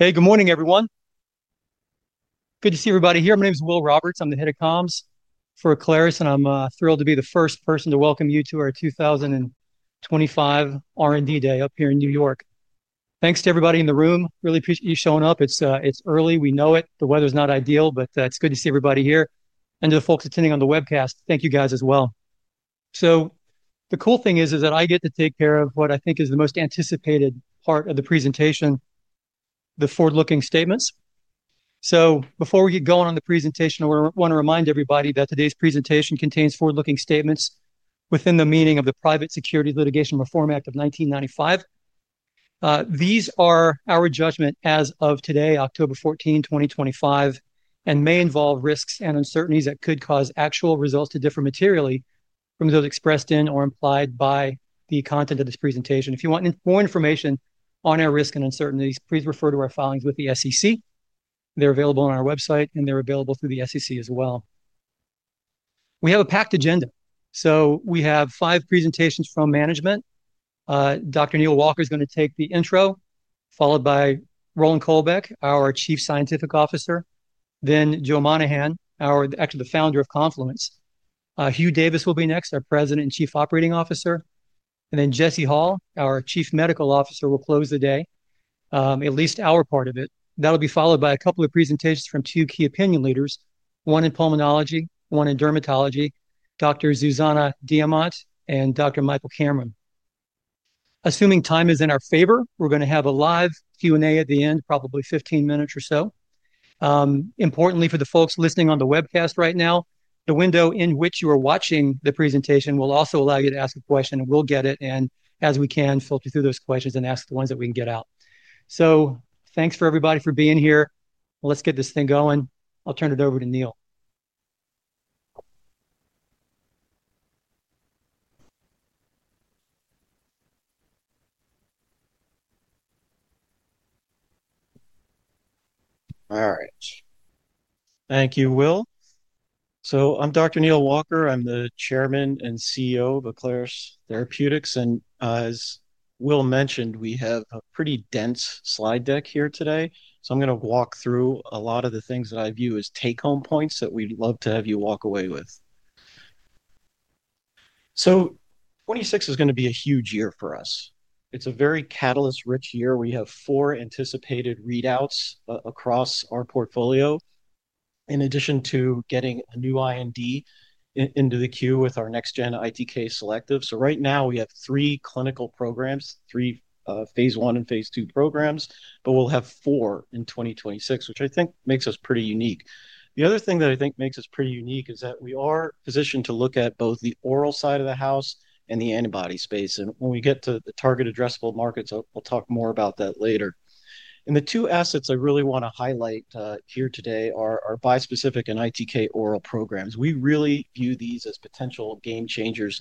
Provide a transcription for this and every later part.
Hey, good morning, everyone. Good to see everybody here. My name is Will Roberts. I'm the Head of Comms for Aclaris. I'm thrilled to be the first person to welcome you to our 2025 R&D Day up here in New York. Thanks to everybody in the room. Really appreciate you showing up. It's early, we know it. The weather's not ideal, but it's good to see everybody here. To the folks attending on the webcast, thank you guys as well. The cool thing is that I get to take care of what I think is the most anticipated part of the presentation, the forward-looking statements. Before we get going on the presentation, I want to remind everybody that today's presentation contains forward-looking statements within the meaning of the Private Securities Litigation Reform Act of 1995. These are our judgment as of today, October 14, 2025, and may involve risks and uncertainties that could cause actual results to differ materially from those expressed in or implied by the content of this presentation. If you want more information on our risks and uncertainties, please refer to our filings with the SEC. They're available on our website and they're available through the SEC as well. We have a packed agenda. We have five presentations from management. Dr. Neal Walker is going to take the intro, followed by Roland Kolbeck, our Chief Scientific Officer. Then Joe Monahan, actually the founder of Confluence. Hugh Davis will be next, our President and Chief Operating Officer. Jesse Hall, our Chief Medical Officer, will close the day, at least our part of it. That'll be followed by a couple of presentations from two key opinion leaders, one in pulmonology, one in dermatology, Dr. Zuzana Diamant and Dr. Michael Cameron. Assuming time is in our favor, we're going to have a live Q&A at the end, probably 15 minutes or so. Importantly, for the folks listening on the webcast right now, the window in which you are watching the presentation will also allow you to ask a question and we'll get it. As we can, we'll filter through those questions and ask the ones that we can get out. Thanks for everybody for being here. Let's get this thing going. I'll turn it over to Neal. All right, thank you, Will. I'm Dr. Neal Walker. I'm the Chairman and CEO of Aclaris Therapeutics. As Will mentioned, we have a pretty dense slide deck here today. I'm going to walk through a lot of the things that I view as take home points that we'd love to have you walk away with. 2026 is going to be a huge year for us. It's a very catalyst-rich year. We have four anticipated readouts across our portfolio in addition to getting a new IND into the queue with our next-gen ITK-selective. Right now we have three clinical programs, three phase I and phase II programs. We'll have four in 2026, which I think makes us pretty unique. The other thing that I think makes us pretty unique is that we are positioned to look at both the oral side of the house and the antibody space. When we get to the target addressable markets, I'll talk more about that later. The two assets I really want to highlight here today are bispecific and ITK oral programs. We really view these as potential game changers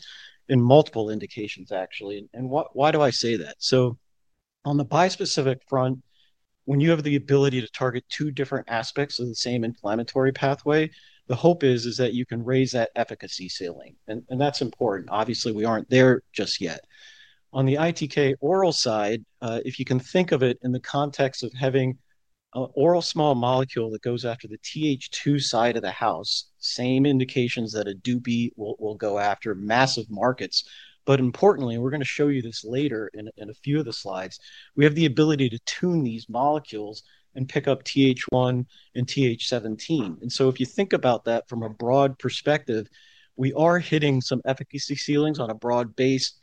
in multiple indications actually. Why do I say that? On the bispecific front, when you have the ability to target two different aspects of the same inflammatory pathway, the hope is that you can raise that efficacy ceiling and that's important. Obviously, we aren't there just yet. On the ITK oral side, if you can think of it in the context of having an oral small molecule that goes after the Th2 side of the house, same indications that a DUPE will go after massive markets. Importantly, we're going to show you this later in a few of the slides. We have the ability to tune these molecules and pick up Th1 and Th17. If you think about that from a broad perspective, we are hitting some efficacy ceilings on a broad basis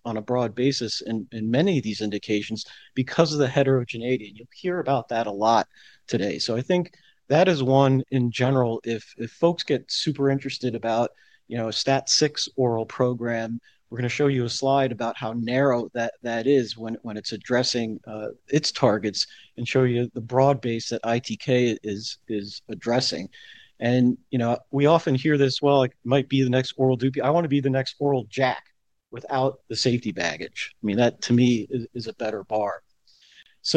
in many of these indications because of the heterogeneity and you'll hear about that a lot today. I think that is one. In general, if folks get super interested about, you know, a STAT6 oral program, we're going to show you a slide about how narrow that is when it's addressing its targets and show you the broad base that ITK is addressing. You know, we often hear this, I might be the next oral DUPE. I want to be the next oral JAK without the safety baggage. I mean, that to me is a better bar. If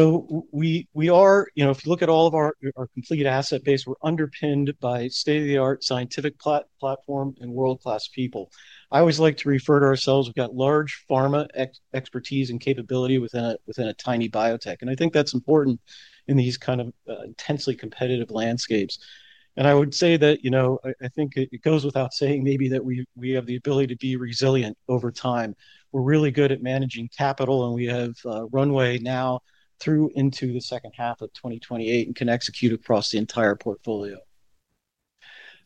you look at all of our complete asset base, we're underpinned by state-of-the-art scientific platform and world-class people. I always like to refer to ourselves, we've got large pharma expertise and capability within a tiny biotech, and I think that's important in these kind of intensely competitive landscapes. I would say that, you know, I think it goes without saying maybe that we have the ability to be resilient over time. We're really good at managing capital, and we have runway now through into the second half of 2028 and can execute across the entire portfolio.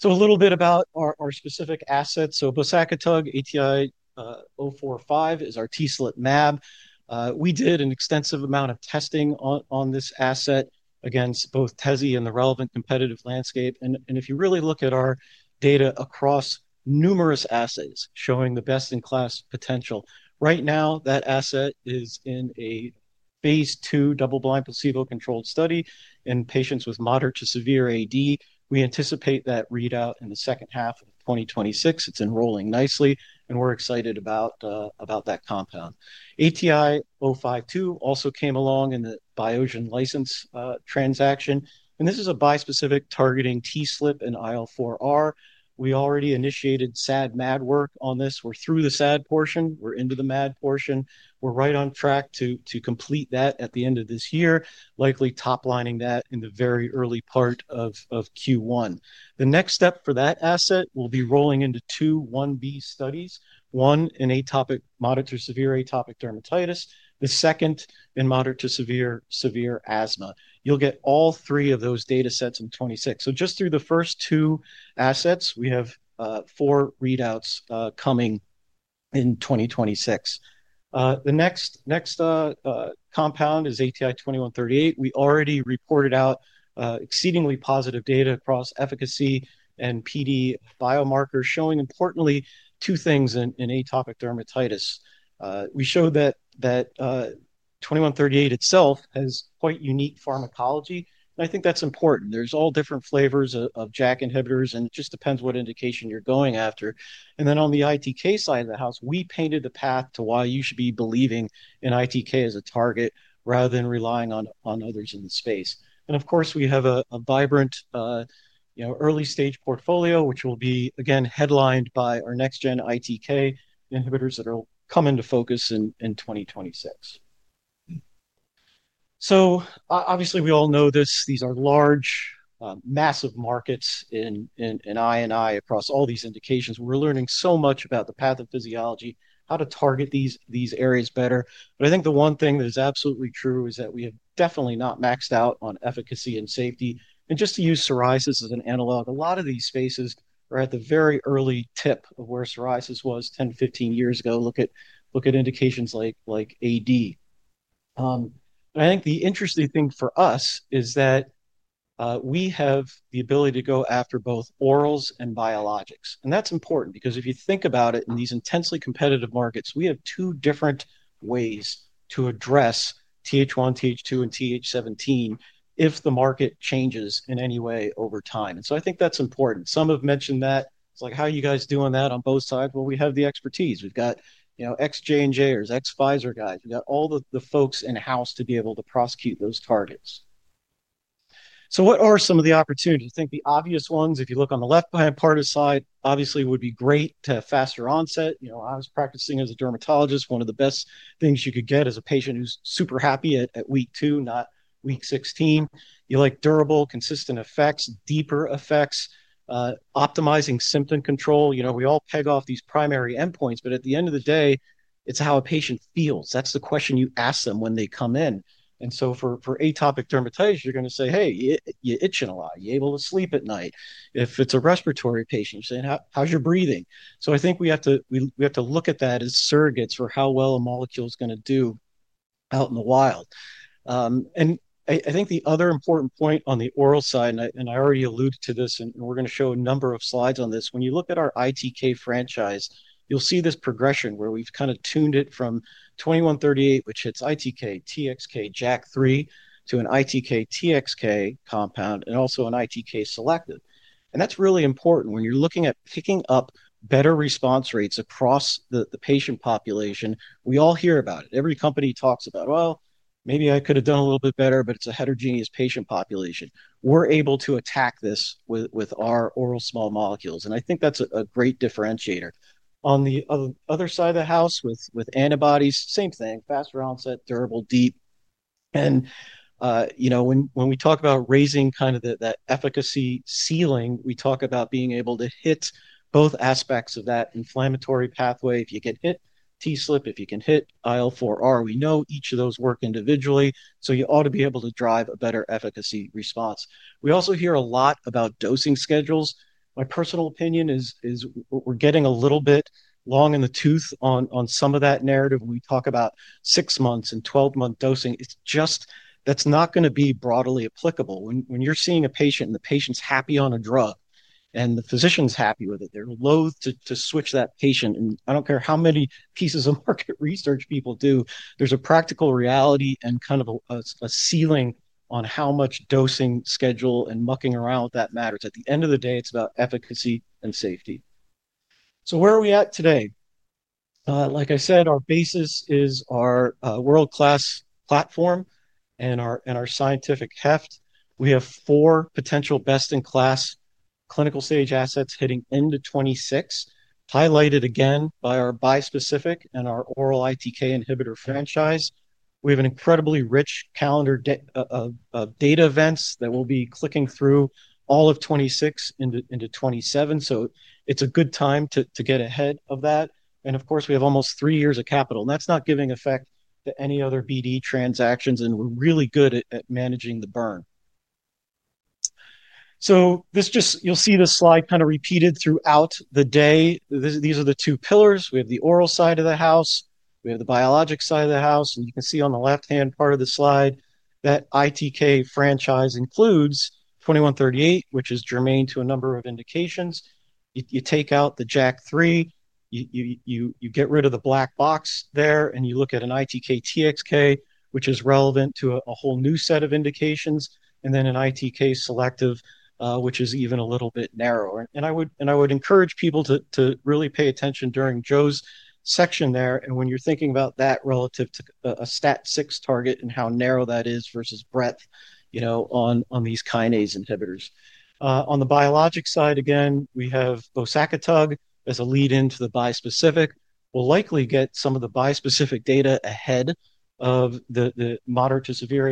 A little bit about our specific assets. Bosakitug, ATI-045, is our TSLP MA. We did an extensive amount of testing on this asset against both TSLP and the relevant competitive landscape. If you really look at our data across numerous assays showing the best-in-class potential, right now that asset is in a phase II double-blind, placebo-controlled study in patients with moderate to severe AD. We anticipate that readout in the second half of 2026. It's enrolling nicely, and we're excited about that compound. ATI-052 also came along in the Biosion license transaction, and this is a bispecific targeting TSLP and IL-4R. We already initiated SAD/MAD work on this. We're through the SAD portion, we're into the MAD portion. We're right on track to complete that at the end of this year, likely top-lining that in the very early part of Q1. The next step for that asset will be rolling into two Ib studies, one in moderate to severe atopic dermatitis, the second in moderate to severe asthma. You'll get all three of those data sets in 2026. Just through the first two assets, we have four readouts coming in 2026. The next compound is ATI-2138. We already reported out exceedingly positive data across efficacy and PD biomarkers, showing importantly two things. In atopic dermatitis, we showed that ATI-2138 itself has quite unique pharmacology, and I think that's important. There are all different flavors of JAK inhibitors, and it just depends what indication you're going after. On the ITK side of the house, we painted the path to why you should be believing in ITK as a target rather than relying on others in the space. We have a vibrant early-stage portfolio, which will be again headlined by our next-gen ITK inhibitors that will come into focus in 2026. These are large, massive markets in immunology and inflammation. Across all these indications, we're learning so much about the pathophysiology, how to target these areas better. The one thing that is absolutely true is that we have definitely not maxed out on efficacy and safety. Just to use psoriasis as an analog, a lot of these spaces are at the very early tip of where psoriasis was 10 or 15 years ago. Look at indications like AD. The interesting thing for us is that we have the ability to go after both orals and biologics. That's important because if you think about it, in these intensely competitive markets, we have two different ways to address Th1, Th2, and Th17 if the market changes in any way over time. I think that's important. Some have mentioned that it's like, how are you guys doing that on both sides? We have the expertise. We've got, you know, ex-J&Jers, ex-Pfizer guys. We've got all the folks in house to be able to prosecute those targets. What are some of the opportunities? I think the obvious ones, if you look on the left, behind part of the slide, obviously would be great to have faster onset. I was practicing as a dermatologist. One of the best things you could get is a patient who's super happy at week two, not week 16. You like durable, consistent effects, deeper effects, optimizing symptom control. We all peg off these primary endpoints, but at the end of the day, it's how a patient feels. That's the question you ask them when they come in. For atopic dermatitis, you're going to say, hey, you itching a lot? You able to sleep at night? If it's a respiratory patient, you're saying, how's your breathing? I think we have to look at that as surrogates for how well a molecule is going to do out in the wild. The other important point on the oral side, and I already alluded to this, and we're going to show a number of slides on this. When you look at our ITK franchise, you'll see this progression where we've kind of tuned it from ATI-2138, which hits ITK/TXK, JAK3, to an ITK/TXK compound and also an ITK-selective compound. That's really important when you're looking at picking up better response rates across the patient population. We all hear about it. Every company talks about, maybe I could have done a little bit better. It's a heterogeneous patient population. We're able to attack this with our oral small molecules, and I think that's a great differentiator on the other side of the house with antibodies. Same thing. Faster onset, durable, deep. When we talk about raising that efficacy ceiling, we talk about being able to hit both aspects of that inflammatory pathway. If you can hit TSLP, if you can hit IL-4R, we know each of those work individually. You ought to be able to drive a better efficacy response. We also hear a lot about dosing schedules. My personal opinion is we're getting a little bit long in the tooth on some of that narrative. When we talk about 6 month and 12 month dosing, it's just that's not going to be broadly applicable. When you're seeing a patient and the patient's happy on a drug and the physician's happy with it, they're loathe to switch that patient. I don't care how many pieces of market research people do, there's a practical reality and kind of a ceiling on how much dosing schedule and mucking around that matters. At the end of the day, it's about efficacy and safety. Where are we at today? Like I said, our basis is our world-class platform and our scientific heft. We have four potential best-in-class clinical stage assets hitting into 2026, highlighted again by our bispecific and our oral ITK inhibitor franchise. We have an incredibly rich calendar of data events that will be clicking through all of 2026 into 2027. It's a good time to get ahead of that. Of course, we have almost three years of capital and that's not giving effect to any other BD transactions and we're really good at managing the burn. You'll see this slide kind of repeated throughout the day. These are the two pillars. We have the oral side of the house, we have the biologic side of the house. You can see on the left-hand part of the slide that ITK franchise includes ATI-2138, which is germane to a number of indications. You take out the JAK3, you get rid of the black box there and you look at an ITK/TXK, which is relevant to a whole new set of indications, and then an ITK-selective, which is even a little bit narrower. I would encourage people to really pay attention during Joe's section there. When you're thinking about that relative to a STAT6 target and how narrow that is versus breadth, you know on these kinase inhibitors. On the biologic side, again we have bosakitug as a lead into the bispecific. We'll likely get some of the bispecific data ahead of the moderate to severe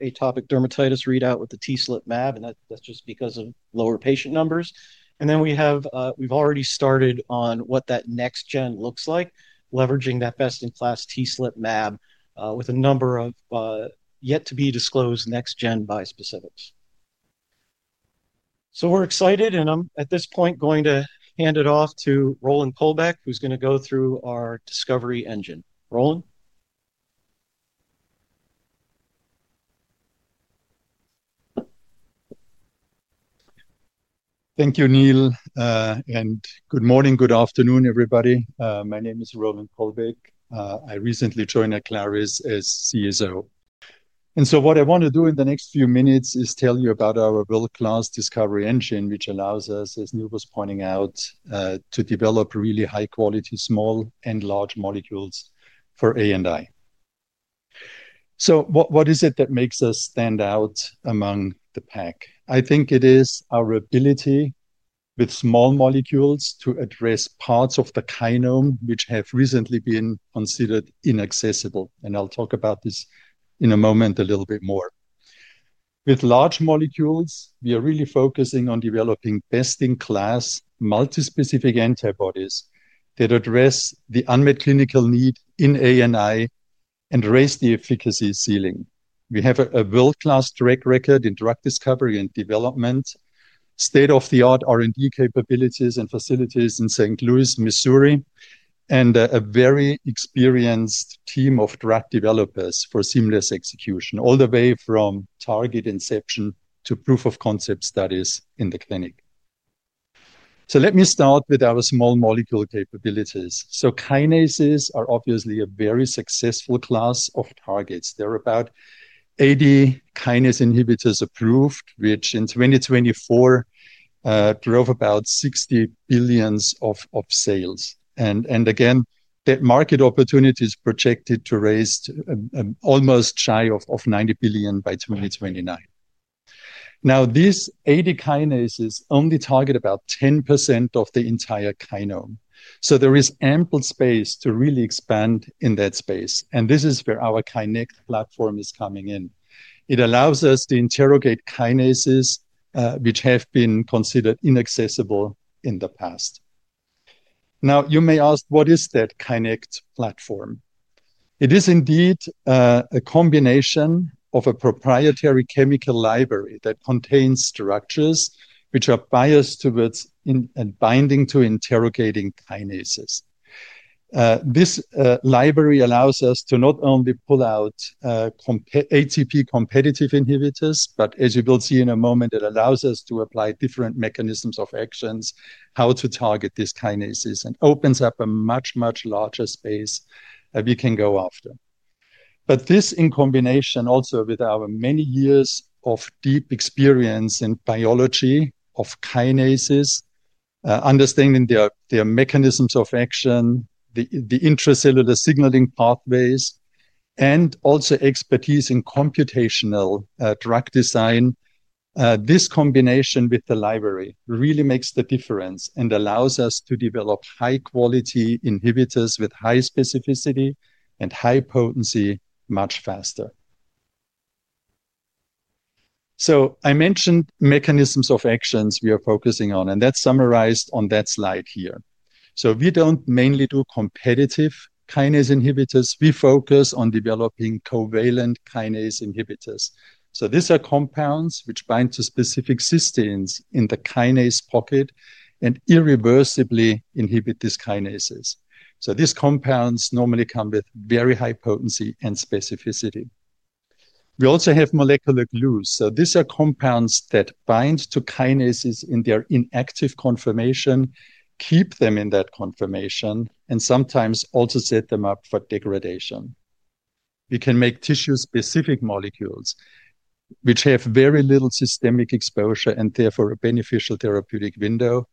atopic dermatitis readout with the TSLP MA. That's just because of lower patient numbers. We've already started on what that next gen looks like, leveraging that best-in-class TSLP MA with a number of yet to be disclosed next gen bispecifics. We're excited, and I'm at this point going to hand it off to Roland Kolbeck, who's going to go through our discovery engine. Roland. Thank you, Neal, and good morning. Good afternoon, everybody. My name is Roland Kolbeck. I recently joined Aclaris as CSO, and what I want to do in the next few minutes is tell you about our world-class discovery engine, which allows us, as Neal was pointing out, to develop really high-quality small and large molecules for INI. What is it that makes us stand out among the pack? I think it is our ability with small molecules to address parts of the kinome which have recently been considered inaccessible. I'll talk about this in a moment a little bit more. With large molecules, we are really focusing on developing best-in-class multi-specific antibodies that address the unmet clinical need in INI and raise the efficacy ceiling. We have a world-class track record in drug discovery and development, state-of-the-art R&D capabilities and facilities in St. Louis, Missouri, and a very experienced team of drug developers for seamless execution all the way from target inception to proof of concept studies in the clinic. Let me start with our small molecule capabilities. Kinases are obviously a very successful class of targets. There are about 80 kinase inhibitors approved, which in 2024 drove about $60 billion of sales. That market opportunity is projected to rise almost shy of $90 billion by 2029. These approved kinases only target about 10% of the entire kinome, so there is ample space to really expand in that space. This is where our KINect platform is coming in. It allows us to interrogate kinases which have been considered inaccessible in the past. You may ask, what is that KINect platform? It is indeed a combination of a proprietary chemical library that contains structures which are biased towards binding to interrogating kinases. This library allows us to not only pull out ATP-competitive inhibitors, but as you will see in a moment, it allows us to apply different mechanisms of action to target these kinases and opens up a much, much larger space that we can go after. This, in combination also with our many years of deep experience in biology of kinases, understanding their mechanisms of action, the intracellular signaling pathways, and also expertise in computational drug design, really makes the difference and allows us to develop high-quality inhibitors with high specificity and high potency much faster. I mentioned mechanisms of actions we are focusing on and that's summarized on that slide here. We don't mainly do competitive kinase inhibitors. We focus on developing covalent kinase inhibitors. These are compounds which bind to specific cysteines in the kinase pocket and irreversibly inhibit these kinases. These compounds normally come with very high potency and specificity. We also have molecular glues. These are compounds that bind to kinases in their inactive conformation, keep them in that conformation and sometimes also set them up for degradation. We can make tissue specific molecules which have very little systemic exposure and therefore a beneficial therapeutic window.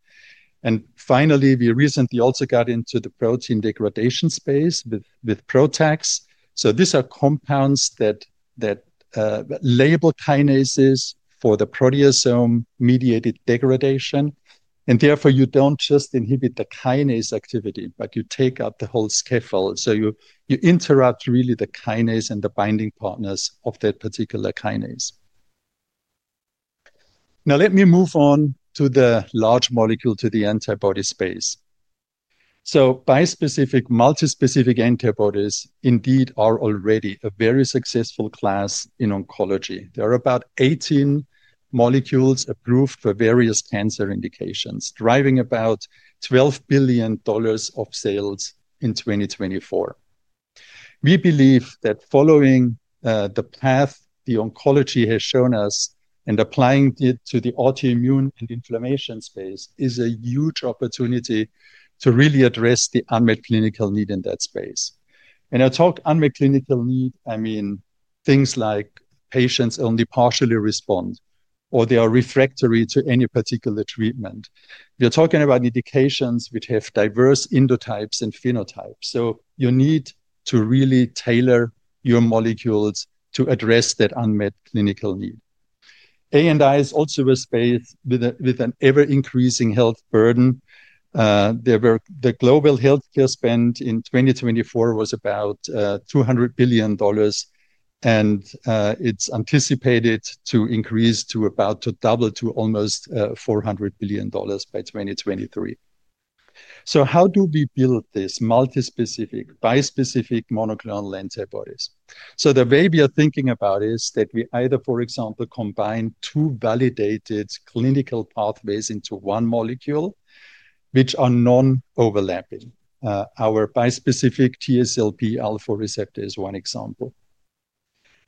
Finally, we recently also got into the protein degradation space with protacs. These are compounds that label kinases for the proteasome mediated degradation. Therefore you don't just inhibit the kinase activity, but you take up the whole scaffold. You interrupt really the kinase and the binding partners of that particular kinase. Now let me move on to the large molecule, to the antibody space. Bispecific, multi-specific antibodies indeed are already a very successful class in oncology. There are about 18 molecules approved for various cancer indications, driving about $12 billion of sales in 2024. We believe that following the path that oncology has shown us and applying it to the autoimmune and inflammation space is a huge opportunity to really address the unmet clinical need in that space. When I talk unmet clinical need, I mean things like patients only partially respond or they are refractory to any particular treatment. We are talking about indications which have diverse endotypes and phenotypes. You need to really tailor your molecules to address that unmet clinical need. It is also a space with an ever increasing health burden. The global health care spend in 2024 was about $200 billion and it's anticipated to double to almost $400 billion by 2023. How do we build these multispecific, bispecific monoclonal antibodies? The way we are thinking about it is that we either, for example, combine two validated clinical pathways into one molecule which are non-overlapping. Our bispecific TSLP alpha receptor is one example.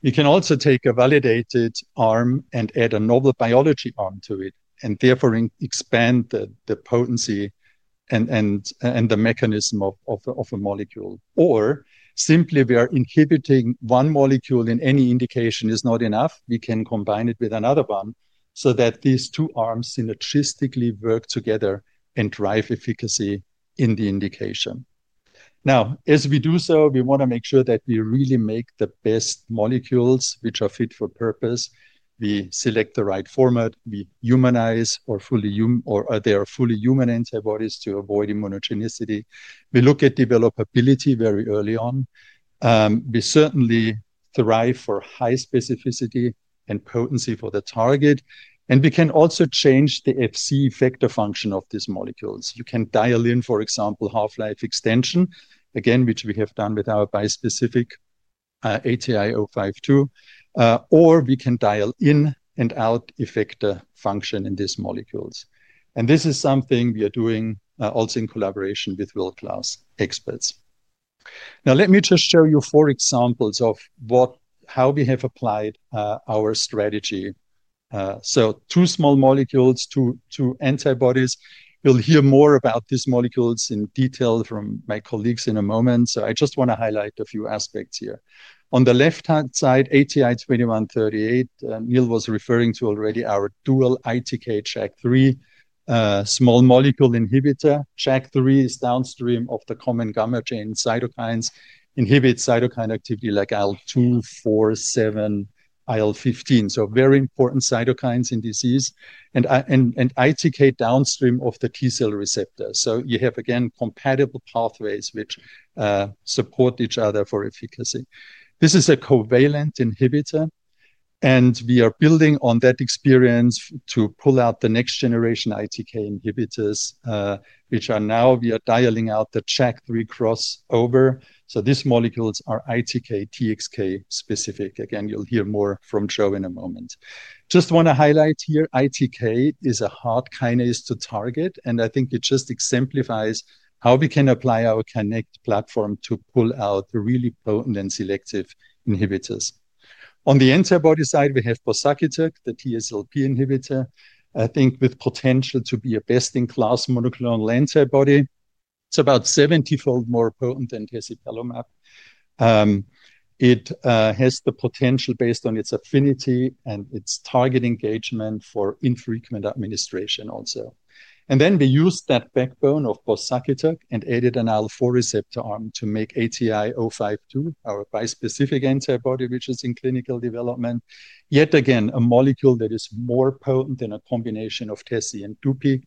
You can also take a validated arm and add a novel biology arm to it and therefore expand the potency and the mechanism of a molecule. Simply, inhibiting one molecule in any indication is not enough. We can combine it with another one so that these two arms synergistically work together and drive efficacy in the indication. Now, as we do so, we want to make sure that we really make the best molecules which are fit for purpose. We select the right format, we humanize or fully human or they are fully human antibodies. To avoid immunogenicity, we look at developability very early on. We certainly strive for high specificity and potency for the target. We can also change the Fc effector function of these molecules. You can dial in, for example, half-life extension, again, which we have done with our bispecific ATI-052, or we can dial in and out effector function in these molecules. This is something we are doing also in collaboration with world-class experts. Now let me just show you four examples of how we have applied our strategy: two small molecules, two antibodies. You'll hear more about these molecules in detail from my colleagues in a moment, so I just want to highlight a few aspects here. On the left-hand side, ATI-2138, Neal was referring to already, our dual ITK/JAK3 small molecule inhibitor. JAK3 is downstream of the common gamma chain cytokines, inhibits cytokine activity like IL-2, IL-4, IL-7, IL-15, so very important cytokines in disease, and ITK downstream of the T cell receptor. You have again compatible pathways which support each other for efficacy. This is a covalent inhibitor, and we are building on that experience to pull out the next generation ITK inhibitors, which are now, we are dialing out the JAK3 crossover. These molecules are ITK/TXK specific. Again. You'll hear more from Joe in a moment. Just want to highlight here. ITK is a hard kinase to target, and I think it just exemplifies how we can apply our KINect platform to pull out the really potent and selective inhibitors. On the antibody side, we have bosakitug, the TSLP inhibitor I think with potential to be a best-in-class monoclonal antibody. It's about 70-fold more potent than tezepelumab. It has the potential based on its affinity and its target engagement for infrequent administration also. We used that backbone of bosakitug and added an IL-4R arm to make ATI-052, our bispecific antibody, which is in clinical development, yet again a molecule that is more potent than a combination of teze and dupi.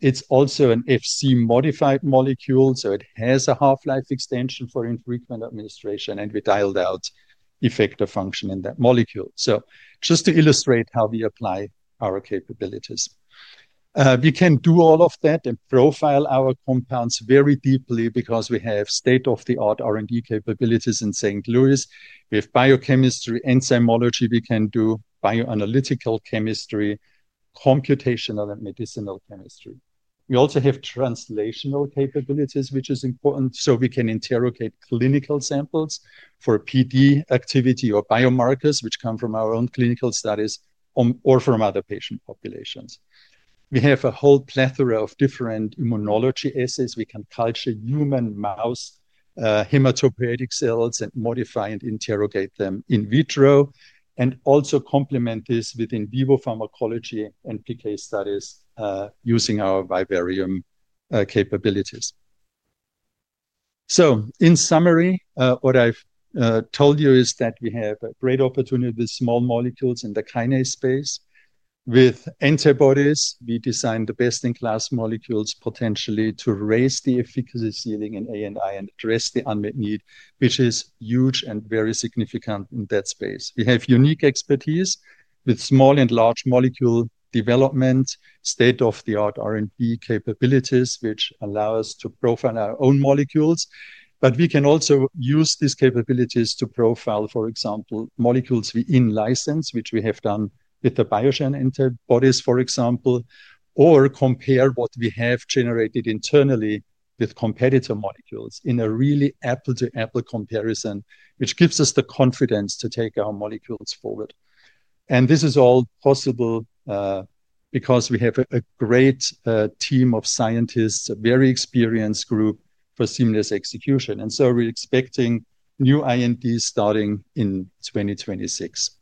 It's also an Fc-modified molecule, so it has a half-life extension for infrequent administration, and we dialed out effector function in that molecule. Just to illustrate how we apply our capabilities, we can do all of that and profile our compounds very deeply because we have state-of-the-art R&D capabilities in St. Louis, with biochemistry and enzymology. We can do bioanalytical chemistry, computational and medicinal chemistry. We also have translational capabilities, which is important. We can interrogate clinical samples for PD activity or biomarkers, which come from our own clinical studies or from other patient populations. We have a whole plethora of different immunology assays. We can culture human and mouse hematopoietic cells and modify and interrogate them in vitro, and also complement this with in vivo pharmacology and PK studies using our vivarium capabilities. In summary, what I've told you is that we have a great opportunity with small molecules in the kinase space with antibodies. We designed the best-in-class molecules potentially to raise the efficacy ceiling in immunology and inflammation and address the unmet need, which is huge and very significant in that space. We have unique expertise with small and large molecule development, state-of-the-art R&D capabilities, which allow us to profile our own molecules. We can also use these capabilities to profile, for example, molecules we in-license, which we have done with the Biosion antibodies, or compare what we have generated internally with competitor molecules in a really apple-to-apple comparison, which gives us the confidence to take our molecules forward. This is all possible because we have a great team of scientists, a very experienced group for seamless execution. We're expecting new INDs starting in 2026.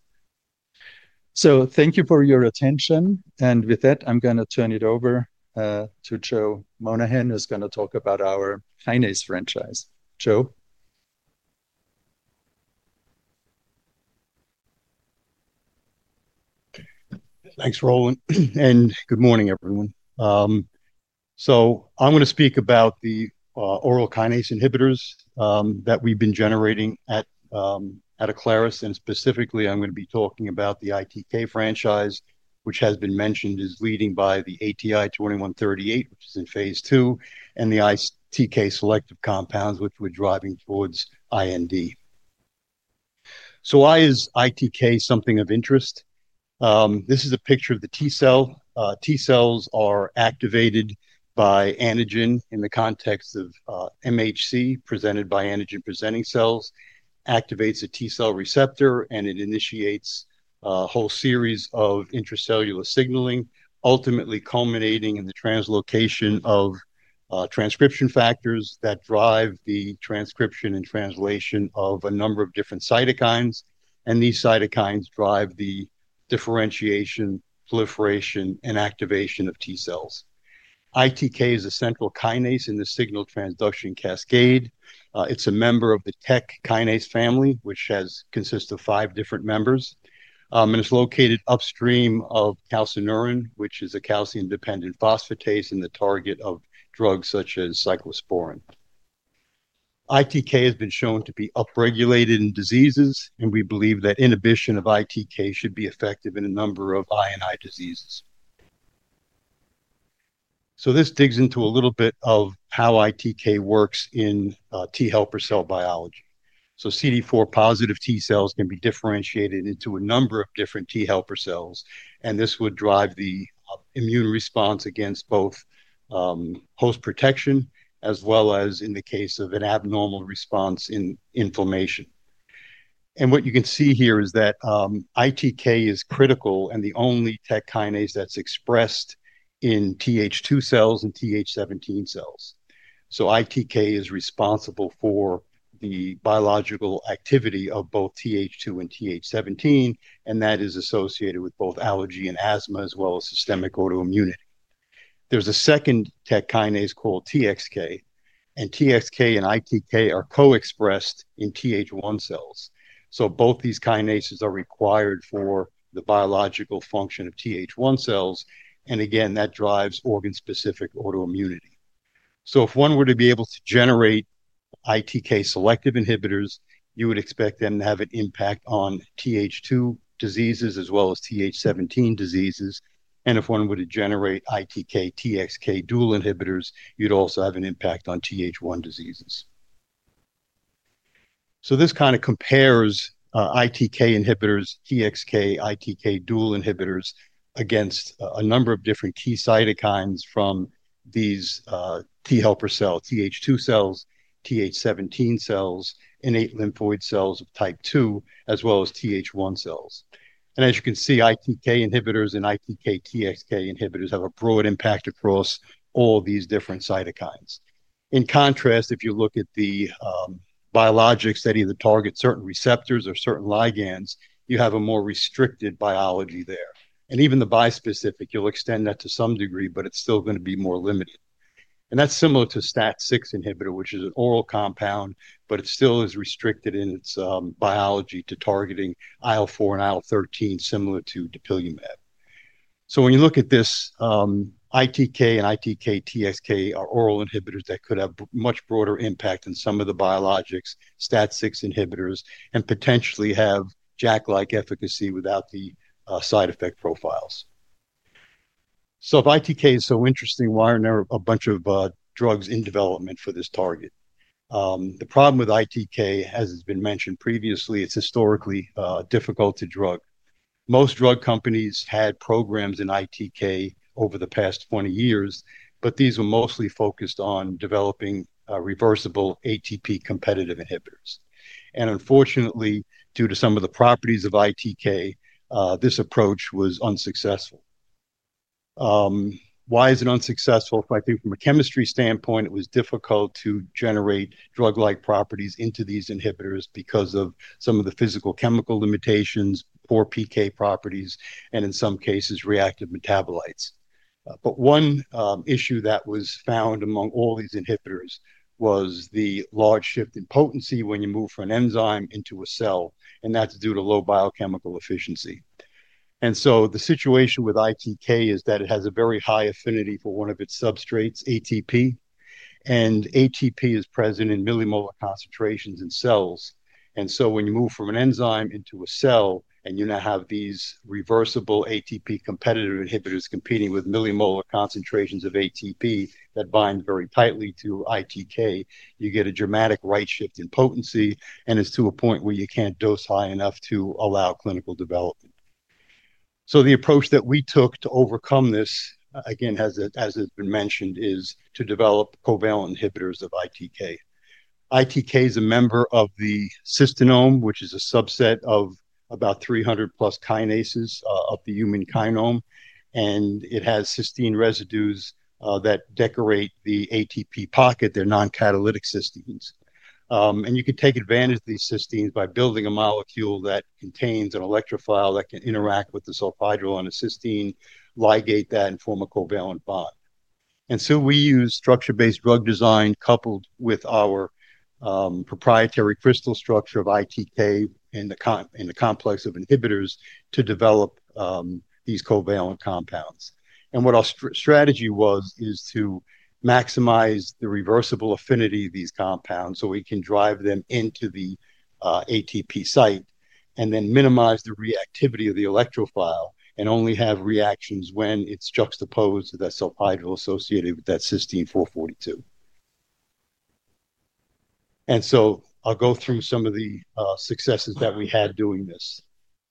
Thank you for your attention. With that, I'm going to turn it over to Joe Monahan, who's going to talk about our kinase franchise. Joe. Thanks Roland and good morning everyone. I'm going to speak about the oral kinase inhibitors that we've been generating at Aclaris and specifically I'm going to be talking about the ITK franchise which has been mentioned is leading by the ATI-2138 which is in phase II and the ITK selective compounds which we're driving towards IND. Why is ITK something of interest? This is a picture of the T cell. T cells are activated by antigen in the context of MHC presented by antigen presenting cells, activates a T cell receptor, and it initiates a whole series of intracellular signaling ultimately culminating in the translocation of transcription factors that drive the transcription and translation of a number of different cytokines. These cytokines drive the differentiation, proliferation, and activation of T cells. ITK is a central kinase in the signal transduction cascade. It's a member of the TEC kinase family which consists of five different members. It's located upstream of calcineurin, which is a calcium dependent phosphatase and the target of drugs such as cyclosporine. ITK has been shown to be upregulated in diseases and we believe that inhibition of ITK should be effective in a number of INI diseases. This digs into a little bit of how ITK works in T helper cell biology. CD4 positive T cells can be differentiated into a number of different T helper cells. This would drive the immune response against both host protection as well as in the case of an abnormal response in inflammation. What you can see here is that ITK is critical and the only TEC kinase that's expressed in Th2 cells and Th17 cells. ITK is responsible for the biological activity of both Th2 and Th17 and that is associated with both allergy and asthma as well as systemic autoimmunity. There's a second TEC kinase called TXK and TXK and ITK are co-expressed in Th1 cells. Both these kinases are required for the biological function of Th1 cells. That drives organ specific autoimmunity. If one were to be able to generate ITK selective inhibitors, you would expect them to have an impact on Th2 diseases as well as Th17 diseases. If one were to generate ITK, TXK dual inhibitors, you'd also have an impact on Th1 diseases. This kind of compares ITK inhibitors, TXK, ITK dual inhibitors against a number of different key cytokines from these T helper cells, Th2 cells, Th17 cells, innate lymphoid cells of type 2, as well as Th1 cells. As you can see, ITK inhibitors and ITK/TXK inhibitors have a broad impact across all these different cytokines. In contrast, if you look at the biologics that either target certain receptors or certain ligands, you have a more restricted biology there. Even the bispecific, you'll extend that to some degree, but it's still going to be more limited. That's similar to STAT6 inhibitor, which is an oral compound, but it still is restricted in its biology to targeting IL-4 and IL-13, similar to dupilumab. When you look at this, ITK and ITK/TXK are oral inhibitors that could have much broader impact than some of the biologics, STAT6 inhibitors, and potentially have JAK-like efficacy without the side effect profiles. If ITK is so interesting, why aren't there a bunch of drugs in development for this target? The problem with ITK, as has been mentioned previously, is it's historically difficult to drug. Most drug companies had programs in ITK over the past 20 years, but these were mostly focused on developing reversible ATP competitive inhibitors. Unfortunately, due to some of the properties of ITK, this approach was unsuccessful. Why is it unsuccessful? I think from a chemistry standpoint it was difficult to generate drug-like properties into these inhibitors because of some of the physicochemical limitations, poor PK properties, and in some cases reactive metabolites. One issue that was found among all these inhibitors was the large shift in potency when you move from an enzyme into a cell. That's due to low biochemical efficiency. The situation with ITK is that it has a very high affinity for one of its substrates, ATP, and ATP is present in millimolar concentrations in cells. When you move from an enzyme into a cell and you now have these reversible ATP competitive inhibitors competing with millimolar concentrations of ATP that bind very tightly to ITK, you get a dramatic right shift in potency and it's to a point where you can't dose high enough to allow clinical development. The approach that we took to overcome this, again as has been mentioned, is to develop covalent inhibitors of ITK. ITK is a member of the cystinome, which is a subset of about 300+ kinases of the human kinome. It has cysteine residues that decorate the ATP pocket. They're non-catalytic cysteines. You can take advantage of these cysteines by building a molecule that contains an electrophile that can interact with the sulfhydryl in a cysteine, ligate that, and form a covalent bond. We use structure-based drug design coupled with our proprietary crystal structure of ITK in the complex of inhibitors to develop these covalent compounds. Our strategy was to maximize the reversible affinity of these compounds so we can drive them into the ATP site and then minimize the reactivity of the electrophile and only have reactions when it's juxtaposed to that sulfhydryl associated with that cysteine 442. I'll go through some of the successes that we had. This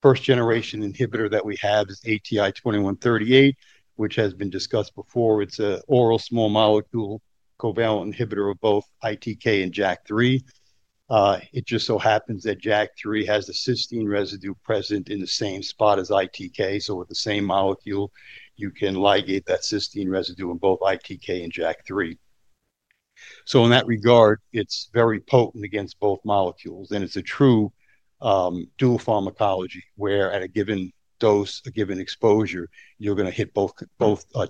first-generation inhibitor that we have is ATI-2138, which has been discussed before. It's an oral small molecule covalent inhibitor of both ITK and JAK3. It just so happens that JAK3 has the cysteine residue present in the same spot as ITK. With the same molecule, you can ligate that cysteine residue in both ITK and JAK3. In that regard, it's very potent against both molecules and it's a true dual pharmacology where at a given dose, a given exposure, you're going to hit both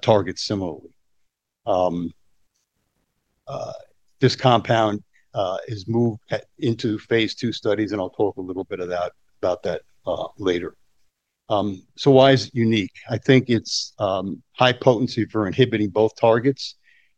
targets. Similarly, this compound has moved into phase II studies and I'll talk a little bit about that later. Why is it unique? I think it's high potency for inhibiting both targets.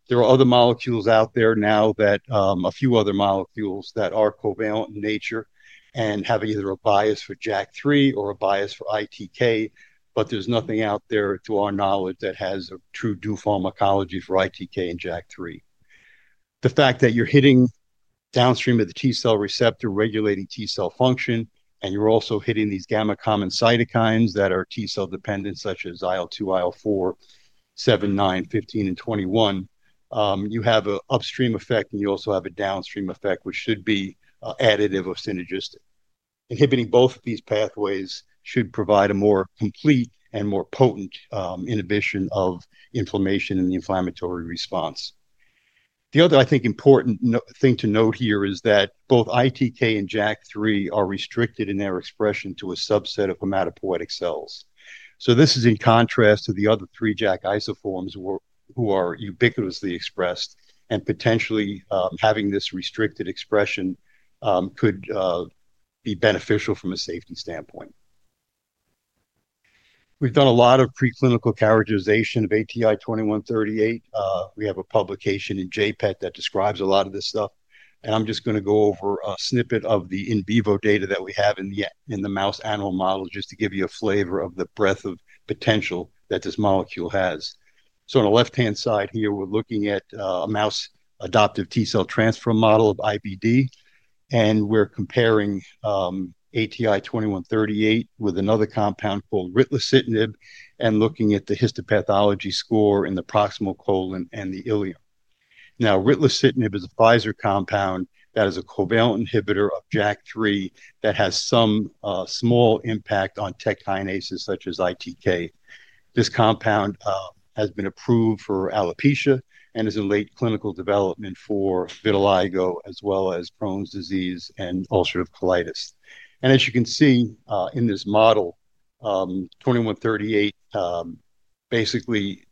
There are other molecules out there now, a few other molecules that are covalent in nature and have either a bias for JAK3 or a bias for ITK, but there's nothing out there, to our knowledge, that has a true dual pharmacology for ITK and JAK3. The fact that you're hitting downstream of the T cell receptor regulating T cell function and you're also hitting these gamma common cytokines that are T cell dependent, such as IL-2, IL-4, IL-7, IL-9, IL-15, and IL-21, you have an upstream effect and you also have a downstream effect which should be additive or synergistic. Inhibiting both of these pathways should provide a more complete and more potent inhibition of inflammation and the inflammatory response. The other important thing to note here is that both ITK and JAK3 are restricted in their expression to a subset of hematopoietic cells. This is in contrast to the other three JAK isoforms, which are ubiquitously expressed, and potentially having this restricted expression could be beneficial from a safety standpoint. We've done a lot of preclinical characterization of ATI-2138. We have a publication in JPET that describes a lot of this stuff, and I'm just going to go over a snippet of the in vivo data that we have in the mouse animal model just to give you a flavor of the breadth of potential that this molecule has. On the left hand side here, we're looking at a mouse adoptive T cell transfer model of IBD, and we're comparing ATI-2138 with another compound called ritlecitinib and looking at the histopathology score in the proximal colon and the ileum. Now, ritlecitinib is a Pfizer compound that is a covalent inhibitor of JAK3 that has some small impact on TEC kinases such as ITK. This compound has been approved for alopecia and is in late clinical development for vitiligo as well as Crohn's disease and ulcerative colitis. As you can see in this model, ATI-2138 basically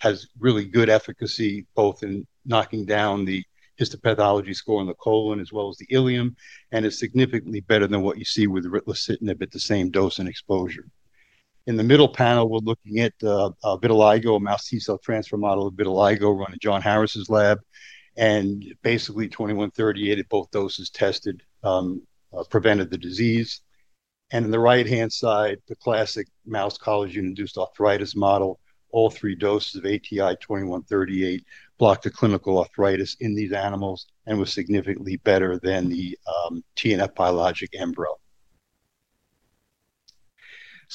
has really good efficacy both in knocking down the histopathology score in the colon as well as the ileum, and is significantly better than what you see with ritlecitinib at the same dose and exposure. In the middle panel, we're looking at vitiligo, a mouse T cell transfer model of vitiligo run in John Harris's lab. Basically, ATI-2138 at both doses tested prevented the disease. On the right hand side, the classic mouse collagen-induced arthritis model, all three doses of ATI-2138 blocked the clinical arthritis in these animals and was significantly better than the TNF biologic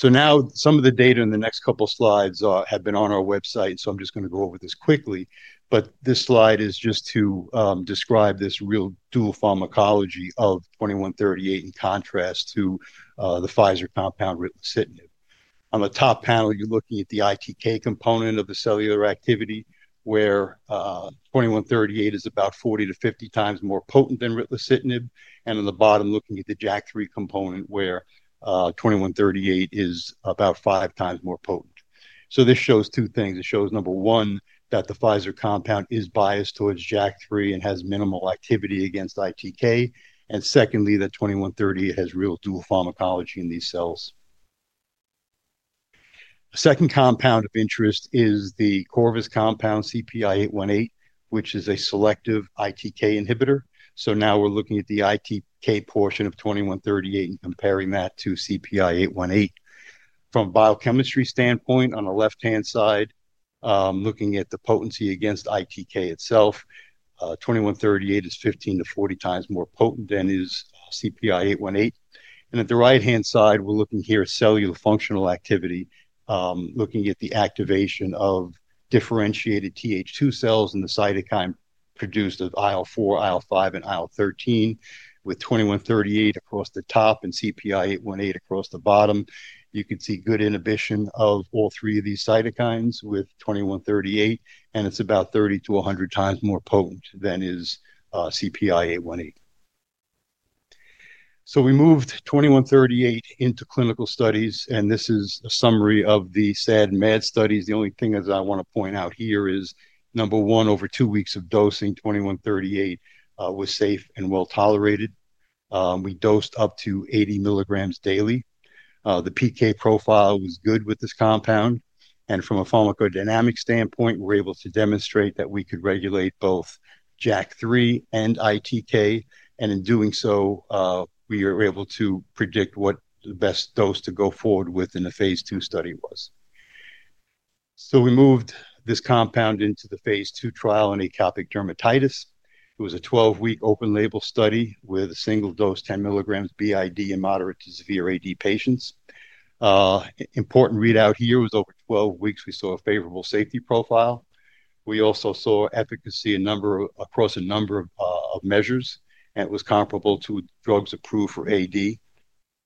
ENBREL. Now, some of the data in the next couple slides have been on our website, so I'm just going to go over this quickly, but this slide is just to describe this real dual pharmacology of ATI-2138 in contrast to the Pfizer compound ritlecitinib. On the top panel, you're looking at the ITK component of the cellular activity where ATI-2138 is about 40x-50x more potent than ritlecitinib. On the bottom, looking at the JAK3 component, ATI-2138 is about five times more potent. This shows two things. It shows, number one, that the Pfizer compound is biased towards JAK3 and has minimal activity against ITK, and secondly, that ATI-2138 has real dual pharmacology in these cells. The second compound of interest is the Corvus compound CPI-818, which is a selective ITK inhibitor. Now we're looking at the ITK portion of ATI-2138 and comparing that to CPI-818. From a biochemistry standpoint, on the left hand side, looking at the potency against ITK itself, ATI-2138 is 15x-40x more potent than CPI-818. On the right hand side, we're looking here at cellular functional activity. Looking at the activation of differentiated Th2 cells in the cytokine produced of IL-4, IL-5, and IL-13. With ATI- 2138 across the top and CPI-818 across the bottom, you can see good inhibition of all three of these cytokines with ATI-2138 and it's about 30x-100x more potent than is CPI-818. We moved ATI-2138 into clinical studies and this is a summary of the SAD and MAD studies. The only thing that I want to point out here is, number one, over two weeks of dosing, ATI-2138 was safe and well tolerated. We dosed up to 80 mg daily. The PK profile was good with this compound and from a pharmacodynamic standpoint, we're able to demonstrate that we could regulate both JAK3 and ITK. In doing so, we were able to predict what the best dose to go forward with in the phase II study was. We moved this compound into the phase II trial in atopic dermatitis. It was a 12-week open label study with a single dose, 10 mg BID in moderate to severe AD patients. Important readout here was over 12 weeks we saw a favorable safety profile. We also saw efficacy across a number of measures and it was comparable to drugs approved for AD.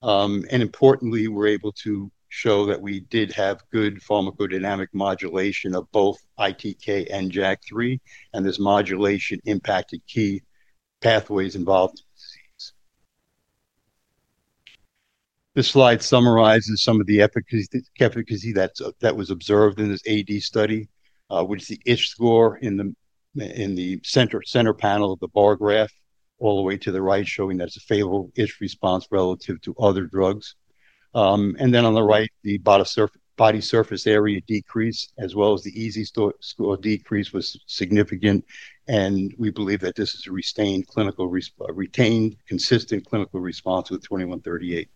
Importantly, we're able to show that we did have good pharmacodynamic modulation of both ITK and JAK3 and this modulation impacted key pathways involved in disease. This slide summarizes some of the efficacy that was observed in this AD study, which is the ISH score in the center panel of the bar graph all the way to the right showing that it's a favorable itch response relative to other drugs. On the right, the body surface area decrease as well as the EASI score decrease was significant. We believe that this is a retained consistent clinical response with ATI-2138.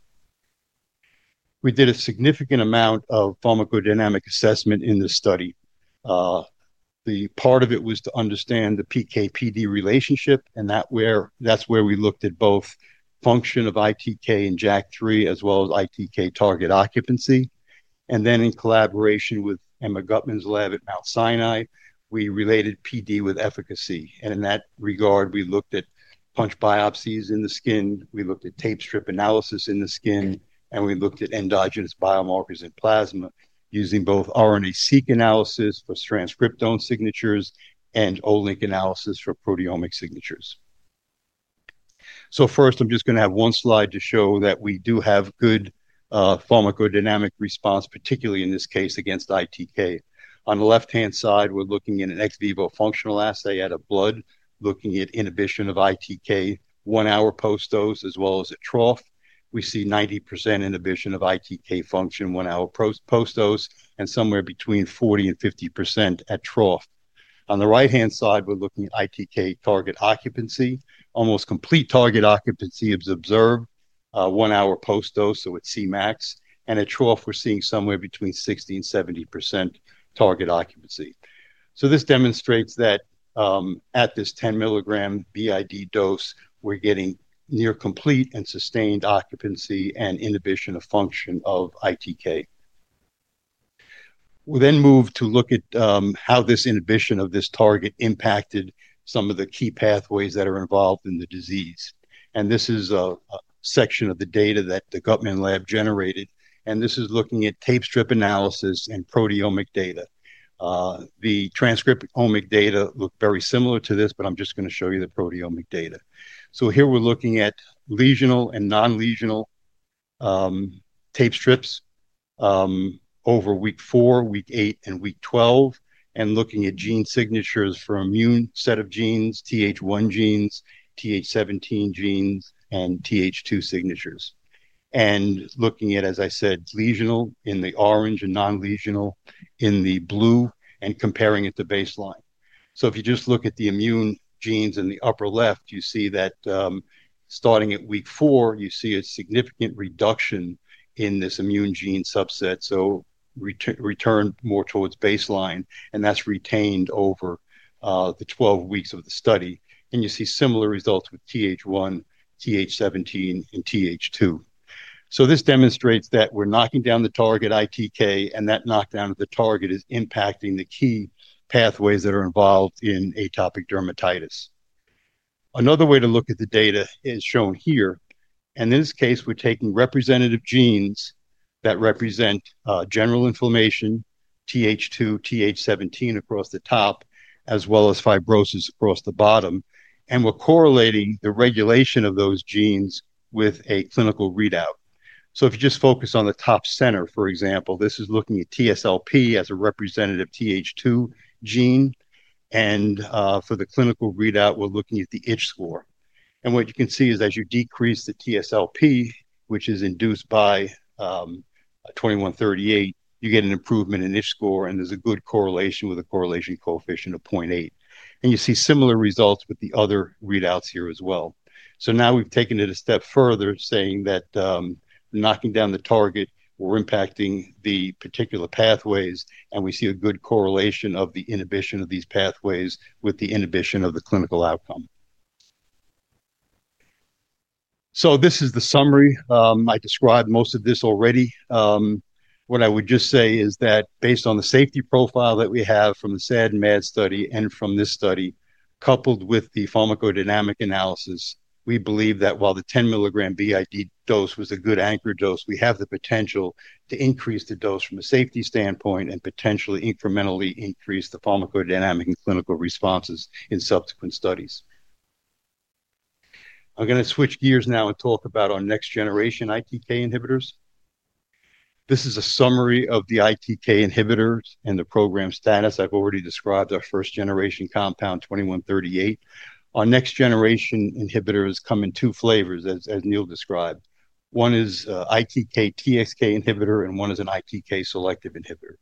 We did a significant amount of pharmacodynamic assessment in this study. Part of it was to understand the PK/PD relationship. That's where we looked at both function of ITK and JAK3 as well as ITK target occupancy. In collaboration with Emma Gutman's lab at Mount Sinai, we related PD with efficacy. In that regard, we looked at punch biopsies in the skin, we looked at tape strip analysis in the skin, and we looked at endogenous biomarkers in plasma using both RNA-seq analysis for transcriptome signatures and Olink analysis for proteomic signatures. First, I'm just going to have one slide to show that we do have good pharmacodynamic response, particularly in this case against ITK. On the left-hand side, we're looking at an ex vivo functional assay out of blood. Looking at inhibition of ITK 1 hour post dose as well as at trough, we see 90% inhibition of ITK function 1 hour post dose and somewhere between 40% and 50% at trough. On the right hand side, we're looking at ITK target occupancy almost complete. Target occupancy is observed 1 hour post dose at CMAX and at trough we're seeing somewhere between 60% and 70% target occupancy. This demonstrates that at this 10 mg BID dose, we're getting near complete and sustained occupancy and inhibition of function of ITK. We then move to look at how this inhibition of this target impacted some of the key pathways that are involved in the disease. This is a section of the data that the Guttman lab generated. This is looking at tape strip analysis and proteomic data. The transcriptomic data look very similar to this, but I'm just going to show you the proteomic data. Here we're looking at lesional and non-lesional tape strips over week four, week eight, and week 12, and looking at gene signatures for immune set of genes, Th1 genes, Th17 genes, and Th2 signatures, and looking at, as I said, lesional in the orange and non-lesional in the blue and comparing it to baseline. If you just look at the immune genes in the upper left, you see that starting at week four, you see a significant reduction in this immune gene subset. Return more towards baseline and that's retained over the 12 weeks of the study. You see similar results with Th1, Th17, and Th2. This demonstrates that we're knocking down the target ITK and that knockdown of the target is impacting the key pathways that are involved in atopic dermatitis. Another way to look at the data is shown here. In this case, we're taking representative genes that represent general inflammation, Th2, Th17 across the top, as well as fibrosis across the bottom. We're correlating the regulation of those genes with a clinical readout. If you just focus on the top center, for example, this is looking at TSLP as a representative Th2 gene. For the clinical readout, we're looking at the itch score. What you can see is as you decrease the TSLP, which is induced by ATI-2138, you get an improvement in itch score and there's a good correlation with a correlation coefficient of 0.8. You see similar results with the other readouts here as well. Now we've taken it a step further saying that knocking down the target, we're impacting the particular pathways and we see a good correlation of the inhibition of these pathways with the inhibition of the clinical outcome. This is the summary. I described most of this already. What I would just say is that based on the safety profile that we have from the SAD/MAD study and from this study coupled with the pharmacodynamic analysis, we believe that while the 10 mg BID dose was a good anchor dose, we have the potential to increase the dose from a safety standpoint and potentially incrementally increase the pharmacodynamic and clinical responses in subsequent studies. I'm going to switch gears now and talk about our next generation ITK inhibitors. This is a summary of the ITK inhibitors and the program status. I've already described our first generation compound ATI-2138. Our next generation inhibitors come in two flavors as Dr. Neal described. One is an ITK/TXK inhibitor and one is an ITK-selective inhibitor.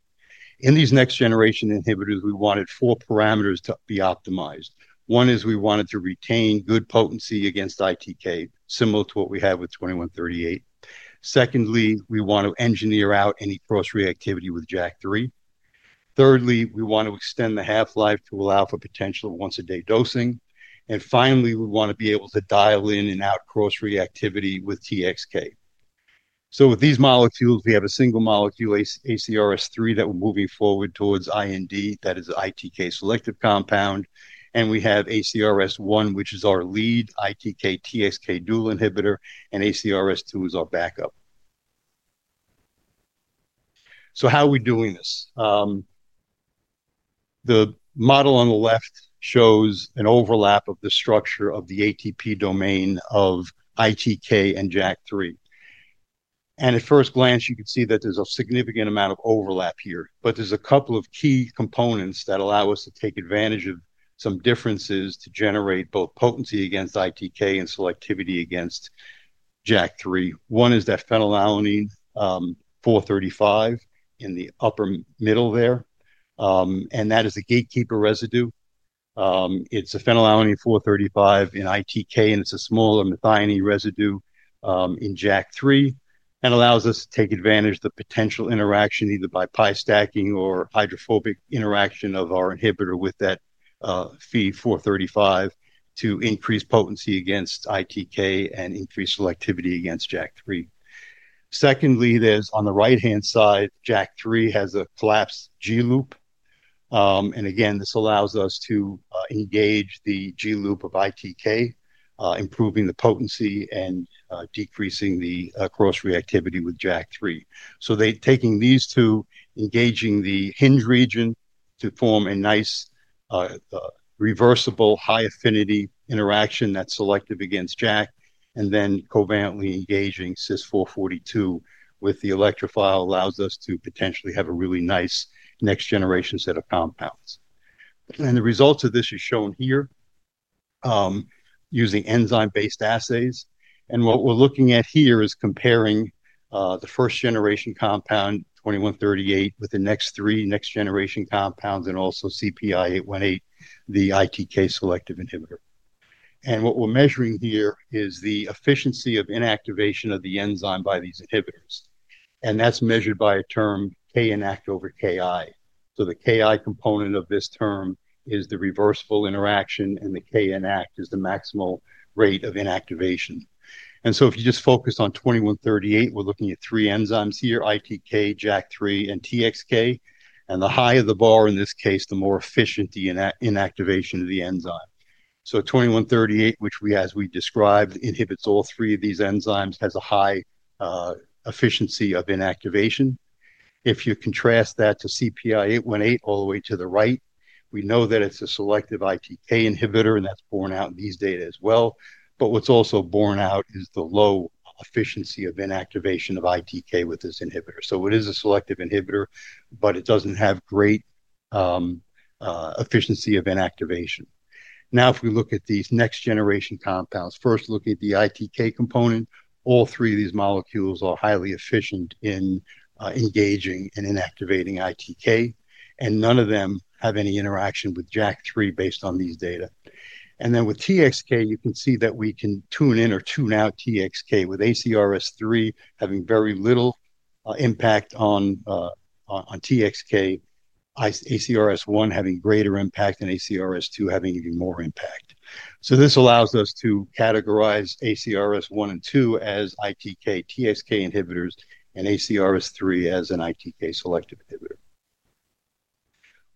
In these next generation inhibitors we wanted four parameters to be optimized. One is we wanted to retain good potency against ITK, similar to what we had with ATI-2138. Secondly, we want to engineer out any cross reactivity with JAK3. Thirdly, we want to extend the half-life to allow for potential once a day dosing. Finally, we want to be able to dial in and out cross reactivity with TXK. With these molecules we have a single molecule, ACRS3, that we're moving forward towards IND, that is an ITK-selective compound. We have ACRS1, which is our lead ITK/TXK dual inhibitor, and ACRS2 is our backup. How are we doing this? The model on the left shows an overlap of the structure of the ATP domain of ITK and JAK3. At first glance you can see that there's a significant amount of overlap here. There's a couple of key components that allow us to take advantage of some differences to generate both potency against ITK and selectivity against JAK3. One is that phenylalanine 435 in the upper middle there. That is a gatekeeper residue. It's a phenylalanine 435 in ITK and it's a smaller methionine residue in JAK3 and allows us to take advantage of the potential interaction, either by pi stacking or hydrophobic interaction of our inhibitor with that Phe435 to increase potency against ITK and increase selectivity against JAK3. Secondly, on the right hand side, JAK3 has a collapsed G loop. This allows us to engage the G loop of ITK, improving the potency and decreasing the cross-reactivity with JAK3. Taking these two, engaging the hinge region to form a nice reversible high-affinity interaction that's selective against JAK, and then covalently engaging CYS442 with the electrophile, allows us to potentially have a really nice next-generation set of compounds. The results of this are shown here using enzyme-based assays. What we're looking at here is comparing the first-generation compound ATI-2138 with the next three next-generation compounds and also CPI-818, the ITK-selective inhibitor. What we're measuring here is the efficiency of inactivation of the enzyme by these inhibitors, and that's measured by a term Kinact over Ki. The Ki component of this term is the reversible interaction, and the Kinact is the maximal rate of inactivation. If you just focus on ATI-2138, we're looking at three enzymes here: ITK, JAK3, and TXK. The higher the bar in this case, the more efficient the inactivation of the enzyme. ATI-2138, which, as we described, inhibits all three of these enzymes, has a high efficiency of inactivation. If you contrast that to CPI-818 all the way to the right, we know that it's a selective ITK inhibitor, and that's borne out in these data as well. What's also borne out is the low efficiency of inactivation of ITK with this inhibitor. It is a selective inhibitor, but it doesn't have great efficiency of inactivation. Now, if we look at these next-generation compounds, first look at the ITK component. All three of these molecules are highly efficient in engaging and inactivating ITK, and none of them have any interaction with JAK3 based on these data. With TXK, you can see that we can tune in or tune out TXK, with ACRS3 having very little impact on TXK, ACRS1 having greater impact, and ACRS2 having even more impact. This allows us to categorize ACRS1 and 2 as ITK/TXK inhibitors and ACRS3 as an ITK-selective inhibitor.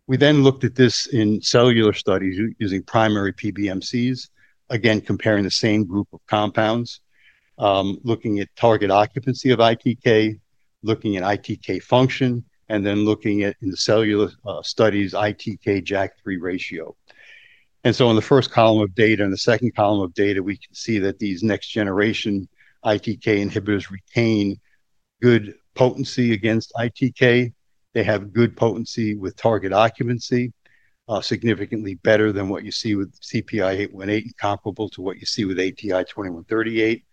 We then looked at this in cellular studies using primary PBMCs, again comparing the same group of compounds, looking at target occupancy of ITK, looking at ITK function, and then looking at, in the cellular studies, ITK/JAK3 ratio. In the first column of data and the second column of data, we can see that these next-generation ITK inhibitors retain good potency against ITK. They have good potency with target occupancy significantly better than what you see with CPI-818, comparable to what you see with ATI-2138.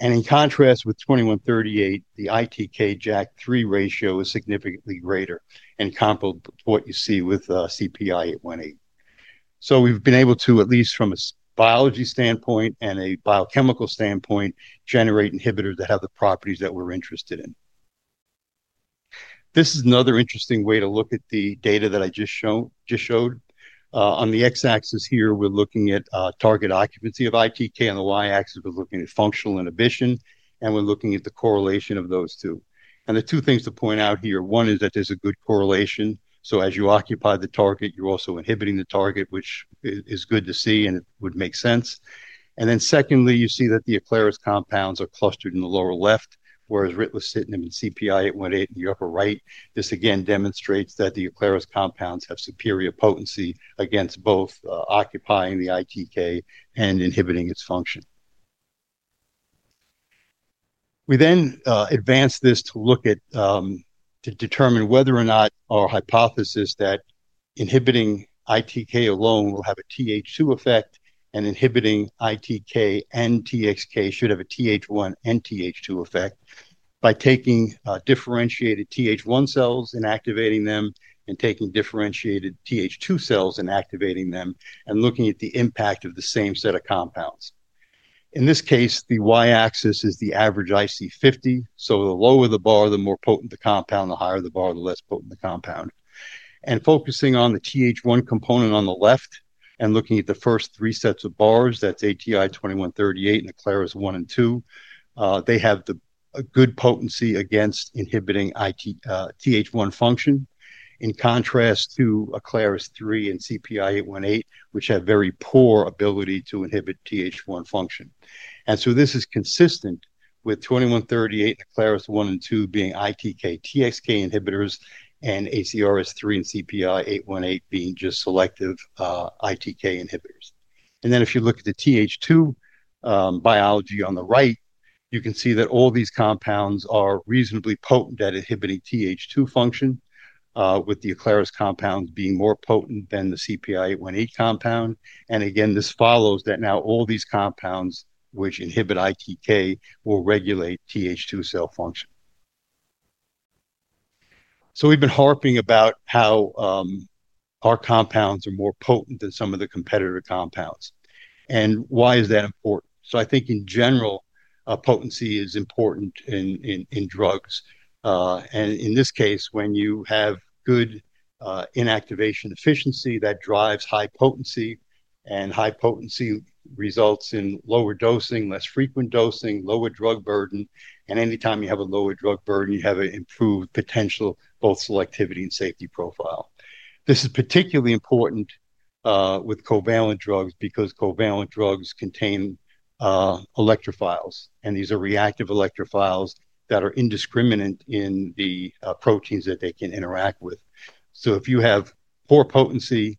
In contrast with ATI-2138, the ITK/JAK3 ratio is significantly greater and comparable to what you see with CPI-818. We've been able to, at least from a biology standpoint and a biochemical standpoint, generate inhibitors that have the properties that we're interested in. This is another interesting way to look at the data that I just showed. On the X axis here, we're looking at target occupancy of ITK. On the Y axis, we're looking at functional inhibition and we're looking at the correlation of those two. The two things to point out here, one is that there's a good correlation. As you occupy the target, you're also inhibiting the target, which is good to see and it would make sense. Secondly, you see that the Aclaris compounds are clustered in the lower left, whereas ritlecitinib and CPI-818 are in the upper right. This again demonstrates that the Aclaris compounds have superior potency against both occupying the ITK and inhibiting its function. We then advance this to determine whether or not our hypothesis that inhibiting ITK alone will have a Th2 effect and inhibiting ITK and TXK should have a Th1 and Th2 effect. By taking differentiated Th1 cells and activating them, and taking differentiated Th2 cells and activating them, and looking at the impact of the same set of compounds. In this case, the Y axis is the average IC50. The lower the bar, the more potent the compound. The higher the bar, the less potent the compound. Focusing on the Th1 component on the left and looking at the first three sets of bars, that's ATI-2138 and Aclaris 1 and 2, they have a good potency against inhibiting Th1 function, in contrast to Aclaris 3 and CPI-818, which have very poor ability to inhibit Th1 function. This is consistent with A2138 and Aclaris 1 and 2 being ITK/TXK inhibitors and Aclaris 3 and CPI-818 being just selective ITK inhibitors. If you look at the Th2 biology on the right, you can see that all these compounds are reasonably potent at inhibiting Th2 function, with the Aclaris compounds being more potent than the CPI-818 compound. This follows that now all these compounds which inhibit ITK will regulate Th2 cell function. We've been harping about how our compounds are more potent than some of the competitor compounds, and why is that important? I think in general, potency is important in drugs, and in this case, when you have good inactivation efficiency, that drives high potency. High potency results in lower dosing, less frequent dosing, lower drug burden. Anytime you have a lower drug burden, you have an improved potential, both selectivity and safety profile. This is particularly important with covalent drugs, because covalent drugs contain electrophiles and these are reactive electrophiles that are indiscriminate in the proteins that they can interact with. If you have poor potency,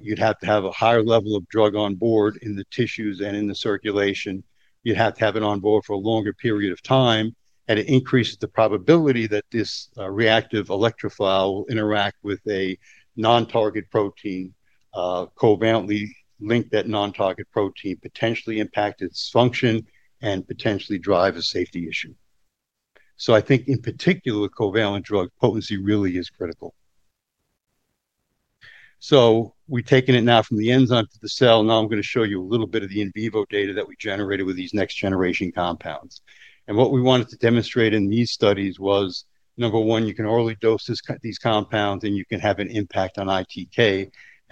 you'd have to have a higher level of drug on board in the tissues and in the circulation. You'd have to have it on board for a longer period of time. It increases the probability that this reactive electrophile will interact with a non-target protein, covalently link that non-target protein, potentially impact its function and potentially drive a safety issue. I think in particular with covalent drugs, potency really is critical. We've taken it now from the enzyme to the cell. I'm going to show you a little bit of the in vivo data that we generated with these next generation compounds. What we wanted to demonstrate in these studies was, number one, you can dose these compounds and you can have an impact on ITK.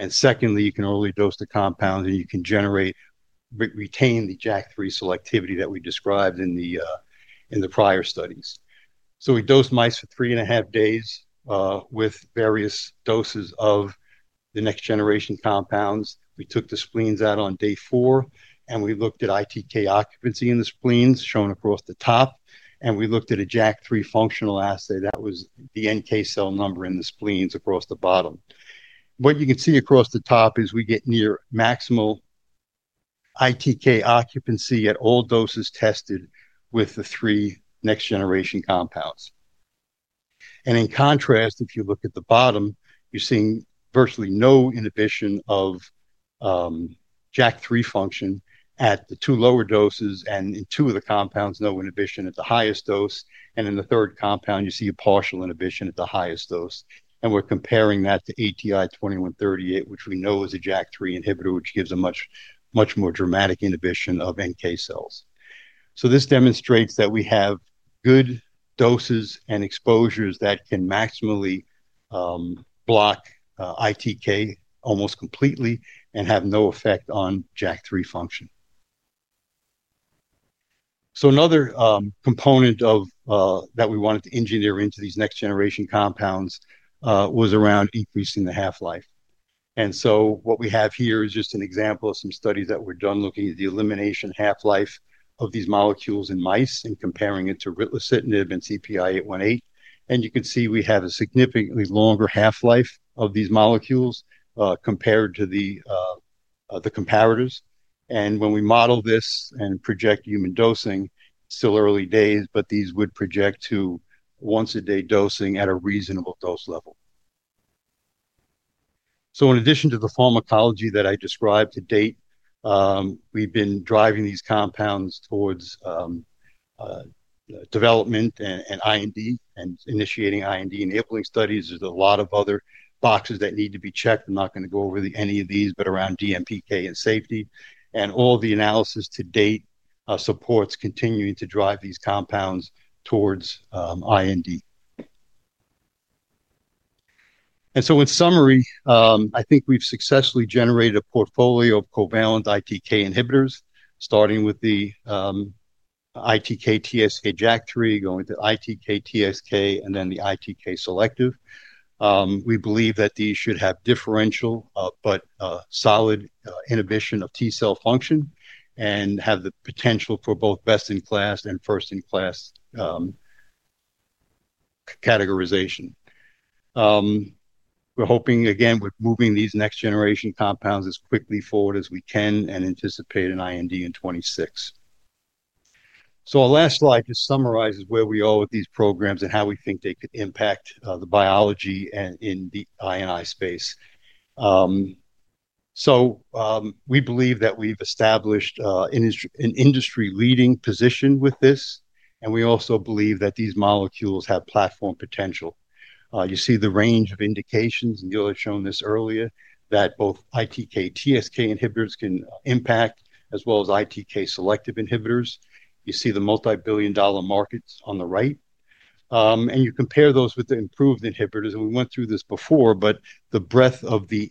Secondly, you can dose the compounds and you can retain the JAK3 selectivity that we described in the prior studies. We dosed mice for three and a half days with various doses of the next generation compounds. We took the spleens out on day four and we looked at ITK occupancy in the spleens shown across the top. We looked at a JAK3 functional assay. That was the NK cell number in the spleens across the bottom. What you can see across the top is we get near maximal ITK occupancy at all doses tested with the three next generation compounds. In contrast, if you look at the bottom, you're seeing virtually no inhibition of JAK3 function at the two lower doses and in two of the compounds no inhibition at the highest dose. In the third compound you see a partial inhibition at the highest dose. We're comparing that to ATI-2138, which we know is a JAK3 inhibitor, which gives a much, much more dramatic inhibition of NK cells. This demonstrates that we have good doses and exposures that can maximally block ITK almost completely and have no effect on JAK3 function. Another component that we wanted to engineer into these next generation compounds was around increasing the half-life. What we have here is just an example of some studies that were done looking at the elimination half-life of these molecules in mice and comparing it to ritlecitinib and CPI-818. You can see we have a significantly longer half-life of these molecules compared to the comparators. When we model this and project human dosing, it's still early days, but these would project to once a day dosing at a reasonable dose level. In addition to the pharmacology that I described to date, we've been driving these compounds towards development and IND and initiating IND-enabling studies. There are a lot of other boxes that need to be checked. I'm not going to go over any of these, but around [DMPK] and safety, and all the analysis to date supports continuing to drive these compounds towards IND. In summary, I think we've successfully generated a portfolio of covalent ITK inhibitors starting with the ITK/TXK, JAK3 going to ITK/TXK and then the ITK-selective. We believe that these should have differential but solid inhibition of T cell function and have the potential for both best-in-class and first-in-class categorization. We're hoping with moving these next generation compounds as quickly forward as we can and anticipate an IND in 2026. Our last slide just summarizes where we are with these programs and how we think they could impact the biology and in the INI space. We believe that we've established an industry-leading position with this and we also believe that these molecules have platform potential. You see the range of indications, you had shown this earlier, that both ITK/TXK inhibitors can impact as well as ITK-selective inhibitors. You see the multibillion dollar markets on the right and you compare those with the improved inhibitors and we went through this before, but the breadth of the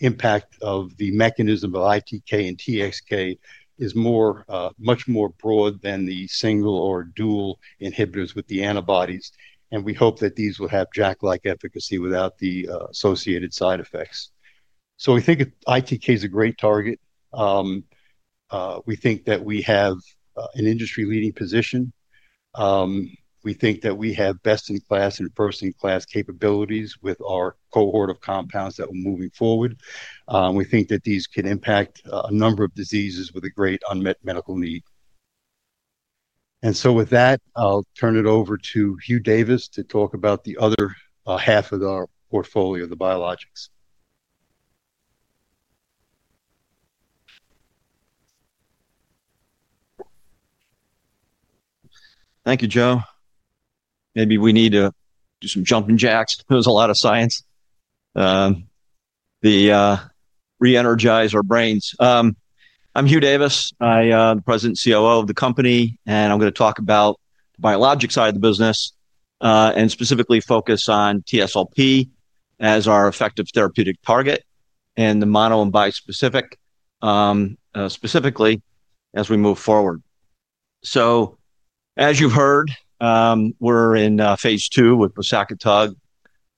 impact of the mechanism of ITK and TXK is much more broad than the single or dual inhibitors with the antibodies. We hope that these will have JAK-like efficacy without the associated side effects. We think ITK is a great target. We think that we have an industry-leading position. We think that we have best-in-class and first-in-class capabilities with our cohort of compounds that we're moving forward. We think that these can impact a number of diseases with a great unmet medical need. With that, I'll turn it over to Hugh Davis to talk about the other half of our portfolio, the biologics. Thank you, Joe. Maybe we need to do some jumping jacks. There's a lot of science to re-energize our brains. I'm Hugh Davis, I am the President and COO of the company and I'm going to talk about the biologic side of the business and specifically focus on TSLP as our effective therapeutic target and the mono and bispecific specifically, as we move forward. As you've heard, we're in phase II with bosakitug,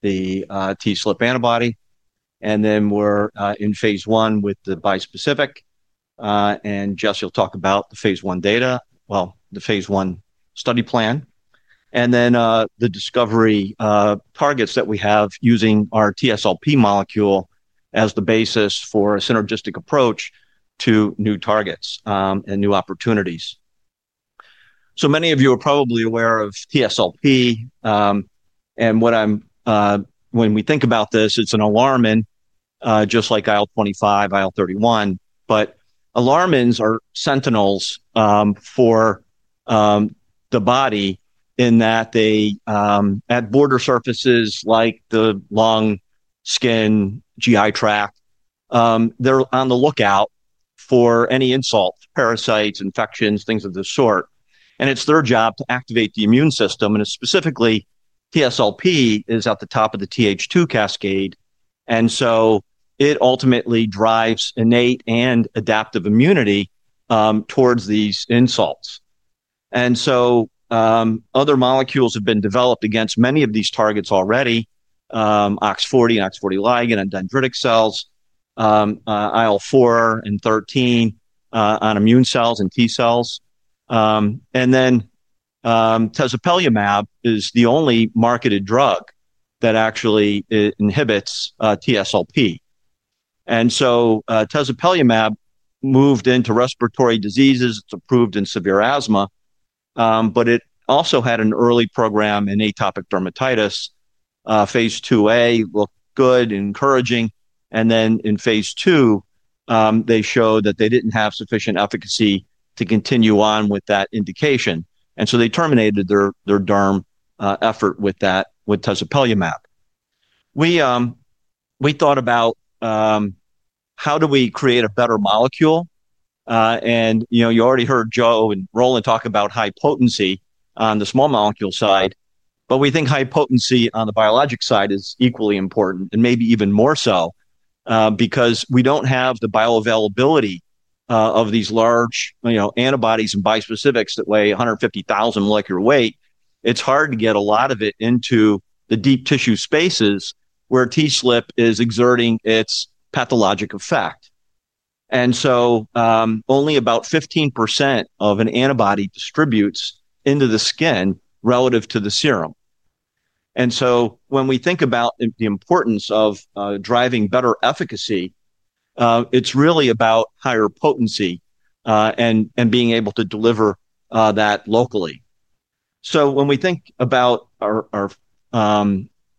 the TSLP antibody, and we're in phase I with the bispecific. Jesse will talk about the phase I study plan and the discovery targets that we have using our TSLP molecule as the basis for a synergistic approach to new targets and new opportunities. Many of you are probably aware of TSLP and when we think about this, it's an alarmin just like IL-25, IL-31. Alarmins are sentinels for the body in that they are at border surfaces like the lung, skin, GI tract. They're on the lookout for any insults, parasites, infections, things of this sort. It's their job to activate the immune system. Specifically, TSLP is at the top of the Th2 cascade and it ultimately drives innate and adaptive immunity towards these insults. Other molecules have been developed against many of these targets already: OX40 and OX40 ligand on dendritic cells, IL-4 and L-13 on immune cells and T cells. tezepelumab is the only marketed drug that actually inhibits TSLP. tezepelumab moved into respiratory diseases. It's approved in severe asthma, but it also had an early program in atopic dermatitis. Phase II-A looked good, encouraging. In Phase II they showed that they didn't have sufficient efficacy to continue on with that indication, and they terminated their derm effort with that. With tezepelumab, we thought about how do we create a better molecule. You already heard Joe and Roland talk about high potency on the small molecule side. We think high potency on the biologic side is equally important and maybe even more so because we don't have the bioavailability of these large antibodies and bispecifics that weigh 150,000 molecular weight. It's hard to get a lot of it into the deep tissue spaces where TSLP is exerting its pathologic effect. Only about 15% of an antibody distributes into the skin relative to the serum. When we think about the importance of driving better efficacy, it's really about higher potency and being able to deliver that locally. When we think about our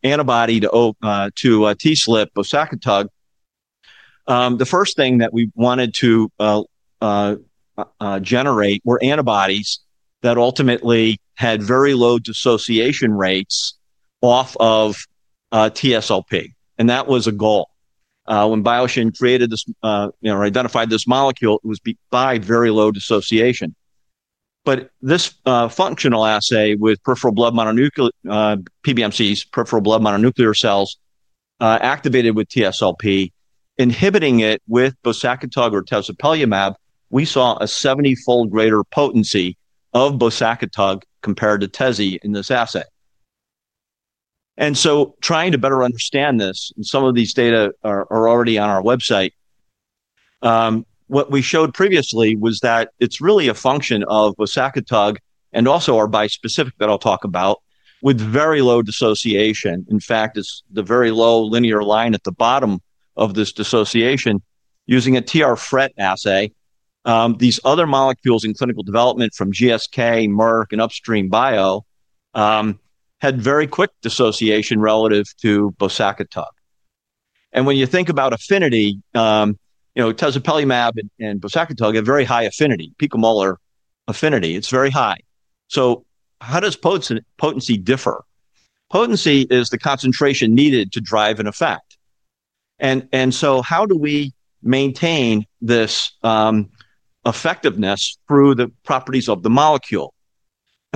antibody to TSLP, bosakitug, the first thing that we wanted to generate were antibodies that ultimately had very low dissociation rates off of TSLP. That was a goal. When Bioshin created this or identified this molecule, it was by very low dissociation. This functional assay with peripheral blood mononuclear cells, PBMCs, activated with TSLP, inhibiting it with bosakitug or tezepelumab, we saw a 70-fold greater potency of bosakitug compared to teze in this assay. Trying to better understand this, and some of these data are already on our website, what we showed previously was that it's really a function of bosakitug and also our bispecific that I'll talk about, with very low dissociation. In fact, it's the very low linear line at the bottom of this dissociation using a TR-FRET assay. These other molecules in clinical development from GSK, Merck, and Upstream Biology had very quick dissociation relative to bosakitug. When you think about affinity, you know, tezepelumab and bosakitug have very high affinity, picomolar affinity. It's very high. How does potency differ? Potency is the concentration needed to drive an effect. How do we maintain this effectiveness? Through the properties of the molecule.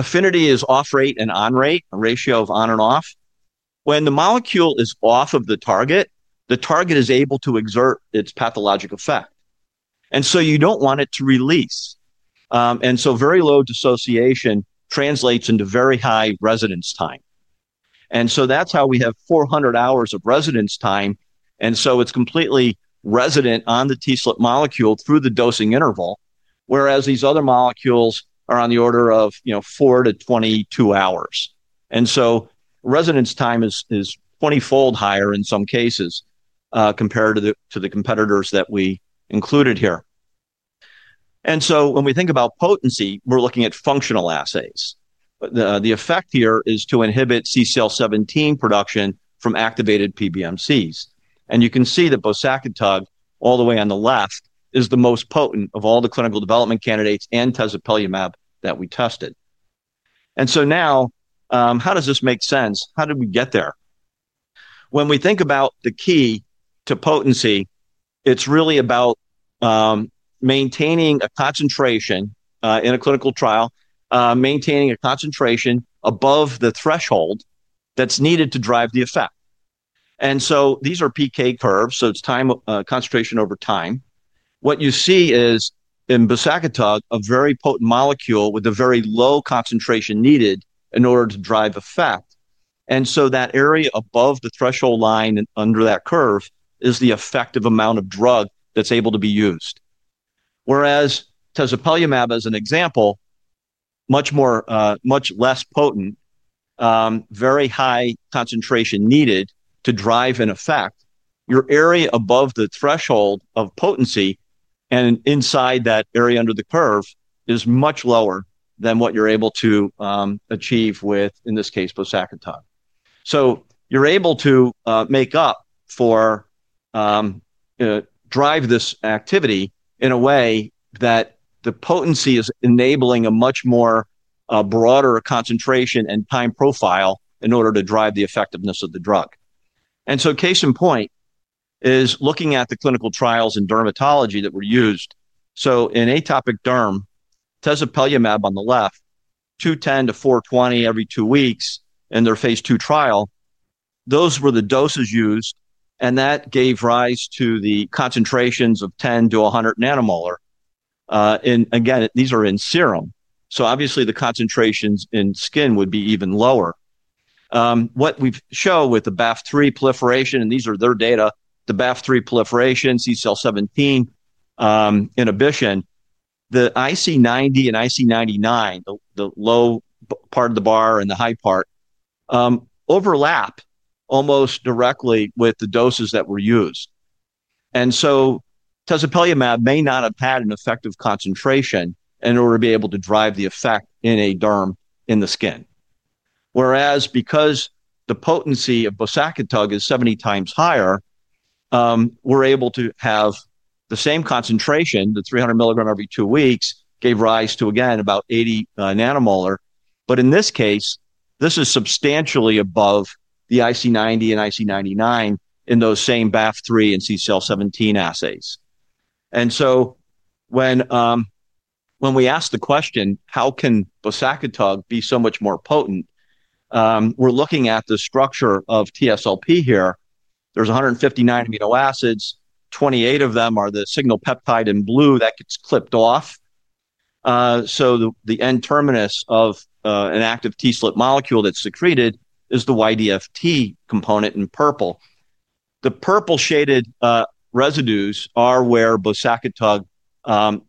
Affinity is off-rate and on-rate, ratio of on and off. When the molecule is off of the target, the target is able to exert its pathologic effect. You don't want it to release. Very low dissociation translates into very high residence time. That's how we have 400 hours of residence time. It's completely resident on the TSLP molecule through the dosing interval, whereas these other molecules are on the order of, you know, 4-22 hours. Residence time is 20-fold higher in some cases compared to the competitors that we included here. When we think about potency, we're looking at functional assays. The effect here is to inhibit CCL17 production from activated PBMCs. You can see that bosakitug, all the way on the left, is the most potent of all the clinical development candidates and tezepelumab that we tested. How does this make sense? How did we get there? When we think about the key to potency, it's really about maintaining a concentration in a clinical trial, maintaining a concentration above the threshold that's needed to drive the effect. These are PK curves. It's time, concentration over time. What you see is in bosakitug, a very potent molecule with a very low concentration needed in order to drive effect. That area above the threshold line under that curve is the effective amount of drug that's able to be used. Whereas tezepelumab, as an example, is much less potent, with a very high concentration needed to drive an effect. Your area above the threshold of potency and inside that area under the curve is much lower than what you're able to achieve with, in this case, bosakitug. You're able to make up for and drive this activity in a way that the potency is enabling a much broader concentration and time profile in order to drive the effectiveness of the drug. Case in point is looking at the clinical trials in dermatology that were used. In atopic derm, tezepelumab on the left, 210-420 every two weeks in their phase II trial, those were the doses used and that gave rise to the concentrations of 10-100 nM. These are in serum, so obviously the concentrations in skin would be even lower. What we show with the BAF3 proliferation, and these are their data, the BAF3 proliferation, CCL17 inhibition, the IC90 and IC99, the low part of the bar and the high part overlap almost directly with the doses that were used. tezepelumab may not have had an effective concentration in order to be able to drive the effect in derm, in the skin. Because the potency of bosakitug is 70x higher, we're able to have the same concentration. The 300 mg every two weeks gave rise to again about 80 nM. In this case, this is substantially above the IC90 and IC99 in those same BAF3 and CCL17 assays. When we ask the question how can bosakitug be so much more potent, we're looking at the structure of TSLP here. There's 159 amino acids. 28 of them are the signal peptide in blue that gets clipped off. The N terminus of an active TSLP molecule that's secreted is the YDFT component in purple. The purple shaded residues are where bosakitug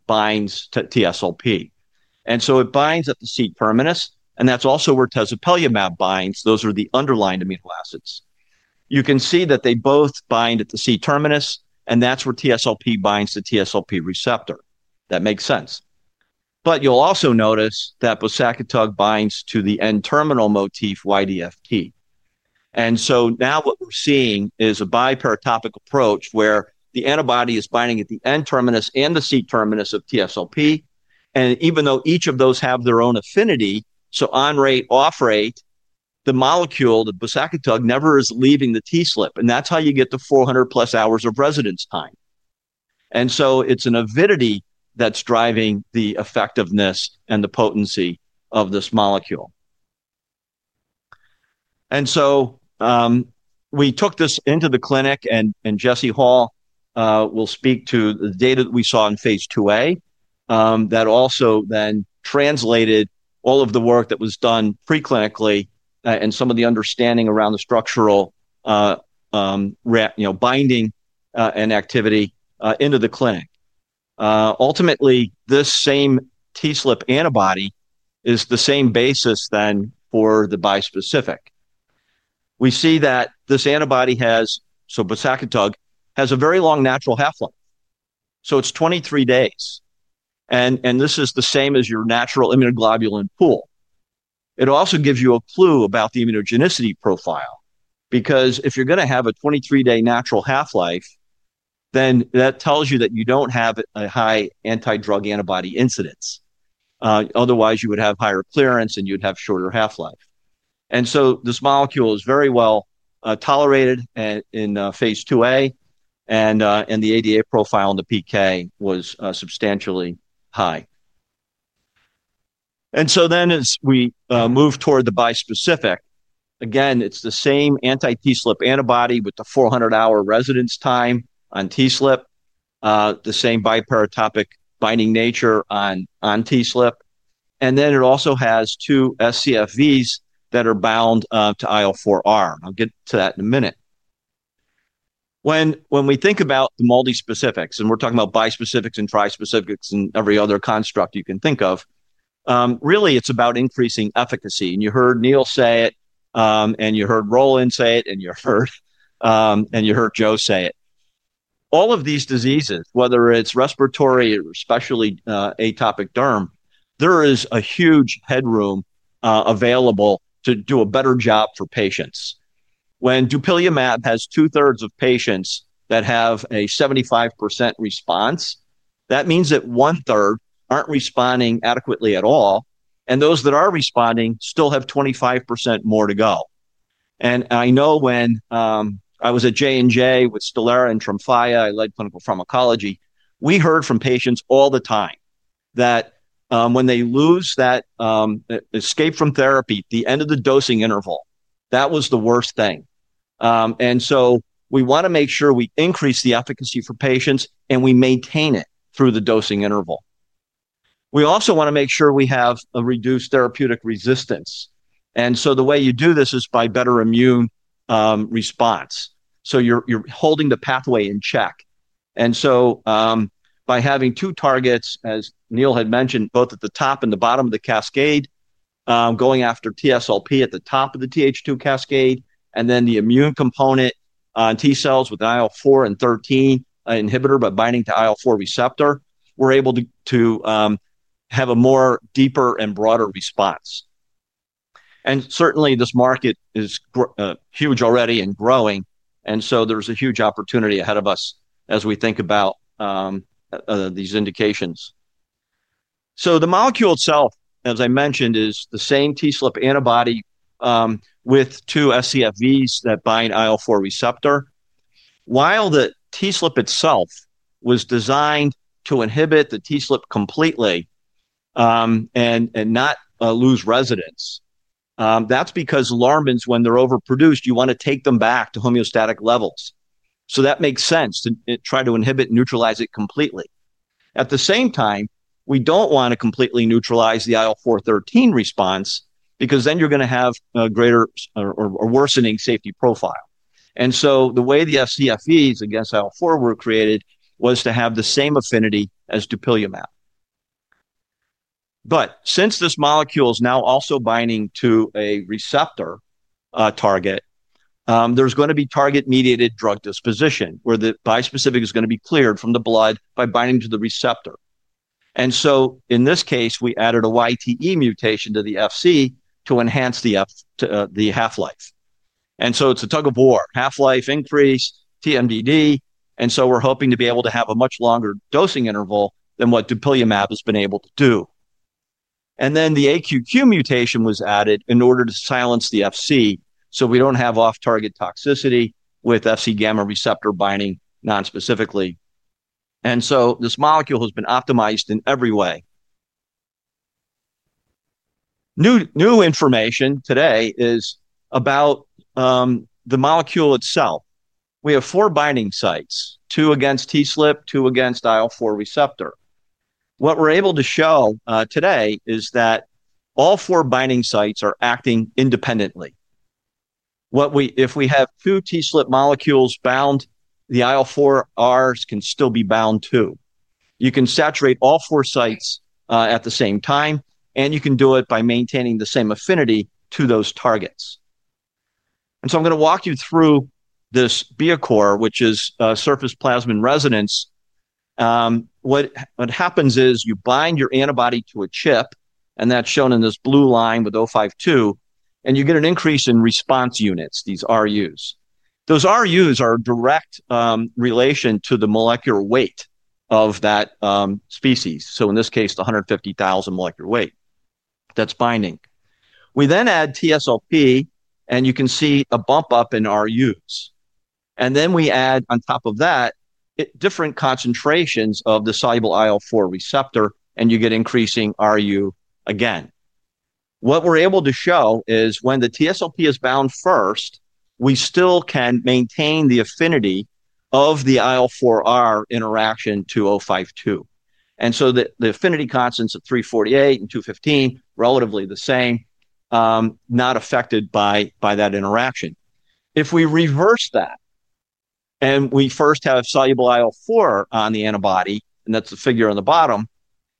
binds to TSLP, and so it binds at the C terminus, and that's also where tezepelumab binds. Those are the underlying amino acids. You can see that they both bind at the C terminus, and that's where TSLP binds to TSLP receptor. That makes sense. You'll also notice that bosakitug binds to the N terminal motif YDFT. Now what we're seeing is a biparatopic approach where the antibody is binding at the N terminus and the C terminus of TSLP. Even though each of those have their own affinity, so on rate, off rate, the molecule, bosakitug, never is leaving the TSLP and that is how you get the 400+ hours of residence time. It is an avidity that is driving the effectiveness and the potency of this molecule. We took this into the clinic and Jesse Hall will speak to the data that we saw in phase II-A that also then translated all of the work that was done preclinically and some of the understanding around the structural binding and activity into the clinic. Ultimately, this same TSLP antibody is the same basis then for the bispecific. We see that this antibody has, so bosakitug has, a very long natural half-life, so it is 23 days. This is the same as your natural immunoglobulin pool. It also gives you a clue about the immunogenicity profile because if you are going to have a 23-day natural half-life, then that tells you that you do not have a high anti-drug antibody incidence, otherwise you would have higher clearance and you would have shorter half-life. This molecule is very well tolerated in phase II-A and the ADA profile in the PK was substantially high. As we move toward the bispecific, again it is the same anti-TSLP antibody with the 400-hour residence time on TSLP, the same biparatopic binding nature on TSLP, and then it also has two scFvs that are bound to IL-4R. I will get to that in a minute. When we think about the multispecifics and we are talking about bispecifics and trispecifics and every other construct you can think of, really it is about increasing efficacy. You heard Neal say it and you heard Roland say it and you heard Joe say it. All of these diseases, whether it is respiratory, especially atopic derm, there is a huge headroom available to do a better job for patients. When dupilumab has 2/3 of patients that have a 75% response, that means that 1/3 are not responding adequately at all. Those that are responding still have 25% more to go. I know when I was at J&J with Stelara and Tremfya, I led clinical pharmacology, we heard from patients all the time that when they lose that escape from therapy, the end of the dosing interval, that was the worst thing. We want to make sure we increase the efficacy for patients and we maintain it through the dosing interval. We also want to make sure we have a reduced therapeutic resistance. The way you do this is by better immune response. You're holding the pathway in check. By having two targets, as Neal had mentioned, both at the top and the bottom of the cascade, going after TSLP at the top of the Th2 cascade and then the immune component, T cells with IL-4 and IL-13 inhibitor, but binding to IL-4 receptor, we're able to have a more deeper and broader response. Certainly this market is huge already and growing. There's a huge opportunity ahead of us as we think about these indications. The molecule itself, as I mentioned, is the same TSLP antibody with two scFvs that bind IL-4 receptor. While the TSLP itself was designed to inhibit the TSLP completely and not lose residence, that's because ligands, when they're overproduced, you want to take them back to homeostatic levels. That makes sense to try to inhibit, neutralize it completely. At the same time, we don't want to completely neutralize the IL-4/13 response because then you're going to have greater or worsening safety profile. The way the scFvs against IL-4 were created was to have the same affinity as dupilumab. Since this molecule is now also binding to a receptor target, there's going to be target-mediated drug disposition where the bispecific is going to be cleared from the blood by binding to the receptor. In this case we added a YTE mutation to the Fc to enhance the half-life. It's a tug of war: half-life increase, TMDD. We're hoping to be able to have a much longer dosing interval than what dupilumab has been able to do. The AQQ mutation was added in order to silence the Fc so we don't have off-target toxicity with Fc gamma receptor binding nonspecifically. This molecule has been optimized in every way. New information today is about the molecule itself. We have four binding sites: two against TSLP, two against IL-4 receptor. What we're able to show today is that all four binding sites are acting independently. If we have two TSLP molecules bound, the IL-4Rs can still be bound too. You can saturate all four sites at the same time and you can do it by maintaining the same affinity to those targets. I'm going to walk you through this biacore, which is surface plasmon resonance. What happens is you bind your antibody to a chip and that's shown in this blue line with ATI-052 and you get an increase in response units, these RUs. Those RUs are in direct relation to the molecular weight of that species. In this case, the 150,000 molecular weight that's binding, we then add TSLP and you can see a bump up in RU, and then we add on top of that different concentrations of the soluble IL-4 receptor and you get increasing RU. What we're able to show is when the TSLP is bound first, we still can maintain the affinity of the IL-4R interaction, 2,052. The affinity constants of 348 and 215 are relatively the same, not affected by that interaction. If we reverse that and we first have soluble IL-4R on the antibody, and that's the figure on the bottom,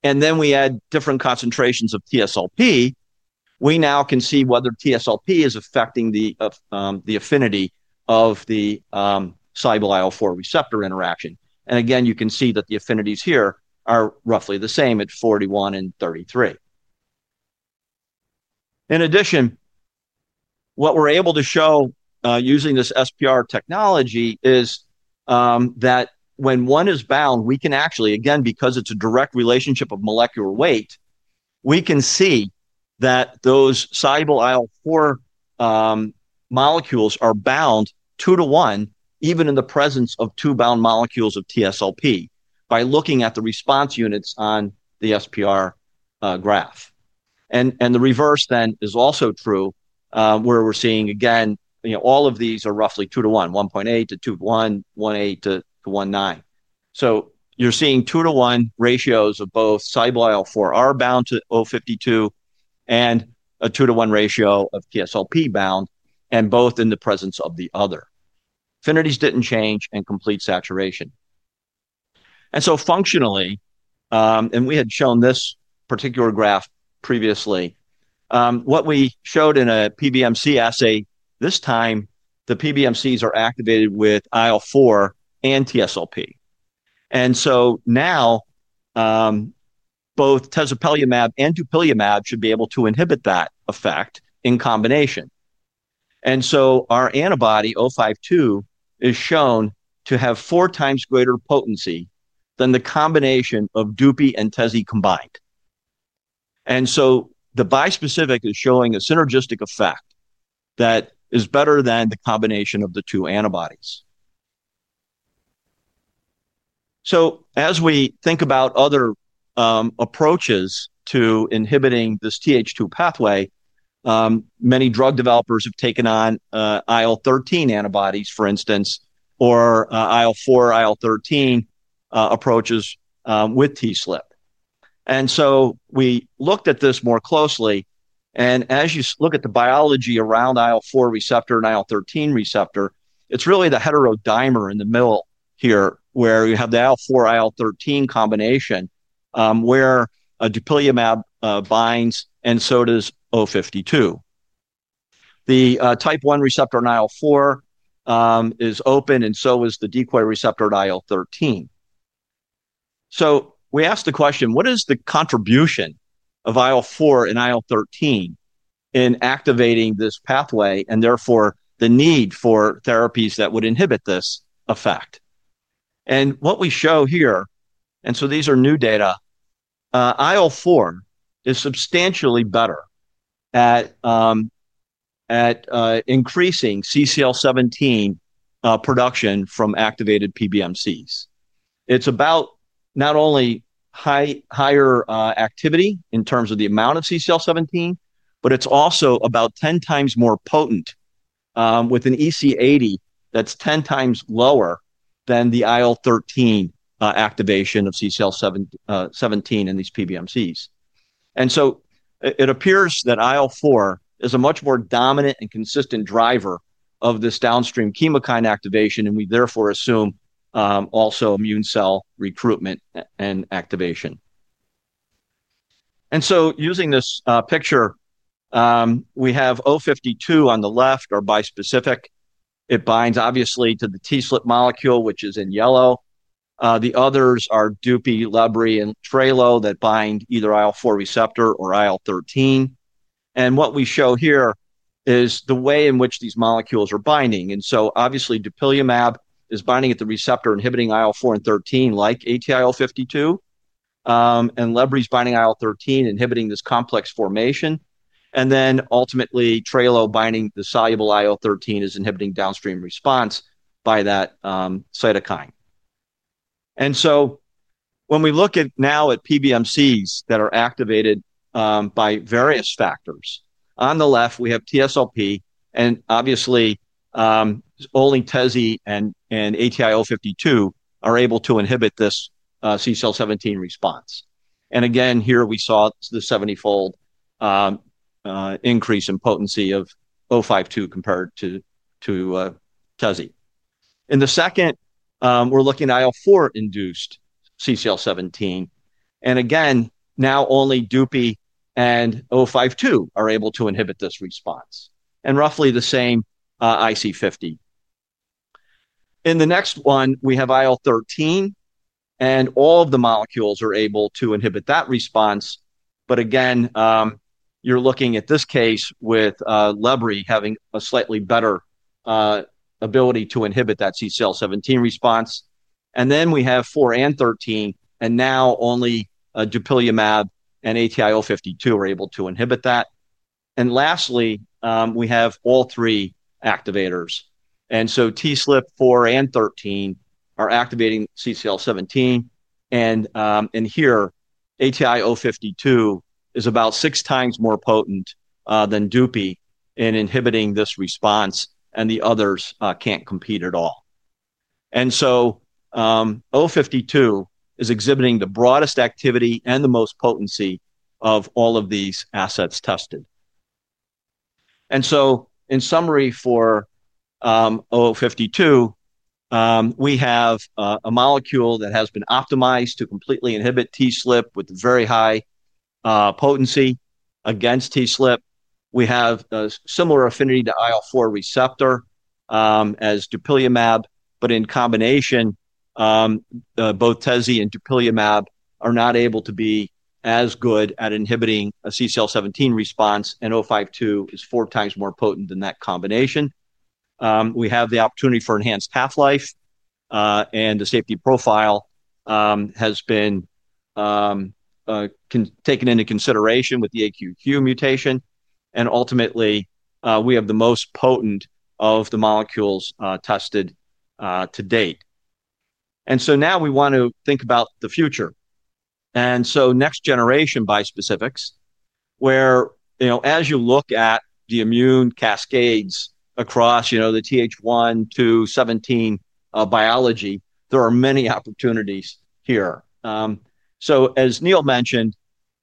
and then we add different concentrations of TSLP, we now can see whether TSLP is affecting the affinity of the sibling receptor interaction. You can see that the affinities here are roughly the same at 41 and 33. In addition, what we're able to show using this SPR technology is that when one is bound, we can actually again, because it's a direct relationship of molecular weight, see that those soluble IL-4 molecules are bound 2 to 1 even in the presence of two bound molecules of TSLP by looking at the response units on the SPR graph. The reverse then is also true, where we're seeing again, you know, all of these are roughly 2 to 1, 1.8 to 2, 1.8 to 1.9. You're seeing 2 to 1 ratios of both IL--4R bound to ATI-052 and a 2 to 1 ratio of TSLP bound. Both in the presence of the other, affinities didn't change and complete saturation. Functionally, and we had shown this particular graph previously, what we showed in a PBMC assay, this time the PBMCs are activated with IL-4 and TSLP. Now both tezepelumab and dupilumab should be able to inhibit that effect in combination. Our antibody ATI-052 is shown to have four times greater potency than the combination of dupi and teze combined. The bispecific is showing a synergistic effect that is better than the combination of the two antibodies. As we think about other approaches to inhibiting this Th2 pathway, many drug developers have taken on IL-13 antibodies, for instance, or IL-4 IL-13 approaches with TSLP. We looked at this more closely, and as you look at the biology around IL-4 receptor and IL-13 receptor, it's really the heterodimer in the middle here, where you have the IL-4 IL-13 combination, where dupilumab binds and so does 052. The type 1 receptor on IL-4 is open, and so is the decoy receptor in IL-13. We asked the question, what is the contribution of IL-4 and IL-13 in activating this pathway and therefore the need for therapies that would inhibit this effect. What we show here, and these are new data, IL-4 is substantially better at increasing CCL17 production from activated PBMCs. It's about not only higher activity in terms of the amount of CCL17, but it's also about 10x more potent with an EC80 that's 10x lower than the IL-13 activation of CCL17 in these PBMCs. It appears that IL-4 is a much more dominant and consistent driver of this downstream chemokine activation. We therefore assume also immune cell recruitment and activation. Using this picture, we have ATI-052 on the left, our bispecific. It binds obviously to the TSLP molecule, which is in yellow. The others are dupi, lebri, and tralo that bind either IL-4 receptor or IL-13. What we show here is the way in which these molecules are binding. Obviously, dupilumab is binding at the receptor inhibiting IL-4 and IL-13 like ATI-052, and lebri is binding IL-13 inhibiting this complex formation, and then ultimately tralo binding the soluble IL-13 is inhibiting downstream response by that cytokine. When we look now at PBMCs that are activated by various factors, on the left we have TSLP and obviously only teze and ATI-052 are able to inhibit this CCL17 response. Here we saw the 70-fold increase in potency of ATI-052 compared to teze. In the second, we're looking at IL-4-induced CCL17 and again now only dupi and ATI-052 are able to inhibit this response, and roughly the same IC50. In the next one, we have IL-13 and all of the molecules are able to inhibit that response, but again you're looking at this case with lebri having a slightly better ability to inhibit that CCL17 response. Then we have IL-4 and IL-13, and now only dupilumab and ATI-052 are able to inhibit that. Lastly, we have all three activators, so TSLP, IL-4, and IL-13 are activating CCL17, and here ATI-052 is about 6x more potent than dupi in inhibiting this response and the others can't compete at all. ATI-052 is exhibiting the broadest activity and the most potency of all of these assets tested. In summary, for ATI-052 we have a molecule that has been optimized to completely inhibit TSLP with very high potency against TSLP. We have a similar affinity to IL-4 receptor as dupilumab. In combination, both TSLP and dupilumab are not able to be as good at inhibiting a CCL17 response. ATI-052 is four times more potent than that combination. We have the opportunity for enhanced half-life, and the safety profile has been taken into consideration with the AQQ mutation. Ultimately, we have the most potent of the molecules tested to date. Now we want to think about the future. Next generation bispecifics, where as you look at the immune cascades across the Th1 to Th17 biology, there are many opportunities here. As Neal mentioned,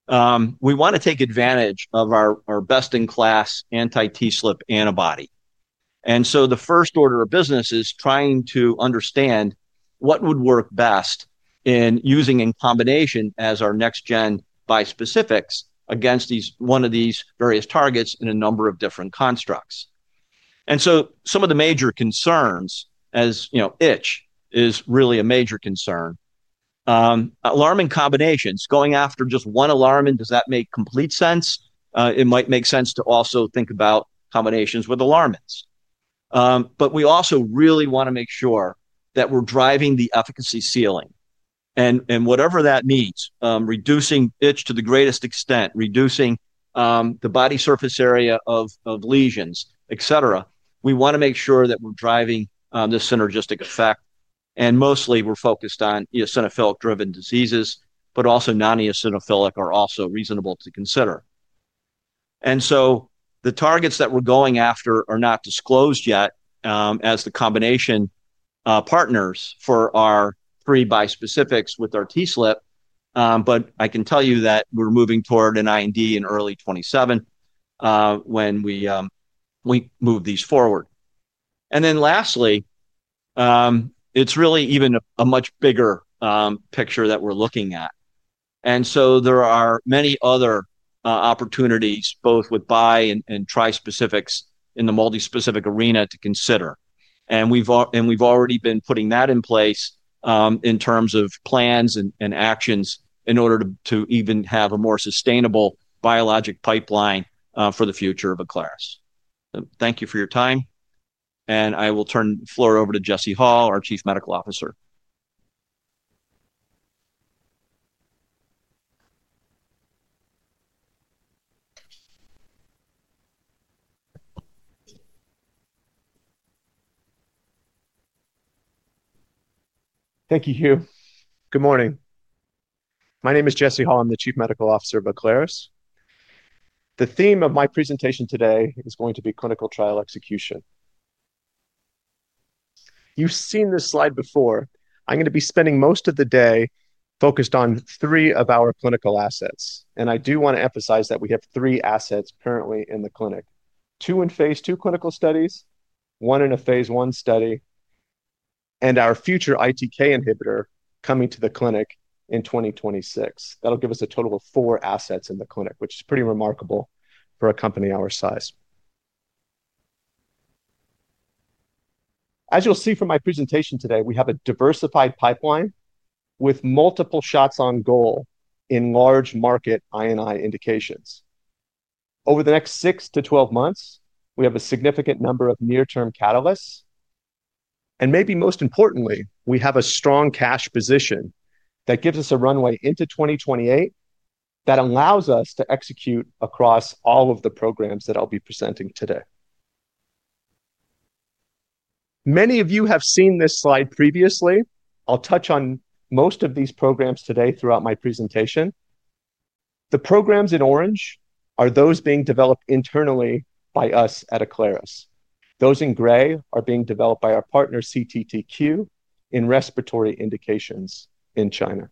we want to take advantage of our best-in-class anti-TSLP antibody. The first order of business is trying to understand what would work best in using in combination as our next-gen bispecifics against one of these various targets in a number of different constructs. Some of the major concerns, as you know, itch is really a major concern. Alarmin combinations going after just one alarmin, and does that make complete sense? It might make sense to also think about combinations with alarmins, but we also really want to make sure that we're driving the efficacy ceiling and whatever that means, reducing itch to the greatest extent, reducing the body surface area of lesions, etc. We want to make sure that we're driving the synergistic effect. Mostly we're focused on eosinophilic-driven diseases, but also non-eosinophilic are also reasonable to consider. The targets that we're going after are not disclosed yet as the combination partners for our three bispecifics with our TSLP. I can tell you that we're moving toward an IND in early 2027 when we move these forward. Lastly, it's really even a much bigger picture that we're looking at. There are many other opportunities both with bi- and tri-specifics in the multi-specific arena to consider. We've already been putting that in place in terms of plans and actions in order to even have a more sustainable biologic pipeline for the future of Aclaris. Thank you for your time, and I will turn the floor over to Jesse Hall, our Chief Medical Officer. Thank you, Hugh. Good morning. My name is Jesse Hall. I'm the Chief Medical Officer, Aclaris. The theme of my presentation today is going to be clinical trial execution. You've seen this slide before. I'm going to be spending most of the day focused on three of our clinical assets. I do want to emphasize that we have three assets currently in the clinic. Two in phase II clinical studies, one in a phase I study, and our future ITK inhibitor coming to the clinic in 2026. That'll give us a total of four assets in the clinic, which is pretty remarkable for a company our size. As you'll see from my presentation today, we have a diversified pipeline with multiple shots on goal in large market INI indications over the next 6-12 months. We have a significant number of near term catalysts and maybe most importantly, we have a strong cash position that gives us a runway into 2028 that allows us to execute across all of the programs that I'll be presenting today. Many of you have seen this slide previously. I'll touch on most of these programs today throughout my presentation. The programs in orange are those being developed internally by us at Aclaris. Those in gray are being developed by our partner CTTQ in respiratory indications in China.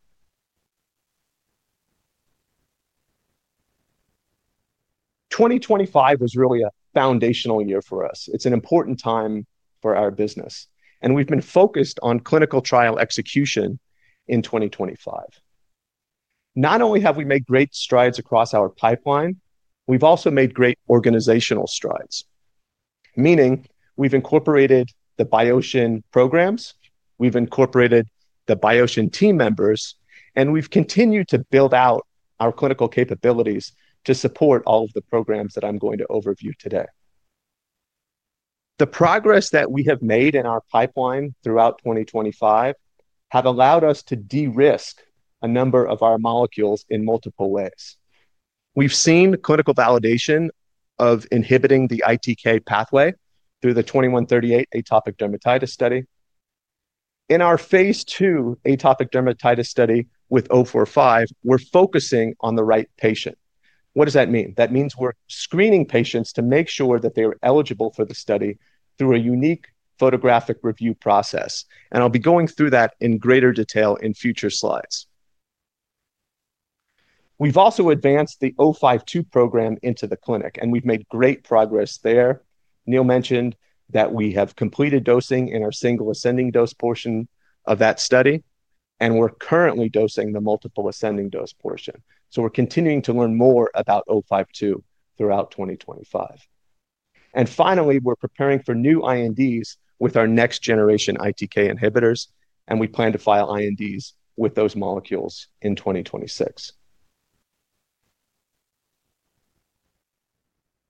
2025 was really a foundational year for us. It's an important time for our business and we've been focused on clinical trial execution in 2025. Not only have we made great strides across our pipeline, we've also made great organizational strides, meaning we've incorporated the Biosion programs, we've incorporated the Biosion team members, and we've continued to build out our clinical capabilities to support all of the programs that I'm going to overview today. The progress that we have made in our pipeline throughout 2025 has allowed us to de-risk a number of our molecules in multiple ways. We've seen clinical validation of inhibiting the ITK pathway through the ATI-2138 atopic dermatitis study. In our phase II atopic dermatitis study with ATI-045, we're focusing on the right patient. What does that mean? That means we're screening patients to make sure that they are eligible for the study through a unique centralized photographic review process. I'll be going through that in greater detail in future slides. We've also advanced the ATI-052 program into the clinic and we've made great progress there. Neal mentioned that we have completed dosing in our single ascending dose portion of that study, and we're currently dosing the multiple ascending dose portion. We're continuing to learn more about ATI-052 throughout 2025. Finally, we're preparing for new INDs with our next generation ITK inhibitors, and we plan to file INDs with those molecules in 2026.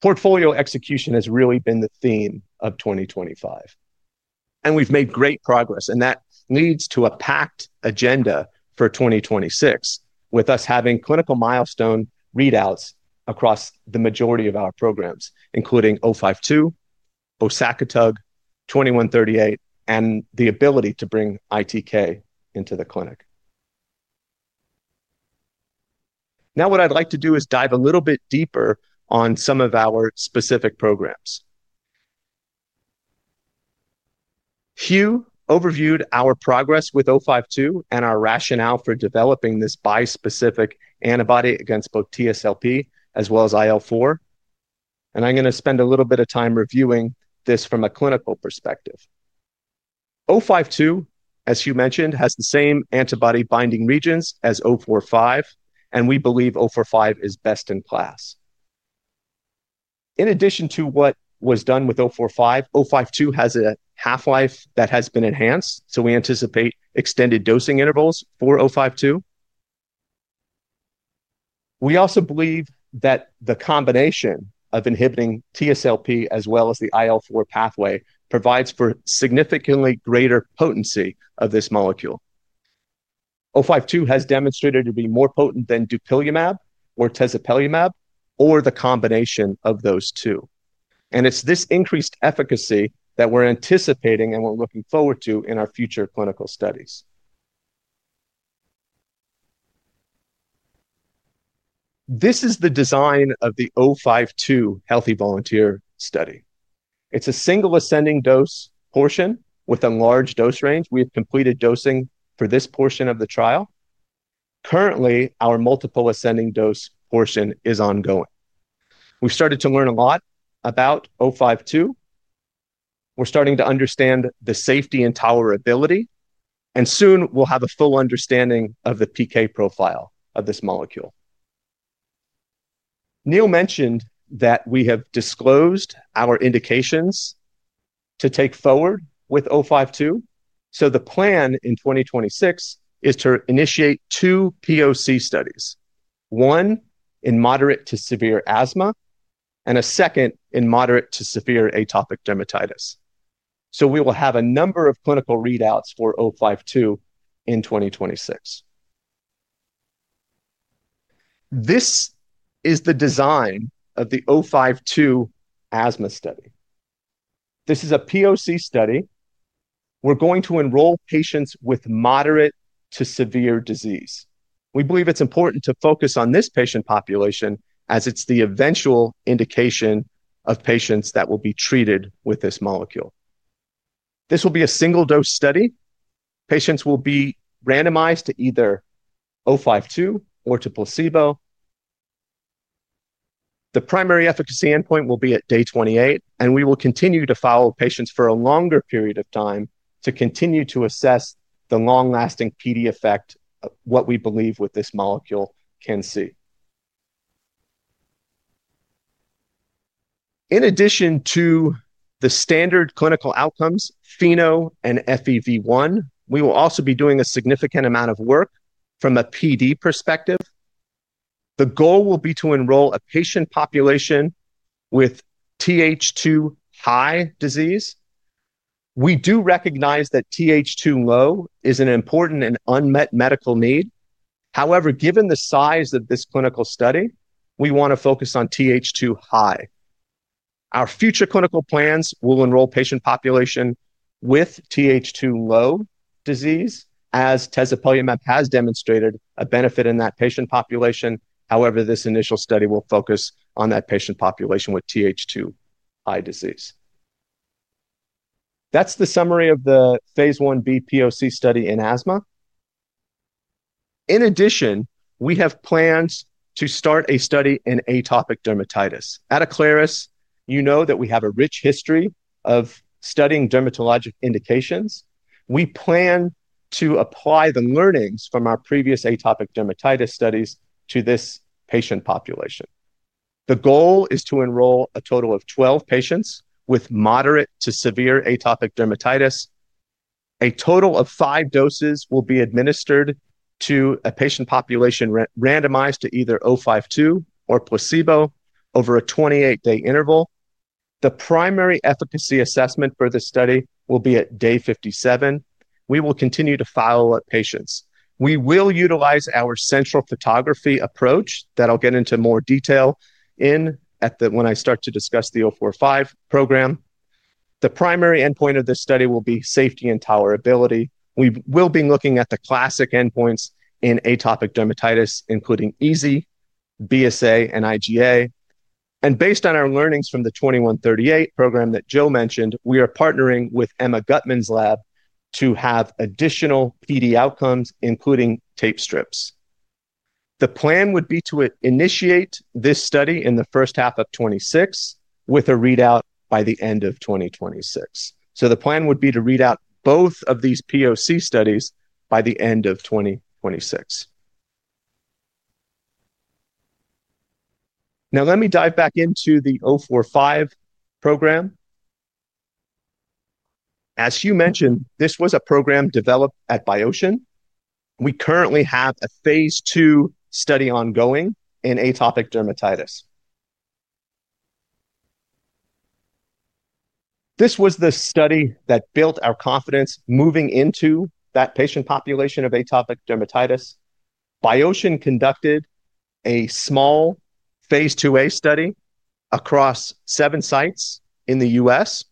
Portfolio execution has really been the theme of 2025, and we've made great progress. That leads to a packed agenda for 2026, with us having clinical milestone readouts across the majority of our programs, including ATI-052, bosakitug, ATI-2138, and the ability to bring ITK into the clinic. Now, what I'd like to do is dive a little bit deeper on some of our specific programs. Hugh overviewed our progress with ATI-052 and our rationale for developing this bispecific antibody against both TSLP as well as IL-4R, and I'm going to spend a little bit of time reviewing this from a clinical perspective. ATI-052, as Hugh mentioned, has the same antibody binding regions as ATI-045, and we believe ATI-045 is best in class. In addition to what was done with ATI-045, ATI-052 has a half-life that has been enhanced. We anticipate extended dosing intervals for ATI-052. We also believe that the combination of inhibiting TSLP as well as the IL-4R pathway provides for significantly greater potency of this molecule. ATI-052 has demonstrated to be more potent than dupilumab or tezepelumab or the combination of those two. It's this increased efficacy that we're anticipating, and we're looking forward to in our future clinical studies. This is the design of the ATI-052 healthy volunteer study. It's a single ascending dose portion with a large dose range. We have completed dosing for this portion of the trial. Currently, our multiple ascending dose portion is ongoing. We started to learn a lot about ATI-052. We're starting to understand the safety and tolerability, and soon we'll have a full understanding of the PK profile of this molecule. Neal mentioned that we have disclosed our indications to take forward with ATI-052. The plan in 2026 is to initiate two POC studies, one in moderate to severe asthma and a second in moderate to severe atopic dermatitis. We will have a number of clinical readouts for ATI-052 in 2026. This is the design of the ATI-052 asthma study. This is a POC study. We're going to enroll patients with moderate to severe disease. We believe it's important to focus on this patient population as it's the eventual indication of patients that will be treated with this molecule. This will be a single dose study. Patients will be randomized to either ATI-052 or to placebo. The primary efficacy endpoint will be at day 28, and we will continue to follow patients for a longer period of time to continue to assess the long-lasting PD effect. What we believe with this molecule can see. In addition to the standard clinical outcomes, FeNO and FEV1, we will also be doing a significant amount of work from a PD perspective. The goal will be to enroll a patient population with Th2 high disease. We do recognize that Th2 low is an important and unmet medical need. However, given the size of this clinical study, we want to focus on Th2 high. Our future clinical plans will enroll patient population with Th2 low disease as tezepelumab has demonstrated a benefit in that patient population. However, this initial study will focus on that patient population with Th2 high disease. That's the summary of the phase I-B POC study in asthma. In addition, we have plans to start a study in atopic dermatitis at Aclaris. You know that we have a rich history of studying dermatologic indications. We plan to apply the learnings from our previous atopic dermatitis studies to this patient population. The goal is to enroll a total of 12 patients with moderate to severe atopic dermatitis. A total of five doses will be administered to a patient population randomized to either ATI-052 or placebo over a 28-day interval. The primary efficacy assessment for this study will be at day 57. We will continue to follow up patients. We will utilize our centralized photographic review approach that I'll get into more detail in when I start to discuss the ATI-045 program. The primary endpoint of this study will be safety and tolerability. We will be looking at the classic endpoints in atopic dermatitis including EASI, BSA, and IGA. Based on our learnings from the ATI-2138 program that Jill mentioned, we are partnering with Emma Gutman's lab to have additional PD outcomes including tape strips. The plan would be to initiate this study in the first half of 2026 with a readout by the end of 2026. The plan would be to read out both of these POC studies by the end of 2026. Now let me dive back into the ATI-045 program. As Hugh mentioned, this was a program developed at Biosion. We currently have a phase II study ongoing in atopic dermatitis. This was the study that built our confidence moving into that patient population of atopic dermatitis. Biosion conducted a small phase II-A study across seven sites in the U.S.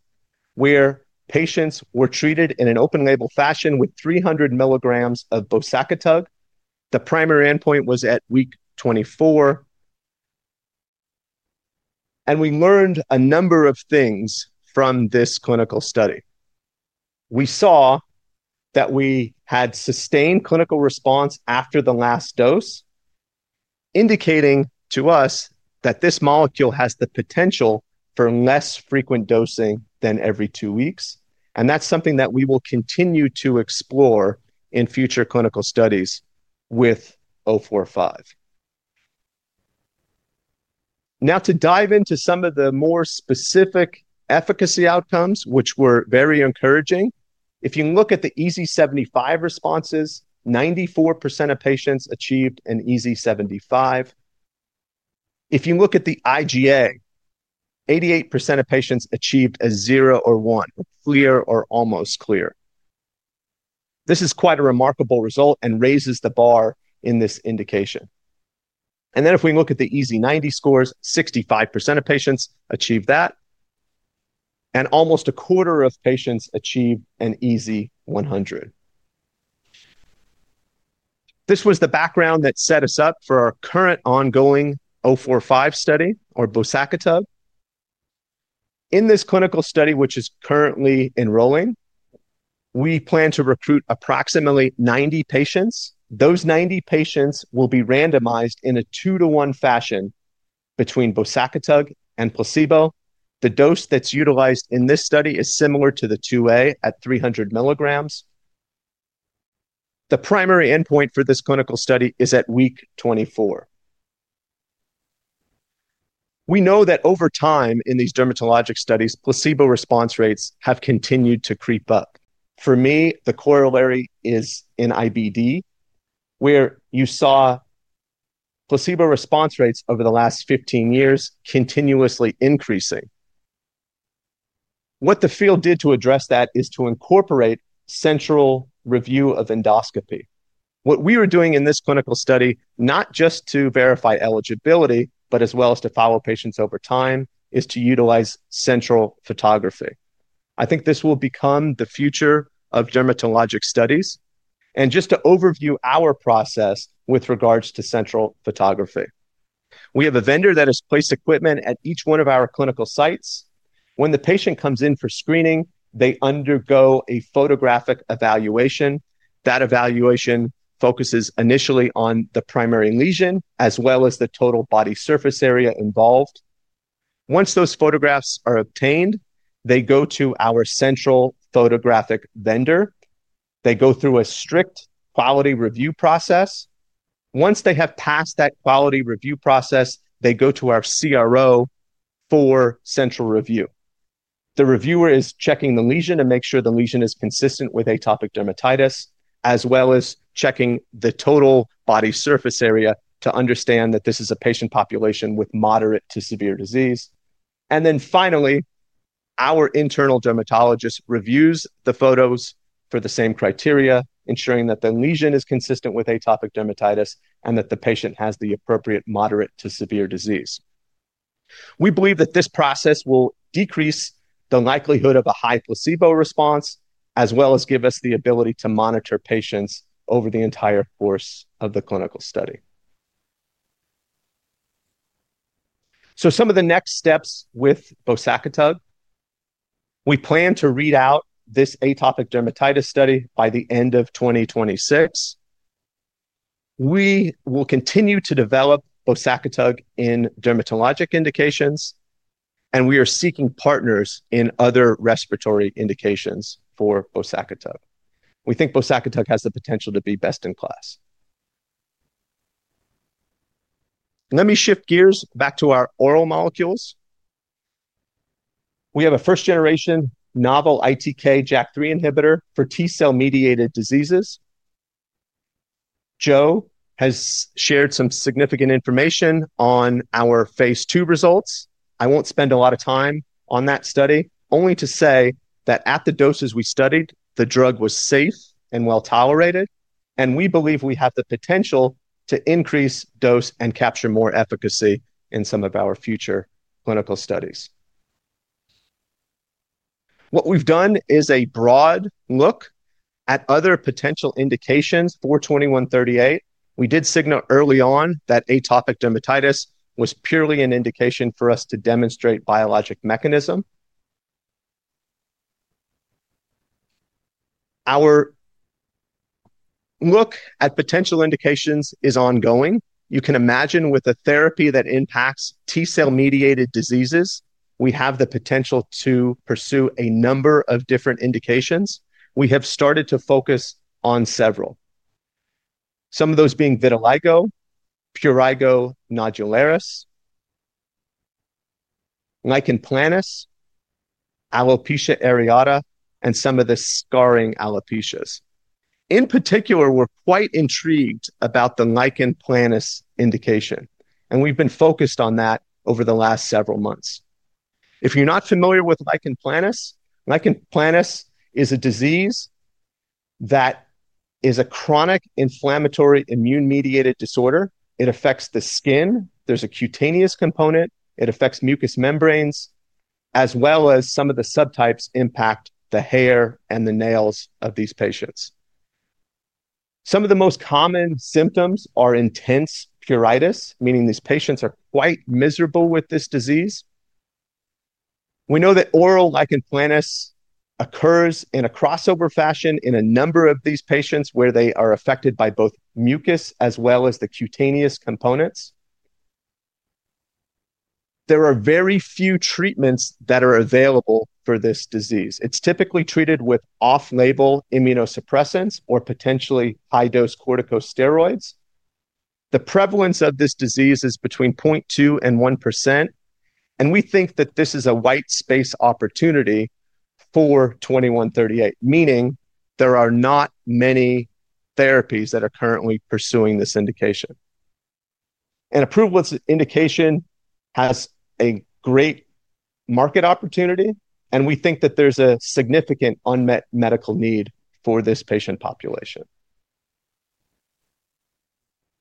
where patients were treated in an open-label fashion with 300 mg of bosakitug. The primary endpoint was at week 24, and we learned a number of things from this clinical study. We saw that we had sustained clinical response after the last dose, indicating to us that this molecule has the potential for less frequent dosing than every two weeks. That is something that we will continue to explore in future clinical studies with ATI-045. Now to dive into some of the more specific efficacy outcomes, which were very encouraging. If you look at the EASI-75 responses, 94% of patients achieved an EASI-75. If you look at the IGA, 88% of patients achieved a 0 or 1, clear or almost clear. This is quite a remarkable result and raises the bar in this indication. If we look at the EASI-90 scores, 65% of patients achieved that, and almost a quarter of patients achieved an EASI-100. This was the background that set us up for our current ongoing ATI-045 study, or bosakitug. In this clinical study, which is currently enrolling, we plan to recruit approximately 90 patients. Those 90 patients will be randomized in a two-to-one fashion between bosakitug and placebo. The dose that's utilized in this study is similar to the II-A at 300 mg. The primary endpoint for this clinical study is at week 24. We know that over time in these dermatologic studies, placebo response rates have continued to creep up. For me, the corollary is in IBD, where you saw placebo response rates over the last 15 years continuously increasing. What the field did to address that is to incorporate central review of endoscopy. What we are doing in this clinical study, not just to verify eligibility but as well as to follow patients over time, is to utilize central photography. I think this will become the future of dermatologic studies. Just to overview our process with regards to central photography, we have a vendor that has placed equipment at each one of our clinical sites. When the patient comes in for screening, they undergo a photographic evaluation. That evaluation focuses initially on the primary lesion as well as the total body surface area involved. Once those photographs are obtained, they go to our central photographic vendor. They go through a strict quality review process. Once they have passed that quality review process, they go to our CRO for central review. The reviewer is checking the lesion and makes sure the lesion is consistent with atopic dermatitis as well as checking the total body surface area to understand that this is a patient population with moderate to severe disease. Finally, our internal dermatologist reviews the photos for the same criteria, ensuring that the lesion is consistent with atopic dermatitis and that the patient has the appropriate moderate to severe disease. We believe that this process will decrease the likelihood of a high placebo response as well as give us the ability to monitor patients over the entire course of the clinical study. Some of the next steps with bosakitug, we plan to read out this atopic dermatitis study by the end of 2026. We will continue to develop bosakitug in dermatologic indications and we are seeking partners in other respiratory indications for bosakitug. We think bosakitug has the potential to be best in class. Let me shift gears back to our oral molecules. We have a first generation novel ITK/JAK3 inhibitor for T cell-mediated diseases. Joe has shared some significant information on our phase II results. I won't spend a lot of time on that study, only to say that at the doses we studied, the drug was safe and well tolerated. We believe we have the potential to increase dose and capture more efficacy in some of our future clinical studies. What we've done is a broad look at other potential indications for ATI-2138. We did signal early on that atopic dermatitis was purely an indication for us to demonstrate biologic mechanism. Our. Look at potential indications is ongoing. You can imagine with a therapy that impacts T cell-mediated diseases, we have the potential to pursue a number of different indications. We have started to focus on several, some of those being vitiligo, prurigo nodularis, lichen planus, alopecia areata, and some of the scarring alopecias. In particular, we're quite intrigued about the lichen planus indication and we've been focused on that over the last several months. If you're not familiar with lichen planus, lichen planus is a disease that is a chronic inflammatory, immune-mediated disorder. It affects the skin, there's a cutaneous component, it affects mucous membranes as well as some of the subtypes impact the hair and the nails of these patients. Some of the most common symptoms are intense pruritus, meaning these patients are quite miserable with this disease. We know that oral lichen planus occurs in a crossover fashion in a number of these patients where they are affected by both mucous as well as the cutaneous components. There are very few treatments that are available for this disease. It's typically treated with off-label immunosuppressants or potentially high-dose corticosteroids. The prevalence of this disease is between 0.2% and 1% and we think that this is a white space opportunity for ATI-2138, meaning there are not many therapies that are currently pursuing this indication and approval indication has a great market opportunity and we think that there's a significant unmet medical need for this patient population.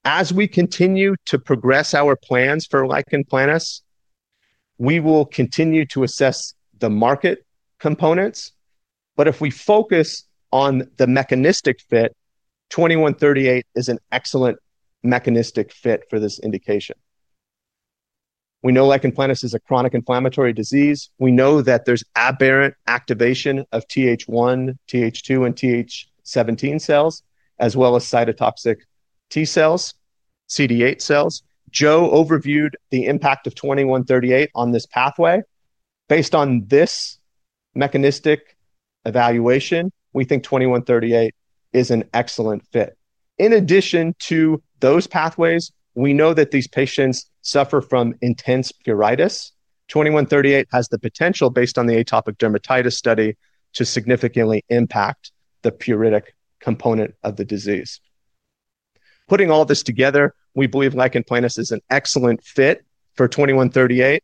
As we continue to progress our plans for lichen planus, we will continue to assess the market components. If we focus on the mechanistic fit, ATI-2138 is an excellent mechanistic fit for this indication. We know lichen planus is a chronic inflammatory disease. We know that there's aberrant activation of Th1, Th2, and Th17 cells, as well as cytotoxic T cells, CD8 cells. Joe overviewed the impact of ATI-2138 on this pathway. Based on this mechanistic evaluation, we think ATI-2138 is an excellent fit. In addition to those pathways, we know that these patients suffer from intense pruritus. ATI-2138 has the potential, based on the atopic dermatitis study, to significantly impact the pruritic component of the disease. Putting all this together, we believe lichen planus is an excellent fit for ATI-2138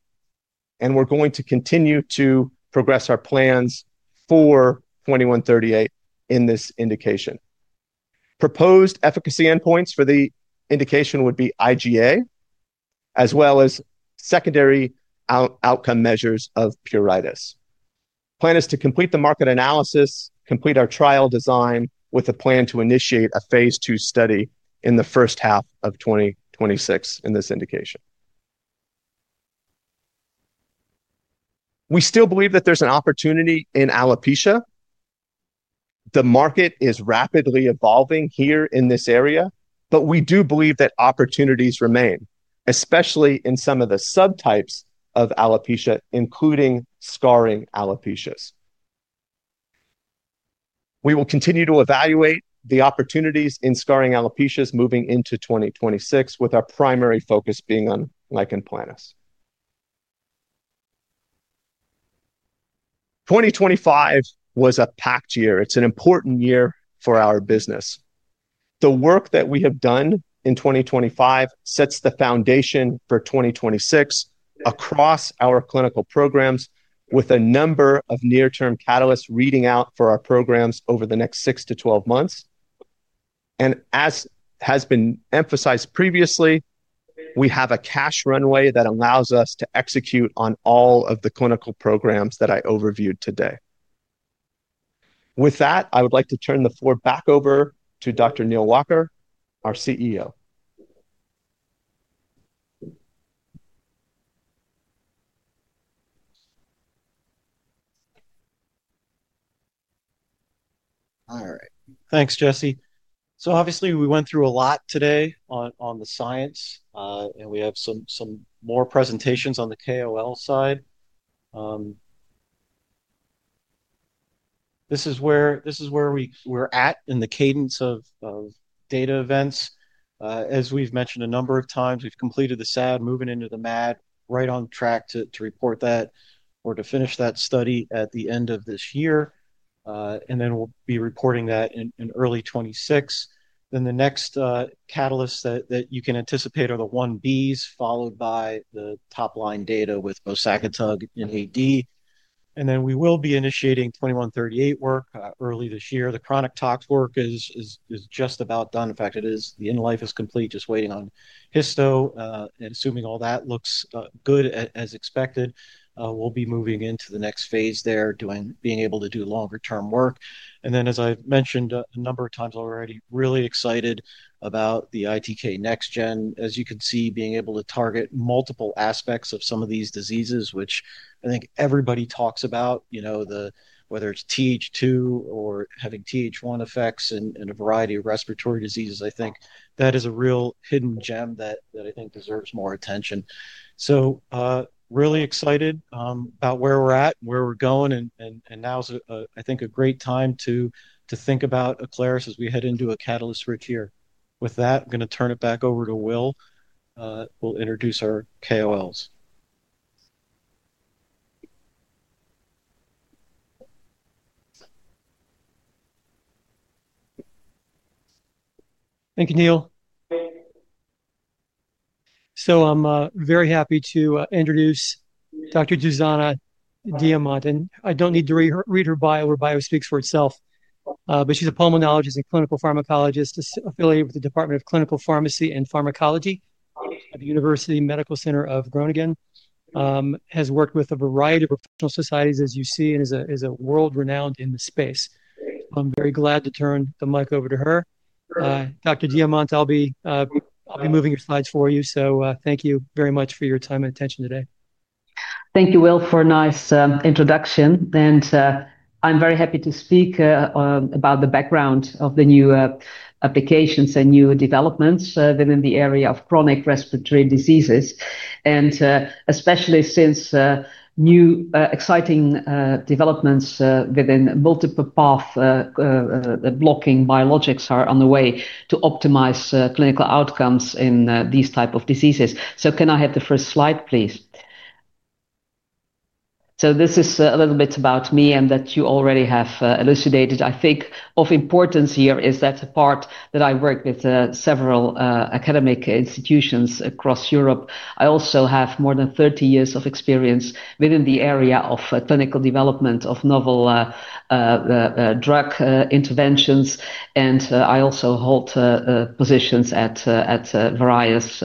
and we're going to continue to progress our plans for ATI-2138 in this indication. Proposed efficacy endpoints for the indication would be IGA as well as secondary outcome measures of pruritus. Plan is to complete the market analysis, complete our trial design with a plan to initiate a phase II study in the first half of 2026 in this indication. We still believe that there's an opportunity in alopecia. The market is rapidly evolving here in this area, but we do believe that opportunities remain, especially in some of the subtypes of alopecia, including scarring alopecias. We will continue to evaluate the opportunities in scarring alopecias. Moving into 2026 with our primary focus being on lichen planus. 2025 was a packed year. It's an important year for our business. The work that we have done in 2025 sets the foundation for 2026 across our clinical programs with a number of near term catalysts reading out for our programs over the next 6-12 months. As has been emphasized previously, we have a cash runway that allows us to execute on all of the clinical programs that I overviewed today. With that I would like to turn the floor back over to Dr. Neal Walker, our CEO. All right, thanks Jesse. Obviously we went through a lot today on the science, and we have some more presentations on the KOL side. This is where we're at in the cadence of data events. As we've mentioned a number of times, we've completed the SAD moving into the MAD on track to report that or to finish that study at the end of this year, and then we'll be reporting that in early 2026. The next catalysts that you can anticipate are the I-Bs followed by the top line data with bosakitug and AD and then we will be initiating ATI-2138 work early this year. The chronic tox work is just about done. In fact, the in life is complete. Just waiting on histo, and assuming all that looks good as expected, we'll be moving into the next phase they're doing, being able to do longer term work, and then as I mentioned a number of times already, really excited about the ITK next-gen. As you can see, being able to target multiple aspects of some of these diseases, which I think everybody talks about, you know, whether it's Th2 or having Th1 effects and a variety of respiratory diseases, I think that is a real hidden gem that I think deserves more attention. Really excited about where we're at, where we're going, and now's, I think, a great time to think about Aclaris as we head into a catalyst-rich year. With that, I'm going to turn it back over to Will. He'll introduce our KOLs. Thank you, Neal. I'm very happy to introduce Dr. Zuzana Diamant, and I don't need to read her bio; her bio speaks for itself. She's a Pulmonologist and Clinical Pharmacologist affiliated with the Department of Clinical Pharmacy and Pharmacology at the University Medical Center Groningen, has worked with a variety of societies as you see, and is world renowned in the space. I'm very glad to turn the mic over to her. Dr. Diamant, I'll be moving your slides for you. Thank you very much for your time and attention today. Thank you, Will, for a nice introduction and I'm very happy to speak about the background of the new applications and new developments within the area of chronic respiratory diseases, especially since new exciting developments within multiple path blocking biologics are on the way to optimize clinical outcomes in these types of diseases. Can I have the first slide, please? This is a little bit about me and that you already have elucidated. I think of importance here is that I work with several academic institutions across Europe. I also have more than 30 years of experience within the area of clinical development of novel drug interventions. I also hold positions at various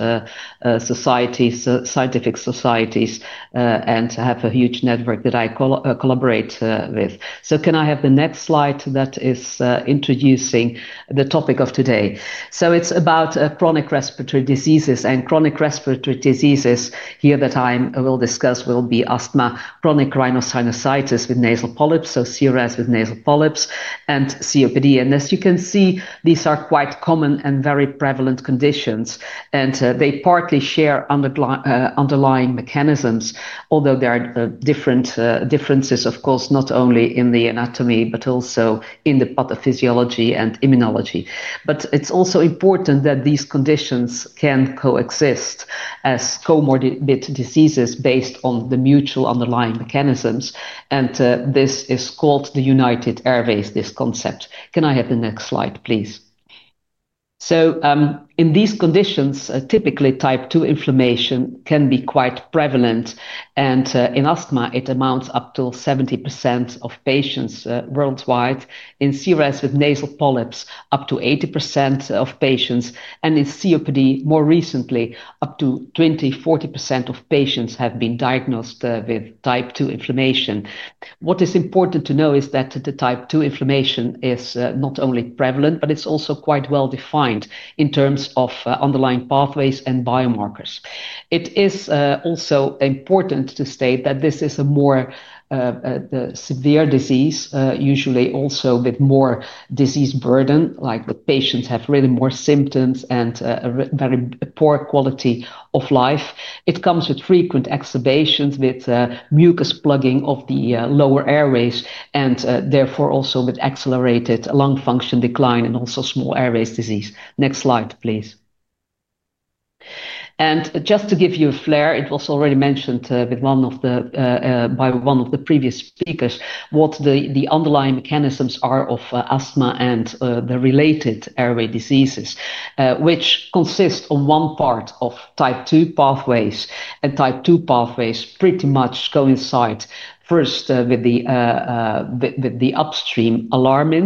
scientific societies and have a huge network that I collaborate with. Can I have the next slide that is introducing the topic of today? It's about chronic respiratory diseases, and chronic respiratory diseases here that I will discuss will be asthma, chronic rhinosinusitis with nasal polyps, so CRS with nasal polyps, and COPD. As you can see, these are quite common and very prevalent conditions, and they partly share underlying mechanisms, although there are differences, of course, not only in the anatomy but also in the pathophysiology and immunology. It's also important that these conditions can coexist as comorbidities based on the mutual underlying mechanisms. This is called the United Airways concept. Can I have the next slide, please? In these conditions, typically type 2 inflammation can be quite prevalent, and in asthma it amounts up to 70% of patients worldwide. In CRS with nasal polyps, up to 80% of patients. In COPD, more recently, up to 20%-40% of patients have been diagnosed with type 2 inflammation. What is important to know is that the type 2 inflammation is not only prevalent, but it's also quite well defined in terms of underlying pathways and biomarkers. It is also important to state that this is a more severe disease, usually also with more disease burden. The patients have really more symptoms and a very poor quality of life. It comes with frequent exacerbations with mucus plugging of the lower airways and therefore also with accelerated lung function decline and also small airways disease. Next slide, please. Just to give you a flair, it was already mentioned by one of the previous speakers what the underlying mechanisms are of asthma and the related airway diseases, which consist of one part of type 2 pathways. Type 2 pathways pretty much coincide first with the upstream alarmin.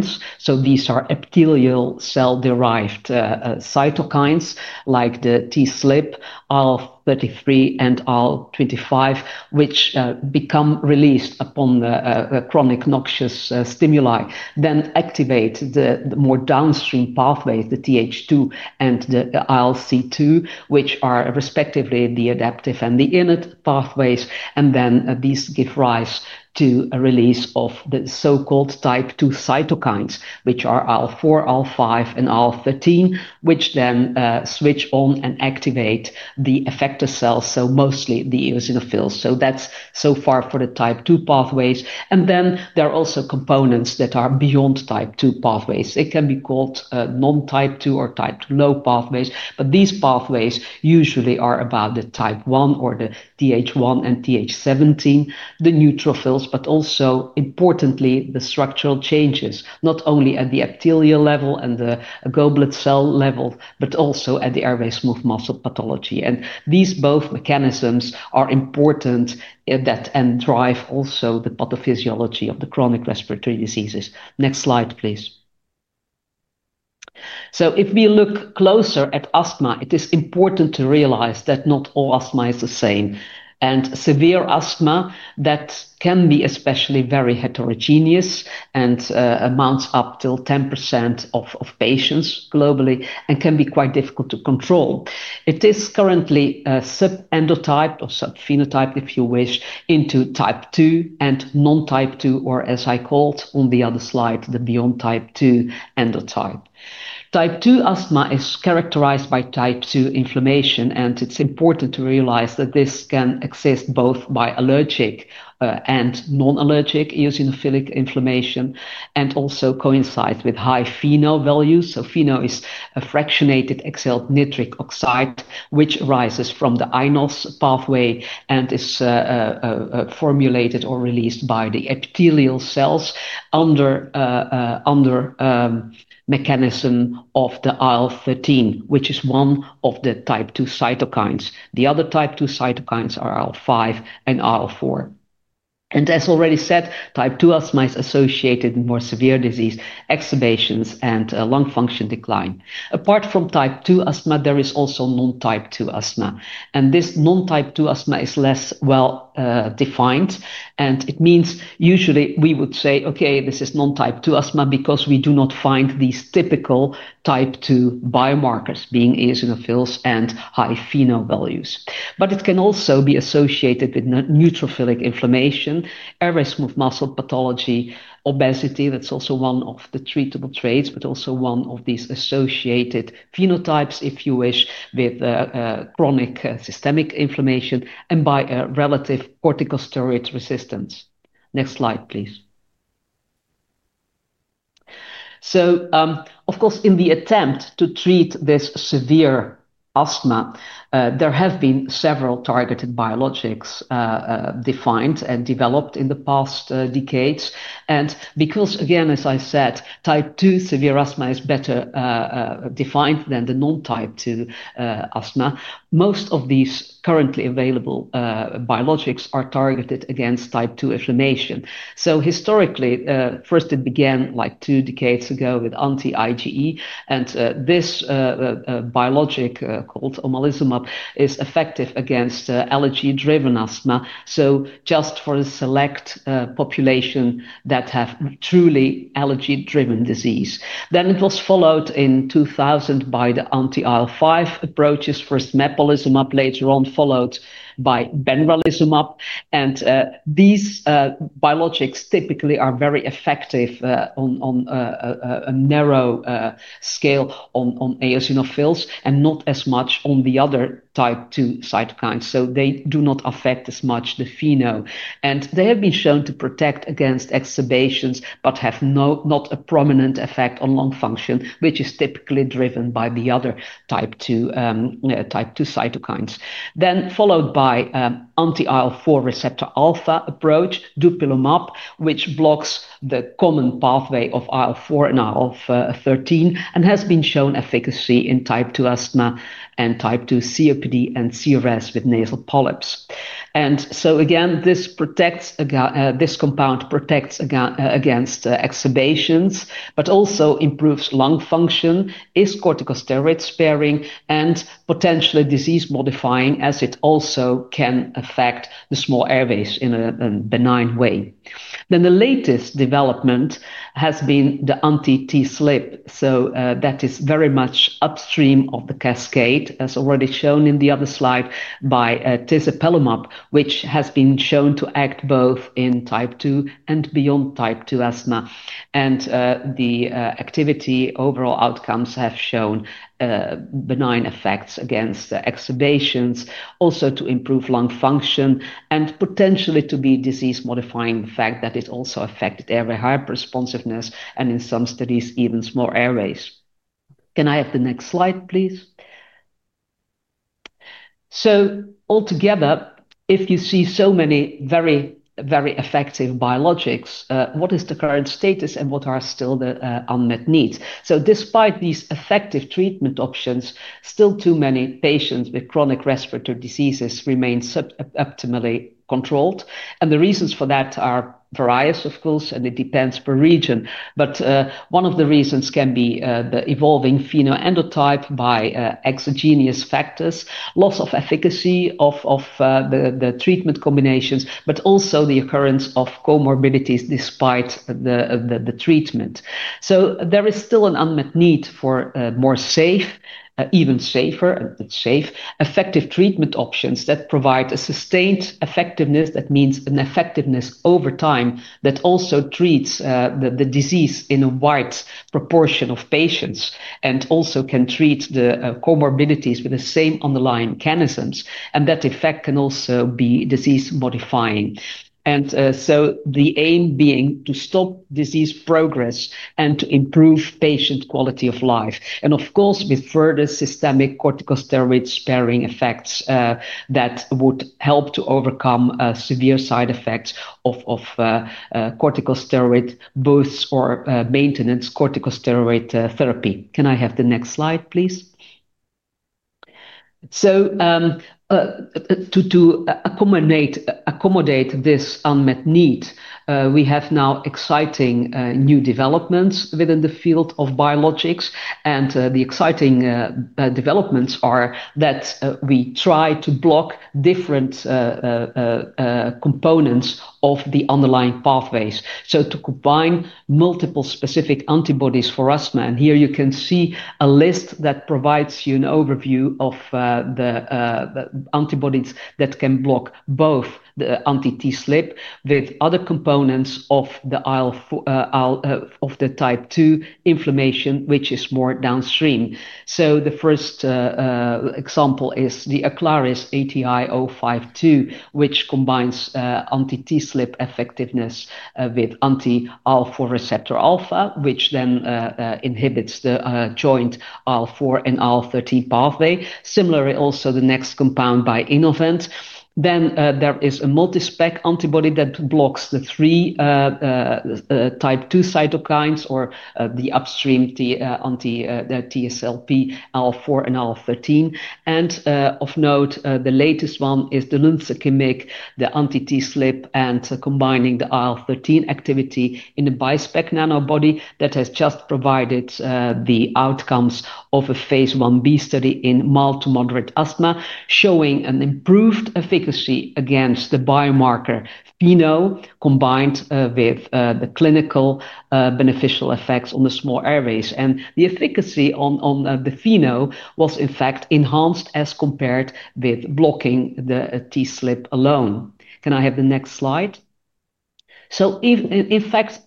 These are epithelial cell-derived cytokines like the TSLP, IL-33, and IL-25, which become released upon the chronic noxious stimuli, then activate the more downstream pathways, the Th2 and the ILC2, which are respectively the adaptive and the innate pathways. These give rise to a release of the so-called type 2 cytokines, which are IL-4, IL-5, and IL-13, which then switch on and activate the effector cells, mostly the eosinophils. That is so far for the type 2 pathways. There are also components that are beyond type 2 pathways. It can be called non-type 2 or type low pathways, but these pathways usually are about the type 1 or the Th1 and Th17, the neutrophils, but also importantly the structural changes not only at the epithelial level and the goblet cell level, but also at the airway smooth muscle pathology. These both mechanisms are important and drive also the pathophysiology of the chronic respiratory diseases. Next slide please. If we look closer at asthma, it is important to realize that not all asthma is the same. Severe asthma can be especially very heterogeneous and amounts up to 10% of patients globally and can be quite difficult to control. It is currently sub-endotyped or subphenotyped, if you wish, into type 2 and non-type 2, or as I called on the other slide, the beyond type 2 endotype. Type 2 asthma is characterized by type 2 inflammation, and it's important to realize that this can exist both by allergic and non-allergic eosinophilic inflammation and also coincides with high FeNO values. FeNO is a fractionated exhaled nitric oxide, which arises from the iNOS pathway and is formulated or released by the epithelial cells under mechanism of the IL-13, which is one of the type 2 cytokines. The other type 2 cytokines are IL-5 and IL-4. As already said, type 2 asthma is associated with more severe disease exacerbations and lung function decline. Apart from type 2 asthma, there is also non-type 2 asthma. This non type 2 asthma is less well defined and it means usually we would say okay, this is non type 2 asthma because we do not find these typical type 2 biomarkers being eosinophils and high FeNO values. It can also be associated with neutrophilic inflammation, areas of muscle pathology, obesity. That's also one of the treatable traits, but also one of these associated phenotypes, if you wish, with chronic systemic inflammation and by a relative corticosteroid resistance. Next slide please. Of course, in the attempt to treat this severe asthma, there have been several targeted biologics defined and developed in the past decades. As I said, type 2 severe asthma is better defined than the non type 2 asthma. Most of these currently available biologics are targeted against type 2 inflammation. Historically, first it began like two decades ago with anti-IgE and this biologic called omalizumab is effective against allergy driven asthma, so just for a select population that have truly allergy driven disease. It was followed in 2000 by the anti-IL-5 approaches, first mepolizumab, later on followed by benralizumab. These biologics typically are very effective on a narrow scale on eosinophils and not as much on the other type 2 cytokines. They do not affect as much the FeNO and they have been shown to protect against exacerbations but have not a prominent effect on lung function, which is typically driven by the other type 2 cytokines. This was followed by the anti-IL-4 receptor alpha approach, dupilumab, which blocks the common pathway of IL-4 and IL-13 and has been shown efficacy in type 2 asthma and type 2 COPD and CRS with nasal polyps. This compound protects against exacerbations but also improves lung function, is corticosteroid sparing, and potentially disease modifying as it also can affect the small airways in a benign way. The latest development has been the anti-TSLP, so that is very much upstream of the cascade as already shown in the other slide by tezepelumab, which has been shown to act both in type 2 and beyond type 2 asthma. The activity overall outcomes have shown benign effects against exacerbations, also to improve lung function and potentially to be disease modifying, the fact that it also affected airway hyperresponsiveness and in some studies even small airways. Can I have the next slide please? Altogether, if you see so many very, very effective biologics, what is the current status and what are still the unmet needs? Despite these effective treatment options, still too many patients with chronic respiratory diseases remain suboptimally controlled. The reasons for that are various, of course, and it depends per region. One of the reasons can be the evolving pheno endotype by exogenous factors, loss of efficacy of the treatment combinations, but also the occurrence of comorbidities despite the treatment. There is still an unmet need for more safe, even safer effective treatment options that provide a sustained effectiveness. That means an effectiveness over time that also treats the disease in a wide proportion of patients and also can treat the comorbidities with the same underlying mechanisms. That effect can also be disease modifying. The aim being to stop disease progress and to improve patient quality of life. With the further systemic corticosteroid sparing effects, that would help to overcome severe side effects of corticosteroid boosts or maintenance corticosteroid therapy. Can I have the next slide, please? To accommodate this unmet need, we have now exciting new developments within the field of biologics. The exciting developments are that we try to block different components of the underlying pathways, to combine multi-specific antibodies for asthma. Here you can see a list that provides you an overview of the antibodies that can block both the anti-TSLP with other components of the type 2 inflammation, which is more downstream. The first example is the Aclaris ATI-052, which combines anti-TSLP effectiveness with anti-IL4 receptor alpha, which then inhibits the joint IL-4 and IL-13 pathway. Similarly, also the next compound by Innovent, then there is a multi-specific antibody that blocks the three type 2 cytokines or the upstream TSLP, IL-4, and IL-13. Of note, the latest one is the lunsekimib, the anti-TSLP and combining the IL-13 activity in the bispecific nanobody that has just provided the outcomes of a phase I-B study in mild to moderate asthma, showing an improved efficacy against the biomarker FeNO combined with the clinical beneficial effects on the small airways. The efficacy on the FeNO was in fact enhanced as compared with blocking the TSLP alone. Can I have the next slide? In fact,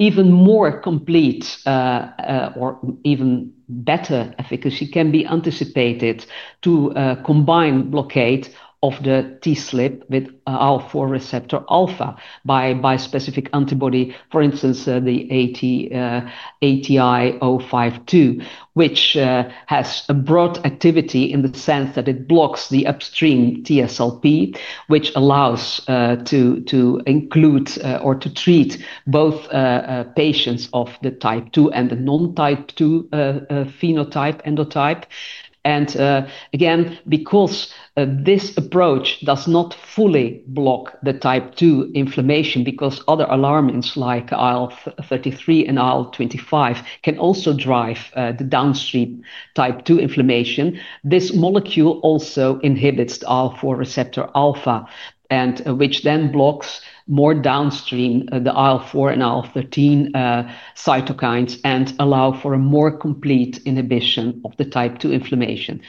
even more complete or even better efficacy can be anticipated to combine blockade of the TSLP with IL-4 receptor alpha by bispecific antibody. For instance, the ATI-052, which has a broad activity in the sense that it blocks the upstream TSLP, allows to include or to treat both patients of the type 2 and the non-type 2 phenotype endotype. Again, because this approach does not fully block the type 2 inflammation, other alarmins like IL-33 and IL-25 can also drive the downstream type 2 inflammation. This molecule also inhibits IL-4 receptor alpha, which then blocks more downstream the IL-4 and IL-13 cytokines and allows for a more complete inhibition of the type 2 inflammation.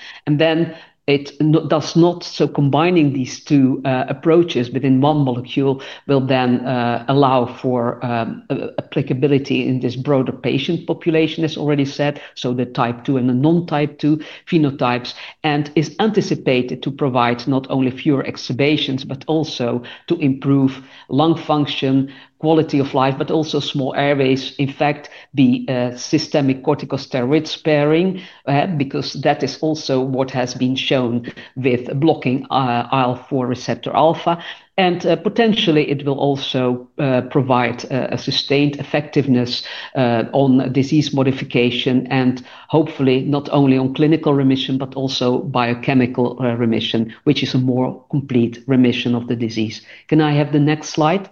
Combining these two approaches within one molecule will then allow for applicability in this broader patient population. As already said, the type 2 and the non-type 2 phenotypes, and is anticipated to provide not only fewer exacerbations but also to improve lung function, quality of life, but also small airways. In fact, the systemic corticosteroid sparing, because that is also what has been shown with blocking IL-4 receptor alpha, and potentially it will also provide a sustained effectiveness on this disease modification and hopefully not only on clinical remission but also biochemical remission, which is a more complete remission of the disease. Can I have the next slide?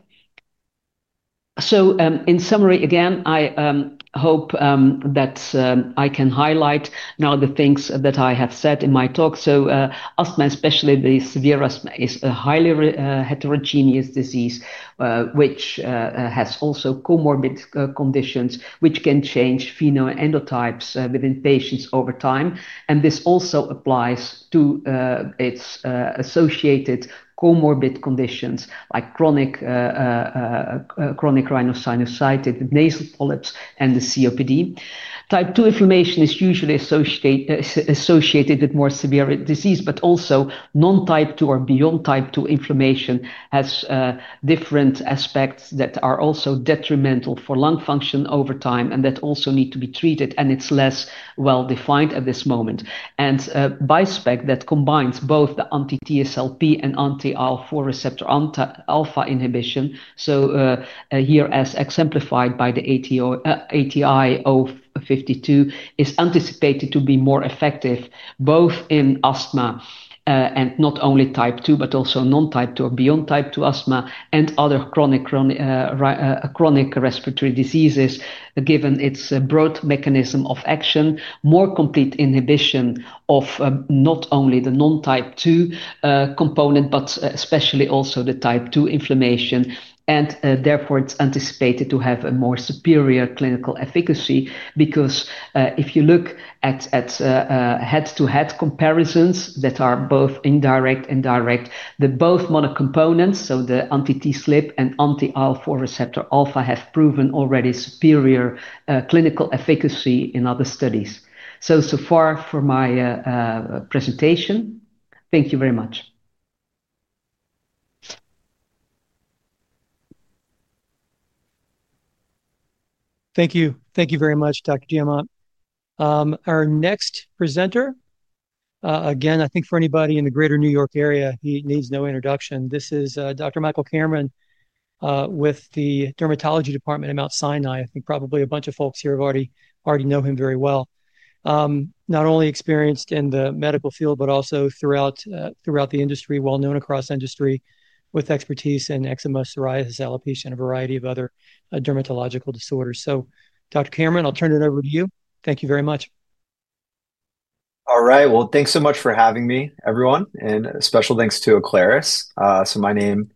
In summary, I hope that I can highlight now the things that I have said in my talk. Asthma, especially the severe asthma, is a highly heterogeneous disease which has also comorbid conditions which can change phenoendotypes within patients over time, and this also applies to its associated comorbid conditions like chronic rhinosinusitis, nasal polyps, and COPD. Type 2 inflammation is usually associated with more severe disease, but also non-type 2 or beyond. Type 2 inflammation has different aspects that are also detrimental for lung function over time and that also need to be treated, and it's less well defined at this moment. Bispec that combines both the anti-TSLP and anti-IL4 receptor alpha inhibition. Here as exemplified by the ATI-052, it is anticipated to be more effective both in asthma and not only type 2, but also non-type 2 or beyond type 2 asthma and other chronic respiratory diseases, given its broad mechanism of action, more complete inhibition of not only the non-type 2 component but especially also the type 2 inflammation. Therefore, it's anticipated to have a more superior clinical efficacy because if you look at head-to-head comparisons that are both indirect and direct, the both monocomponents, so the anti-TSLP and anti-IL-4R alpha, have proven already superior clinical efficacy in other studies. So far for my presentation, thank you very much. Thank you. Thank you very much. Our next presenter. I think for anybody in the greater New York area, he needs no introduction. This is Dr. Michael Cameron with the Dermatology Department at Mount Sinai. I think probably a bunch of folks here already know him very well. Not only experienced in the medical field but also throughout the industry, well known across industry with expertise in eczema, psoriasis, alopecia, and a variety of other dermatological disorders. Dr. Cameron, I'll turn it over to you. Thank you very much. All right, thanks so much for having me, everyone, and special thanks to Aclaris. My name,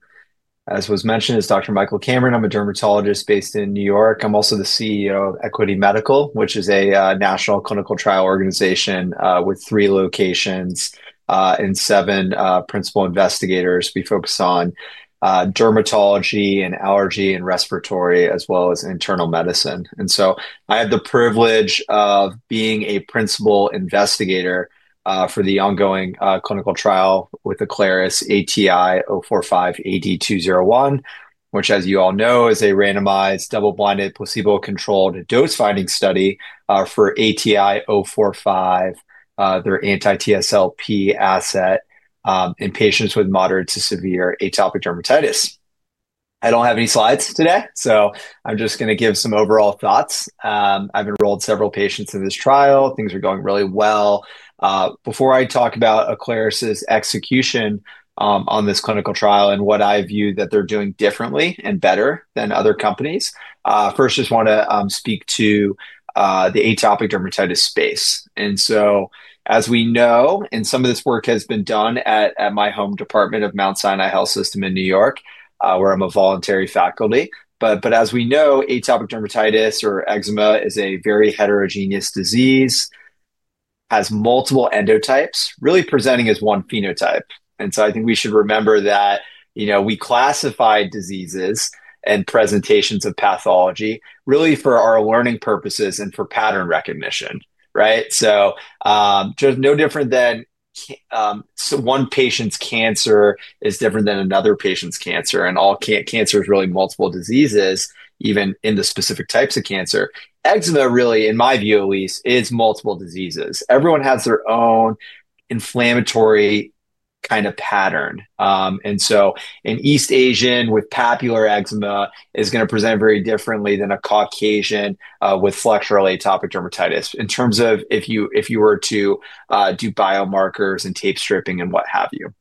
as was mentioned, is Dr. Michael Cameron. I'm a Dermatologist based in New York. I'm also the CEO of Equity Medical, which is a national clinical trial organization with three locations and seven principal investigators. We focus on dermatology and allergy and respiratory as well as internal medicine. I had the privilege of being a principal investigator for the ongoing clinical trial with Aclaris ATI-045 AD-201, which as you all know is a randomized, double-blinded, placebo-controlled, dose-finding study for ATI-045, their anti-TSLP asset in patients with moderate to severe atopic dermatitis. I don't have any slides today, so I'm just going to give some overall thoughts. I've enrolled several patients in this trial. Things are going really well. Before I talk about Aclaris' execution on this clinical trial and what I view that they're doing differently and better than other companies, I first just want to speak to the atopic dermatitis space. As we know, and some of this work has been done at my home department of Mount Sinai Health System in New York where I'm voluntary faculty. As we know, atopic dermatitis or eczema is a very heterogeneous disease, has multiple endotypes really presenting as one phenotype. I think we should remember that we classified diseases and presentations of pathology really for our learning purposes and for pattern recognition. Right. No different than one patient's cancer is different than another patient's cancer, and all cancer is really multiple diseases, even in the specific types of cancer. Eczema, really, in my view at least, is multiple diseases. Everyone has their own inflammatory kind of pattern. An East Asian with papillary eczema is going to present very differently than a Caucasian with flexural atopic dermatitis in terms of if you were to do biomarkers and tape stripping and what have you.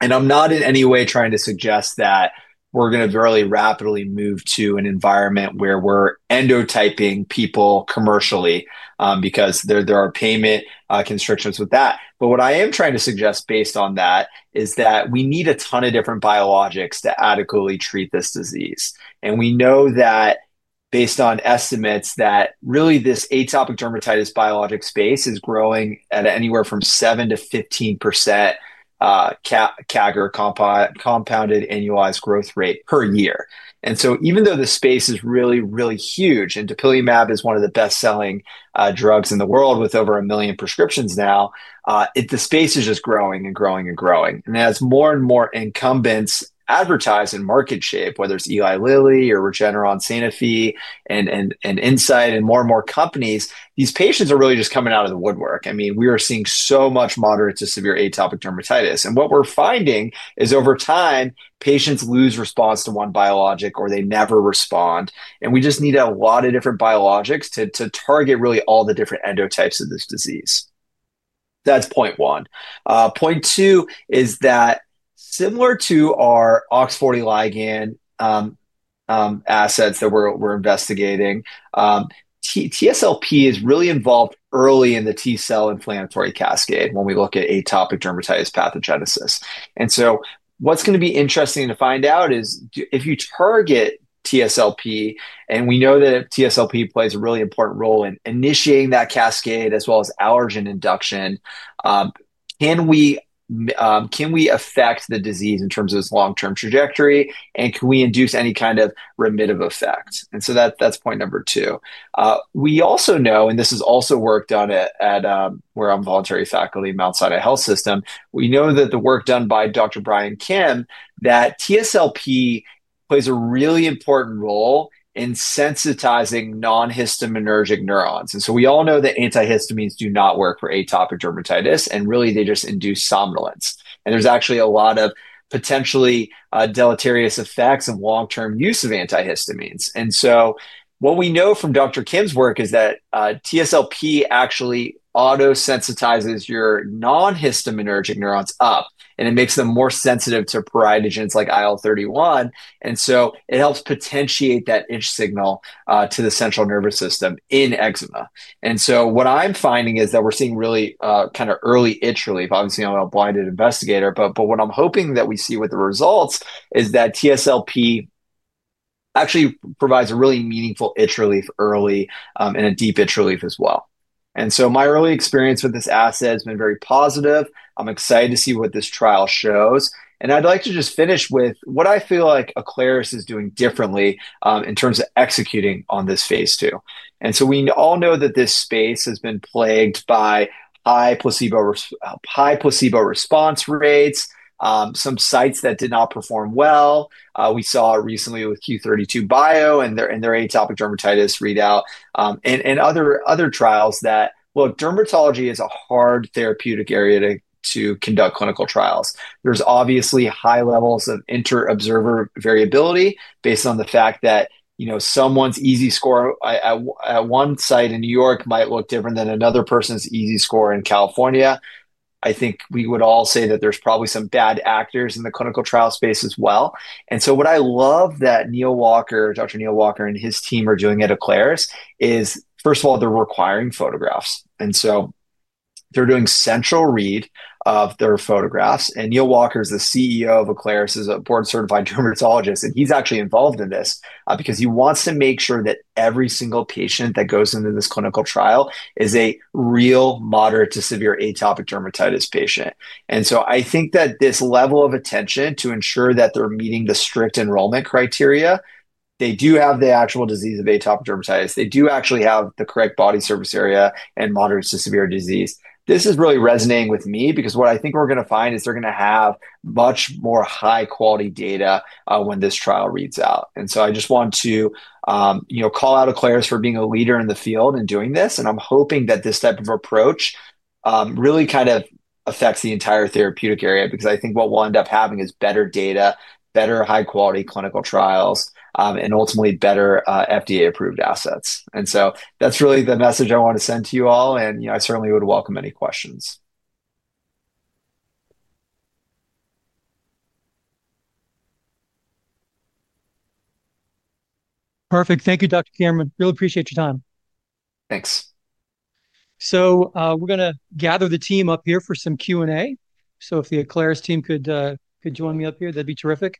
I'm not in any way trying to suggest that we're going to really rapidly move to an environment where we're endotyping people commercially because there are payment constrictions with that. What I am trying to suggest based on that is that we need a ton of different biologics to adequately treat this disease. We know that based on estimates, this atopic dermatitis biologic space is growing at anywhere from 7% to 15% CAGR, compounded annualized growth rate per year. Even though the space is really, really huge and dupilumab is one of the best selling drugs in the world with over a million prescriptions now, the space is just growing and growing and growing. As more and more incumbents advertise and market shape, whether it's Eli Lilly or Regeneron, Sanofi and Incyte and more and more companies, these patients are really just coming out of the woodwork. We are seeing so much moderate to severe atopic dermatitis. What we're finding is over time, patients lose response to one biologic or they never respond. We just need a lot of different biologics to target really all the different endotypes of this disease. That's point one. Point two is that similar to our OX40 ligand assets that we're investigating, TSLP is really involved early in the T cell inflammatory cascade when we look at atopic dermatitis pathogenesis. What's going to be interesting to find out is if you target TSLP, and we know that TSLP plays a really important role in initiating that cascade as well as allergen induct. Can we affect the disease in terms of its long-term trajectory and can we induce any kind of remitter effect? That's point number two. We also know, and this is also work done at where I'm voluntary faculty, Mount Sinai Health System. We know that the work done by Dr. Brian Kim, that TSLP plays a really important role in sensitizing non-histaminergic neurons. We all know that antihistamines do not work for atopic dermatitis and really they just induce somnolence. There's actually a lot of potentially deleterious effects of long-term use of antihistamines. What we know from Dr. Kim's work is that TSLP actually auto-sensitizes your non-histaminergic neurons up and it makes them more sensitive to pruritogens like IL-31. It helps potentiate that itch signal to the central nervous system in eczema. What I'm finding is that we're seeing really kind of early itch relief. Obviously I'm a blinded investigator, but what I'm hoping that we see with the results is that TSLP actually provides a really meaningful itch relief early and a deep itch relief as well. My early experience with this asset has been very positive. I'm excited to see what this trial shows, and I'd like to just finish with what I feel like Aclaris is doing differently in terms of executing on this phase II is that we all know this space has been plagued by high placebo response rates. Some sites did not perform well. We saw recently with Q32 Bio and their atopic dermatitis readout and other trials that dermatology is a hard therapeutic area to conduct clinical trials. There are obviously high levels of inter-observer variability based on the fact that someone's EASI score at one site in New York might look different than another person's EASI score in California. I think we would all say that there's probably some bad actors in the clinical trial space as well. What I love that Dr. Neal Walker and his team are doing at Aclaris is, first of all, they're requiring photographs. They're doing centralized photographic review of their photographs. Neal Walker is the CEO of Aclaris, is a board-certified dermatologist, and he's actually involved in this because he wants to make sure that every single patient that goes into this clinical trial is a real moderate to severe atopic dermatitis patient. I think that this level of attention to ensure that they're meeting the strict enrollment criteria, they do have the actual disease of atopic dermatitis, they do actually have the correct body surface area and moderate to severe disease, this is really resonating with me because what I think we're going to find is they're going to have much more high-quality data when this trial reads out. I just want to call out Aclaris for being a leader in the field and doing this. I'm hoping that this type of approach really kind of affects the entire therapeutic area because I think what we'll end up having is better data, better high-quality clinical trials, and ultimately better FDA-approved assets. That's really the message I want to send to you all. I certainly would welcome any questions. Perfect. Thank you, Dr. Cameron, really appreciate your time. Thanks. We're going to gather the team up here for some Q and A. If the Aclaris team could join me up here, that'd be terrific.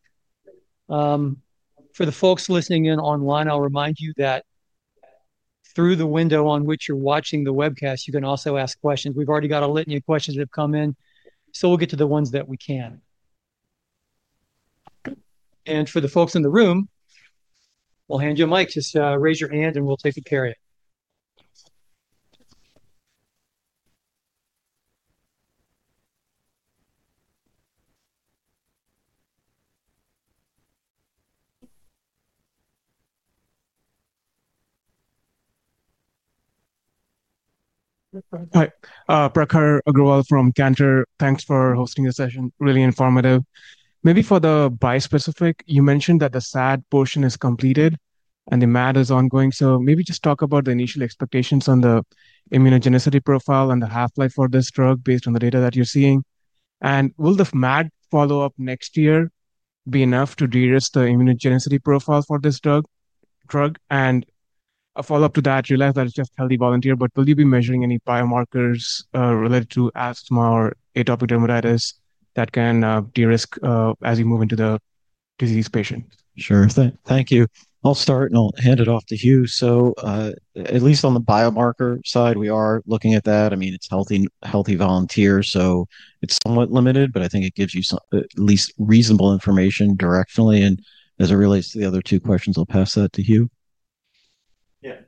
For the folks listening in online, I'll remind you that through the window on which you're watching the webcast, you can also ask questions. We've already got a litany of questions that have come in, so we'll get to the ones that we can. And for the folks in the room, we'll hand you a mic. Just raise your hand and we'll take a question. Hi, Prakhar Agrawal from Cantor. Thanks for hosting the session. Really informative. For the bispecific, you mentioned that the SAD portion is completed and the MAD is ongoing. Maybe just talk about the initial expectations on the immunogenicity profile and the half life for this drug based on the data that you're seeing. Will the MAD follow up next year be enough to de-risk the immunogenicity profile for this drug, and a follow up to that, realize that it's just healthy volunteer, but will you be measuring any biomarkers related to asthma or atopic dermatitis that can de-risk as you move into the disease patient? Sure. Thank you. I'll start and I'll hand it off to Hugh. At least on the biomarker side we are looking at that. I mean it's healthy volunteer, so it's somewhat limited, but I think it gives you some at least reasonable information directionally. As it relates to the other two questions, I'll pass that to Hugh. Yeah,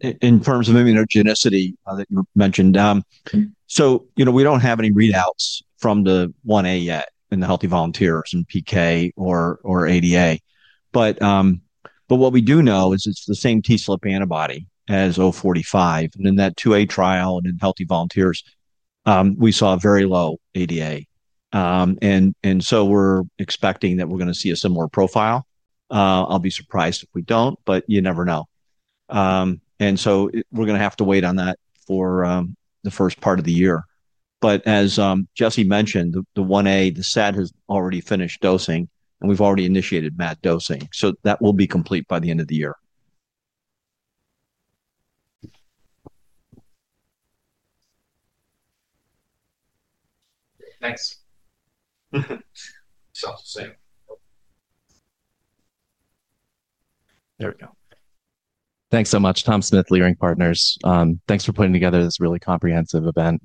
in terms of immunogenicity that you mentioned, we don't have any readouts from the I-A yet in the healthy volunteers and PK or ADA, but what we do know is it's the same TSLP antibody as ATI-045, and in that II-A trial and in healthy volunteers, we saw very low ADA. We're expecting that we're going to see a similar profile. I'll be surprised if we don't, but you never know. We're going to have to wait on that for the first part of the year. As Jesse mentioned, the I-A, the SAD has already finished dosing and we've already initiated MAD dosing. That will be complete by the end of the year. Thanks. Sounds the same. There we go. Thanks so much. Tom Smith, Leerink Partners. Thanks for putting together this really comprehensive event.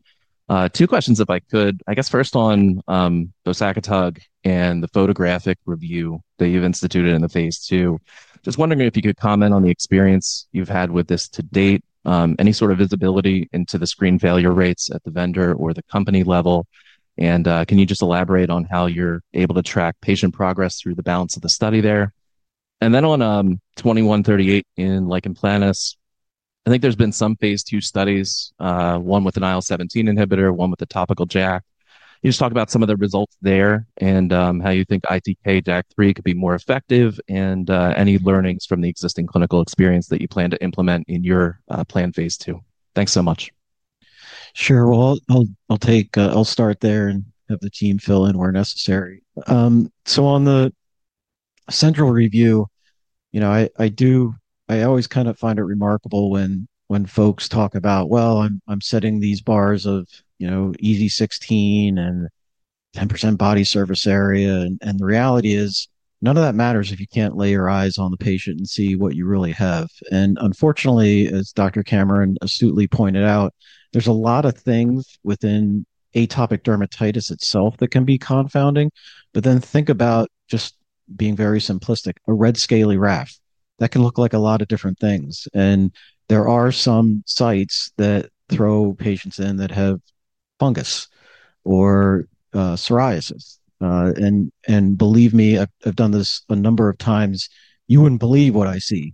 Two questions, if I could. I guess first on bosakitug and the photographic review that you've instituted in the phase II, just wondering if you could comment on the experience you've had with this to date, any sort of visibility into the screen failure rates at the vendor or the company level. Can you just elaborate on how you're able to track patient progress through the balance of the study there. On ATI-2138 in lichen planus? I think there's been some phase II studies, one with an IL-17 inhibitor, one with the topical JAK. You just talked about some of the results there and how you think ITK/JAK3 could be more effective and any learnings from the existing clinical experience that you plan to implement in your planned phase II. Thanks so much. Sure. I'll start there and have the team fill in where necessary. On the central review, I always kind of find it remarkable when folks talk about, I'm setting these bars of, you know, EASI-16 and 10% body surface area. The reality is none of that matters if you can't lay your eyes on the patient and see what you really have. Unfortunately, as Dr. Cameron astutely pointed out, there's a lot of things within atopic dermatitis itself that can be confounding. Think about just being very simplistic. A red scaly rash that can look like a lot of different things. There are some sites that throw patients in that have fungus or psoriasis. Believe me, I've done this a number of times. You wouldn't believe what I see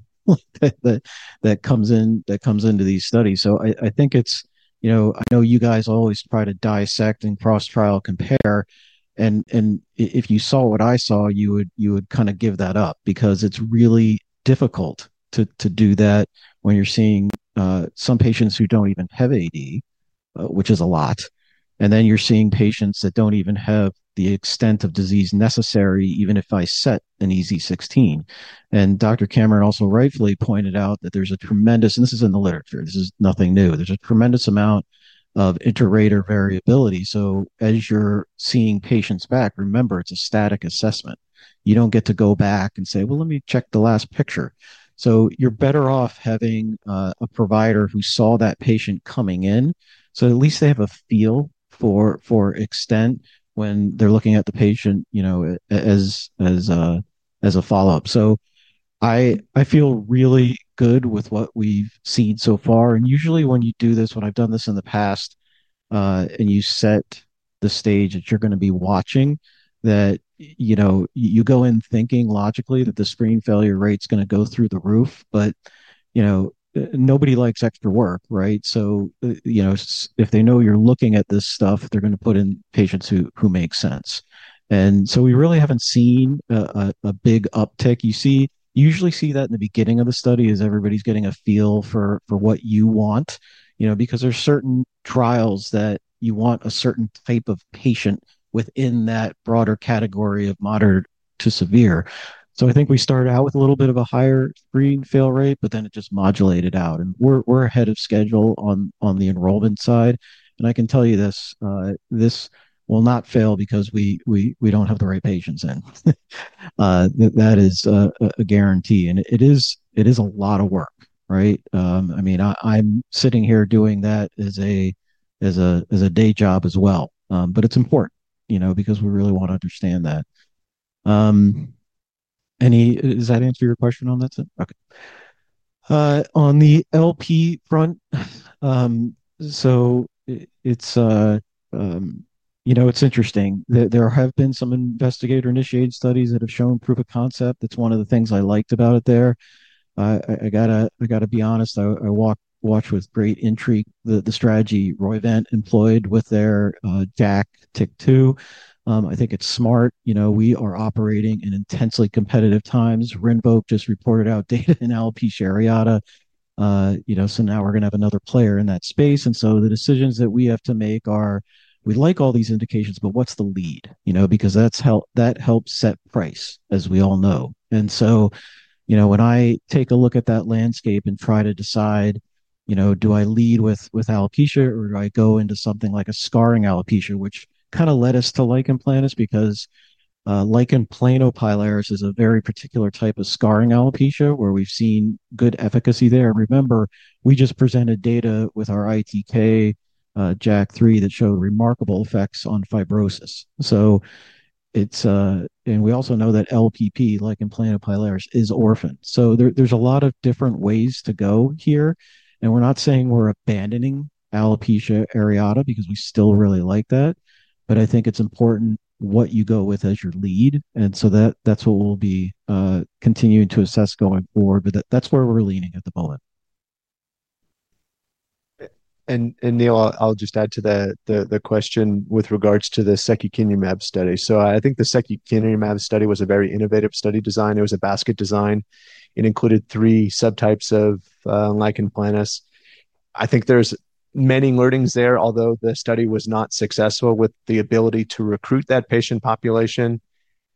that comes in, that comes into these studies. I think it's, you know, I know you guys always try to dissect and cross-trial compare and if you saw what I saw, you would kind of give that up because it's really difficult to do that when you're seeing some patients who don't even have AD, which is a lot, and then you're seeing patients that don't even have the extent of disease necessary, even if I set an EASI-16. Dr. Cameron also rightfully pointed out that there's a tremendous, and this is in the literature, this is nothing new, there's a tremendous amount of inter-rater variability. As you're seeing patients back, remember it's a static assessment. You don't get to go back and say, let me check the last picture. You're better off having a provider who saw that patient coming in, so at least they have a feel for extent when they're looking at the patient as a follow-up. I feel really good with what we've seen so far. Usually when you do this, when I've done this in the past and you set the stage that you're going to be watching, you go in thinking logically that the screen failure rate is going to go through the roof. Nobody likes extra work, right? If they know you're looking at this stuff, they're going to put in patients who make sense. We really haven't seen a big uptick. You usually see that in the beginning of the study as everybody's getting a feel for what you want, because there's certain trials that you want, a certain type of patient within that broader category of moderate to severe. I think we started out with a little bit of a higher screen fail rate, but then it just modulated out and we're ahead of schedule on the enrollment side. I can tell you this will not fail because we don't have the right patients in. That is a guarantee. It is a lot of work. I mean, I'm sitting here doing that as a day job as well. It's important, you know, because we really want to understand that any, does that answer your question on that? Okay. On the LP front, it's interesting. There have been some investigator-initiated studies that have shown proof of concept. It's one of the things I liked about it there. I have to be honest, I watch with great intrigue the strategy Roivant employed with their [DAC] TYK2. I think it's smart. We are operating in intensely competitive times. RINVOQ just reported out data in alopecia areata, so now we are going to have another player in that space. The decisions that we have to make are we like all these indications, but what's the lead, because that helps set price, as we all know. When I take a look at that landscape and try to decide, do I lead with alopecia or do I go into something like a scarring alopecia, which kind of led us to lichen planus because lichen planopilaris is a very particular type of scarring alopecia where we've seen good efficacy there. Remember we just presented data with our ITK/JAK3 that showed remarkable effects on fibrosis. We also know that LPP, lichen planopilaris, is orphan. There are a lot of different ways to go here. We are not saying we are abandoning alopecia areata because we still really like that. I think it's important what you go with as your lead, and that's what we'll be continuing to assess going forward, but that's where we're leaning at the moment. Neal, I'll just add to the question with regards to the secukinumab study. I think the secukinumab study was a very innovative study design. It was a basket design. It included three subtypes of lichen planus. I think there's many learnings there. Although the study was not successful with the ability to recruit that patient population,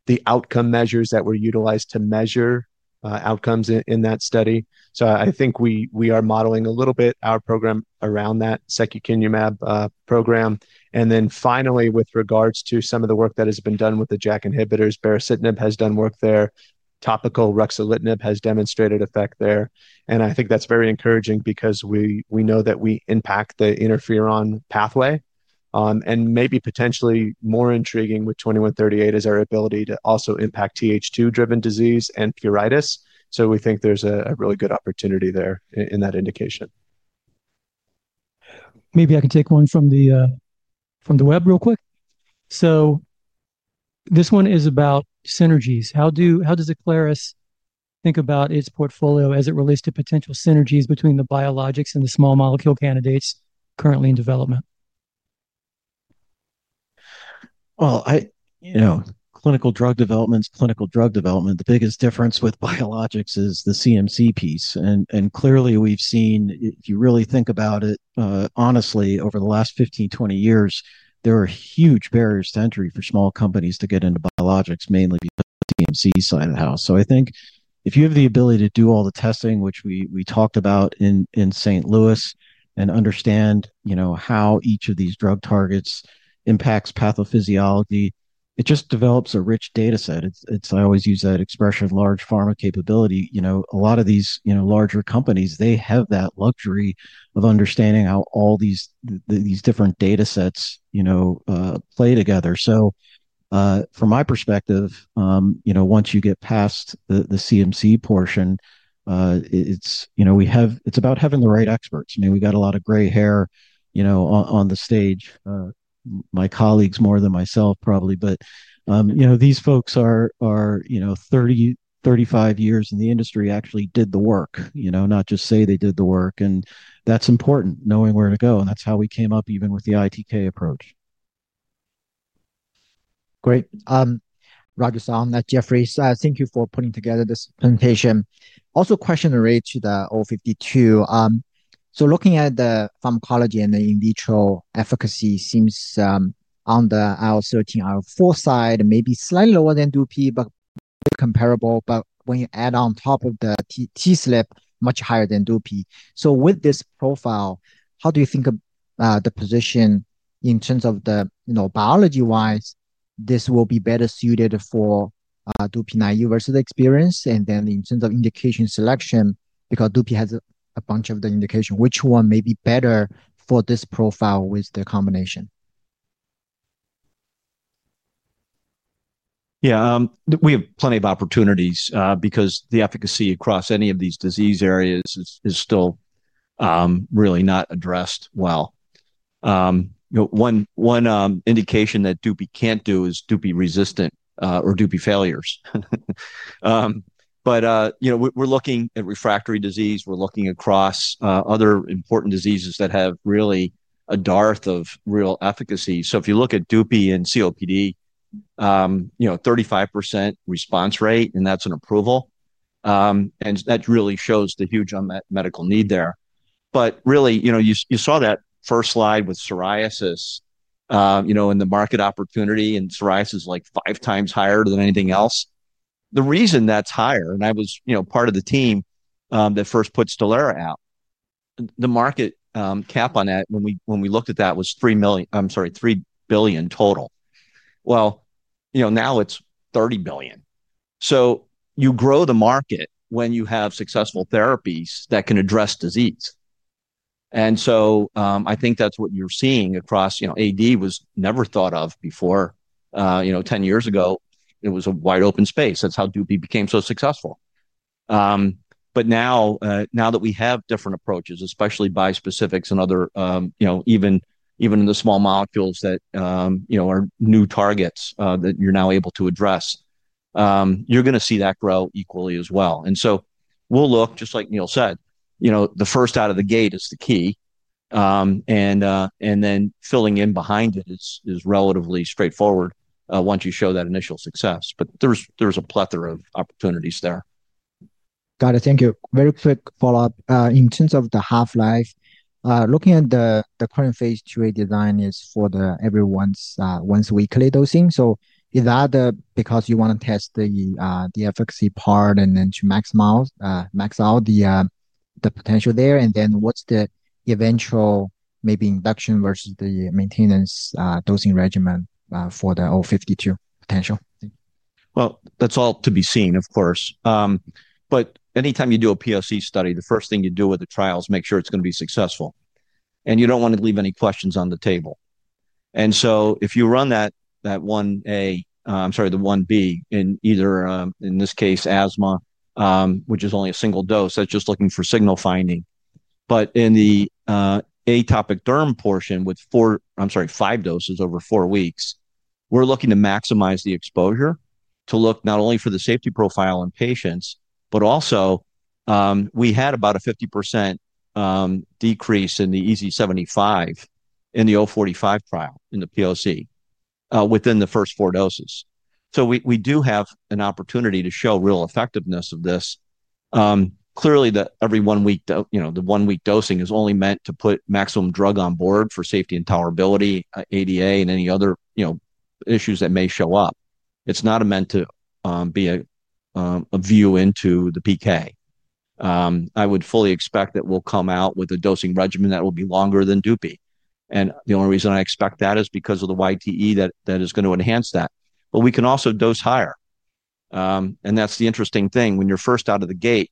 the outcome measures that were utilized to measure outcomes in that study. I think we are modeling a little bit our program around that secukinumab program. Finally, with regards to some of the work that has been done with the JAK inhibitors, baricitinib has done work there. Topical ruxolitinib has demonstrated effect there. I think that's very encouraging because we know that we impact the interferon pathway. Maybe potentially more intriguing with ATI-2138 is our ability to also impact Th2 driven disease and pruritus. We think there's a really good opportunity there in that indication. Maybe I can take one from the web real quick. This one is about synergies. How does Aclaris think about its portfolio as it relates to potential synergies between the biologics and the small molecule candidates currently in development? You know, clinical drug development's clinical drug development. The biggest difference with biologics is the CMC piece, and clearly we've seen, if you really think about it honestly, over the last 15, 20 years, there are huge barriers to entry for small companies to get into biologics, mainly CMC side of the house. I think if you have the ability to do all the testing which we talked about in St. Louis and understand how each of these drug targets impacts pathophysiology, it just develops a rich data set. I always use that expression, large pharma capability. A lot of these larger companies, they have that luxury of understanding how all these different data sets play together. From my perspective, once you get past the CMC portion, it's about having the right experts. I mean, we got a lot of gray hair, you know, on the stage. My colleagues more than myself probably. These folks are, you know, 30, 35 years in the industry, actually did the work, not just say they did the work. That's important, knowing where to go. That's how we came up even with the ITK approach. Great. Roger Song at Jefferies. Thank you for putting together this presentation. Also, question related to the ATI-052. Looking at the pharmacology and the in vitro efficacy, seems on the IL-13 IL-4 side, maybe slightly lower than dupi, but comparable. When you add on top of the TSLP, much higher than dupi. With this profile, how do you think of the position in terms of the, you know, biology wise, this will be better suited for dupi-naive versus experience and then in terms of indication selection because dupi has a bunch of the indication, which one may be better for this profile with the combination. Yeah, we have plenty of opportunities because the efficacy across any of these disease areas is still really not addressed well. One indication that dupi can't do is dupi resistant or dupi failures. We're looking at refractory disease. We're looking across other important diseases that have really a dearth of real efficacy. If you look at dupi in COPD, 35% response rate and that's an approval and that really shows the huge medical need there. You saw that first slide with psoriasis, in the market opportunity, and psoriasis is like five times higher than anything else. The reason that's higher, and I was part of the team that first put Stelara out, the market cap on that when we looked at that was $3 billion. I'm sorry, $3 billion total? Now it's $30 billion. You grow the market when you have successful therapies that can address disease. I think that's what you're seeing across. AD was never thought of before. 10 years ago, it was a wide open space. That's how dupi became so successful. Now that we have different approaches, especially bispecifics and even in the small molecules that are new targets that you're now able to address, you're going to see that grow equally as well. We'll look just like Neal said, the first out of the gate is the key and then filling in behind it is relatively straightforward once you show that initial success. There's a plethora of opportunities there. Got it, thank you. Very quick follow-up. In terms of the half-life, looking at the current phase II design, it is for the everyone's once-weekly dosing. Is that because you want to test the efficacy part and then to max out the potential there, and then what's the eventual maybe induction versus the maintenance dosing regimen for the ATI-052 potential? Anytime you do a POC study, the first thing you do with the trial is make sure it's going to be successful and you don't want to leave any questions on the table. If you run that one B, in this case in asthma, which is only a single dose, that's just looking for signal finding. In the atopic derm portion with five doses over four weeks, we're looking to maximize the exposure, to look not only for the safety profile in patients, but also we had about a 50% decrease in the EASI-75 in the ATI-045 trial in the POC within the first four doses. We do have an opportunity to show real effectiveness of this. Clearly, the every one week dosing is only meant to put maximum drug on board for safety and tolerability, ADA, and any other issues that may show up. It's not meant to be a view into the PK. I would fully expect that we'll come out with a dosing regimen that will be longer than dupi. The only reason I expect that is because of the YTE that is going to enhance that. We can also dose higher. That's the interesting thing when you're first out of the gate,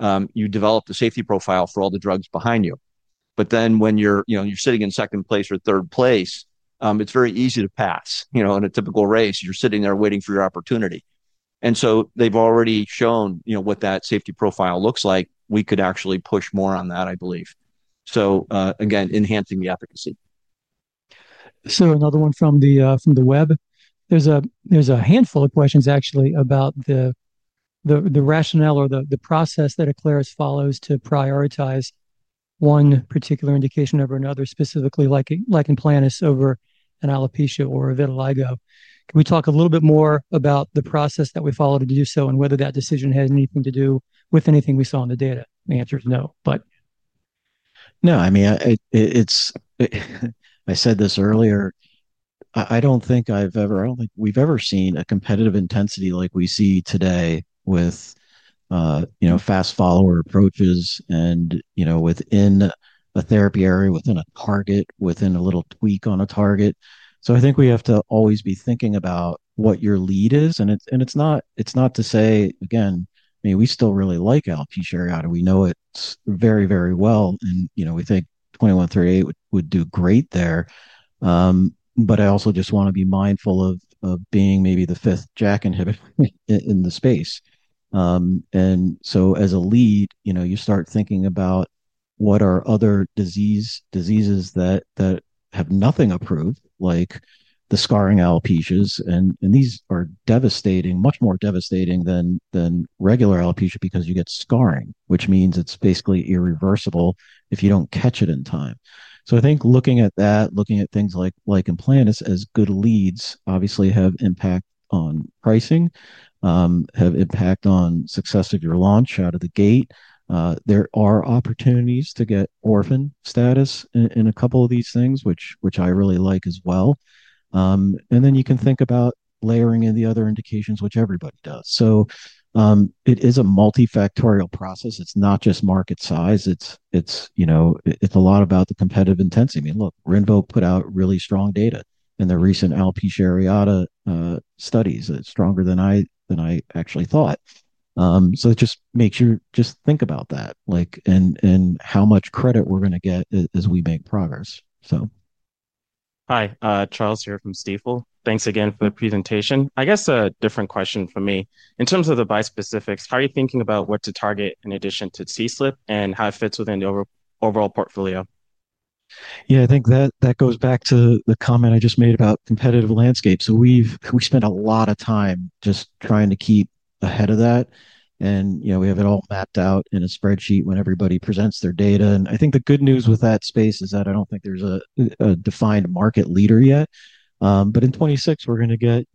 you develop the safety profile for all the drugs behind you. When you're sitting in second place or third place, it's very easy to pass. In a typical race, you're sitting there waiting for your opportunity. They've already shown what that safety profile looks like. We could actually push more on that. I believe so. Again, enhancing the efficacy. There are a handful of questions, actually, about the rationale or the process that Aclaris follows to prioritize one particular indication over another. Specifically, like lichen planus, over an alopecia or a vitiligo. Can we talk a little bit more about the process that we follow to do so and whether that decision had anything to do with anything we saw in the data? The answer is no but. No, I mean, it's, I said this earlier. I don't think I've ever, I don't think we've ever seen a competitive intensity like we see today with, you know, fast follower approaches and, you know, within a therapy area, within a target, within a little tweak on a target. I think we have to always be thinking about what your lead is. It's not to say again, I mean, we still really like alopecia areata. We know it very, very well, and, you know, we think ATI-2138 would do great there. I also just want to be mindful of being maybe the fifth JAK inhibitor in the space. As a lead, you start thinking about what are other diseases that have nothing approved, like the scarring alopecias. These are devastating, much more devastating than regular alopecia, because you get scarring, which means it's basically irreversible if you don't catch it in time. I think looking at that, looking at things like lichen planus as good leads, obviously have impact on pricing, have impact on success of your launch out of the gate. There are opportunities to get orphan status in a couple of these things, which I really like as well. You can think about layering in the other indications, which everybody does. It is a multifactorial process. It's not just market size. It's, you know, it's a lot about the competitive intensity. I mean, look, RINVOQ put out really strong data in the recent alopecia areata studies, stronger than I actually thought. It just makes you think about that, like, and how much credit we're going to get as we make progress. Hi, Charles here from Stifel. Thanks again for the presentation. I guess a different question for me in terms of the bispecifics, how are you thinking about what to target in addition to TSLP and how it fits within the overall portfolio? Yeah, I think that goes back to the comment I just made about competitive landscape. We've spent a lot of time just trying to keep ahead of that, and we have it all mapped out in a spreadsheet when everybody presents their data. I think the good news with that space is that I don't think there's a defined market leader yet, but in 2026 we're going to get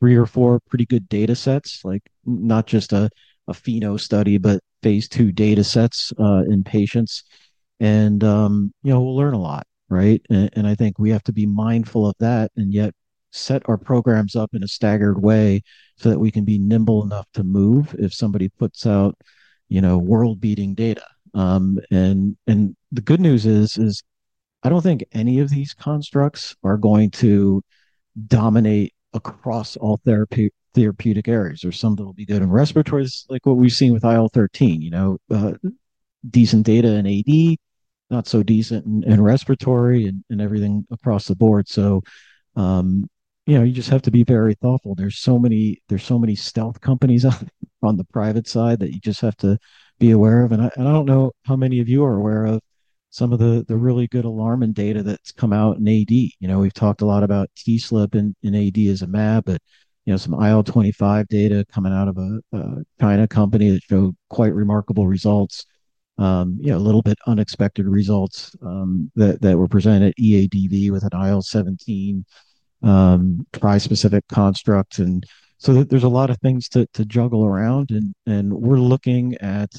three or four pretty good data sets, like not just a pheno study but phase II data sets in patients. We'll learn a lot, right. I think we have to be mindful of that and yet set our programs up in a staggered way so that we can be nimble enough to move if somebody puts out world-beating data. The good news is I don't think any of these constructs are going to dominate across all therapeutic areas. There are some that will be good in respiratory, like what we've seen with IL-13, you know, decent data in AD, not so decent in respiratory, and everything across the board. You just have to be very thoughtful. There are so many stealth companies out on the private side that you just have to be aware of, I don't know how many of you are aware of some of the really good, alarming data that's come out in AD. You know, we've talked a lot about TSLP in AD as a map, but you know, some IL-25 data coming out of a China company that showed quite remarkable results, you know, a little bit unexpected results that were presented at EADV with an IL-17 trispecific construct. There's a lot of things to juggle around, and we're looking at,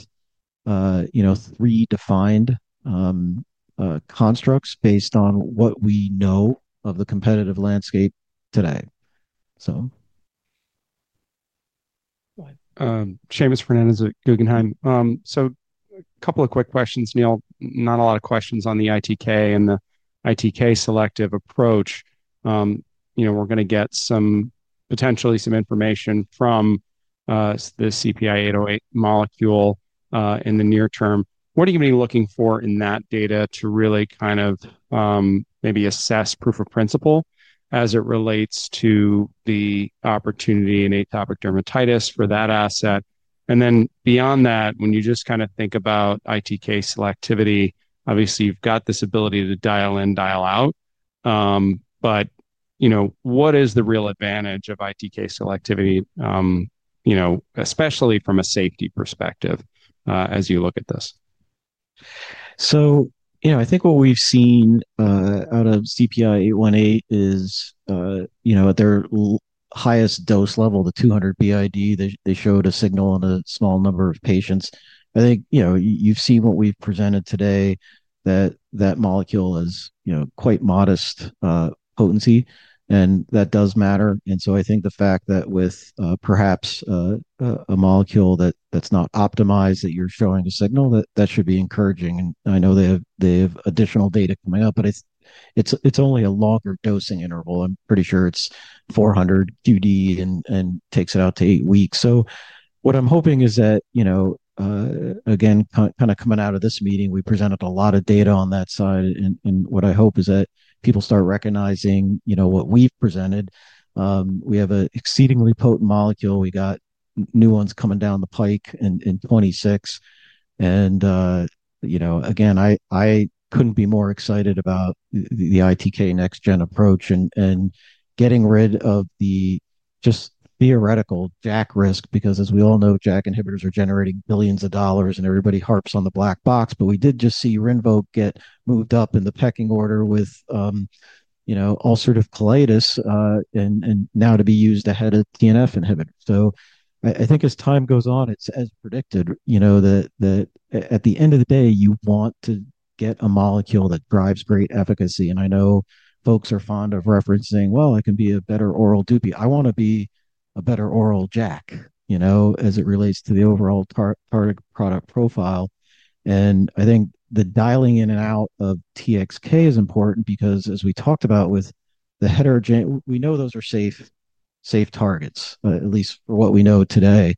you know, three defined constructs based on what we know of the competitive landscape today. Seamus Fernandez at Guggenheim. A couple of quick questions, Neal, not a lot of questions on the ITK and the ITK-selective approach. You know, we're going to get some, potentially some information from the CPI-808 molecule. In the near term, what are you going to be looking for in that data to really kind of maybe assess proof of principle as it relates to the opportunity in atopic dermatitis for that asset? Beyond that, when you just kind of think about ITK selectivity, obviously you've got this ability to dial in, dial out. What is the real advantage of ITK selectivity, especially from a safety perspective as you look at this? I think what we've seen out of CPI-818 is, you know, at their highest dose level, the 200 BID, they showed a signal on a small number of patients. I think you've seen what we've presented today. That molecule is quite modest potency, and that does matter. I think the fact that with perhaps a molecule that's not optimized, that you're showing a signal, that should be encouraging. I know they have additional data coming up, but it's only a longer dosing interval. I'm pretty sure it's 400 QD and takes it out to eight weeks. What I'm hoping is that, you know, again, kind of coming out of this meeting, we presented a lot of data on that side. What I hope is that people start recognizing, you know, what we've presented. We have an exceedingly potent molecule. We got new ones coming down the pike in 2026. You know, again, I couldn't be more excited about the ITK next gen approach and getting rid of the just theoretical JAK risk, because, as we all know, JAK inhibitors are generating billions of dollars, and everybody harps on the black box. We did just see RINVOQ get moved up in the pecking order with, you know, ulcerative colitis and now to be used ahead of TNF inhibitor. I think as time goes on, it's as predicted, you know, that at the end of the day, you want to get a molecule that drives great efficacy. I know folks are fond of referencing, well, I can be a better oral dupi. I want to be a better oral JAK, you know, as it relates to the overall target product profile. I think the dialing in and out of TXK is important because as we talked about with the heterogeneity, we know those are safe, safe targets, at least for what we know today.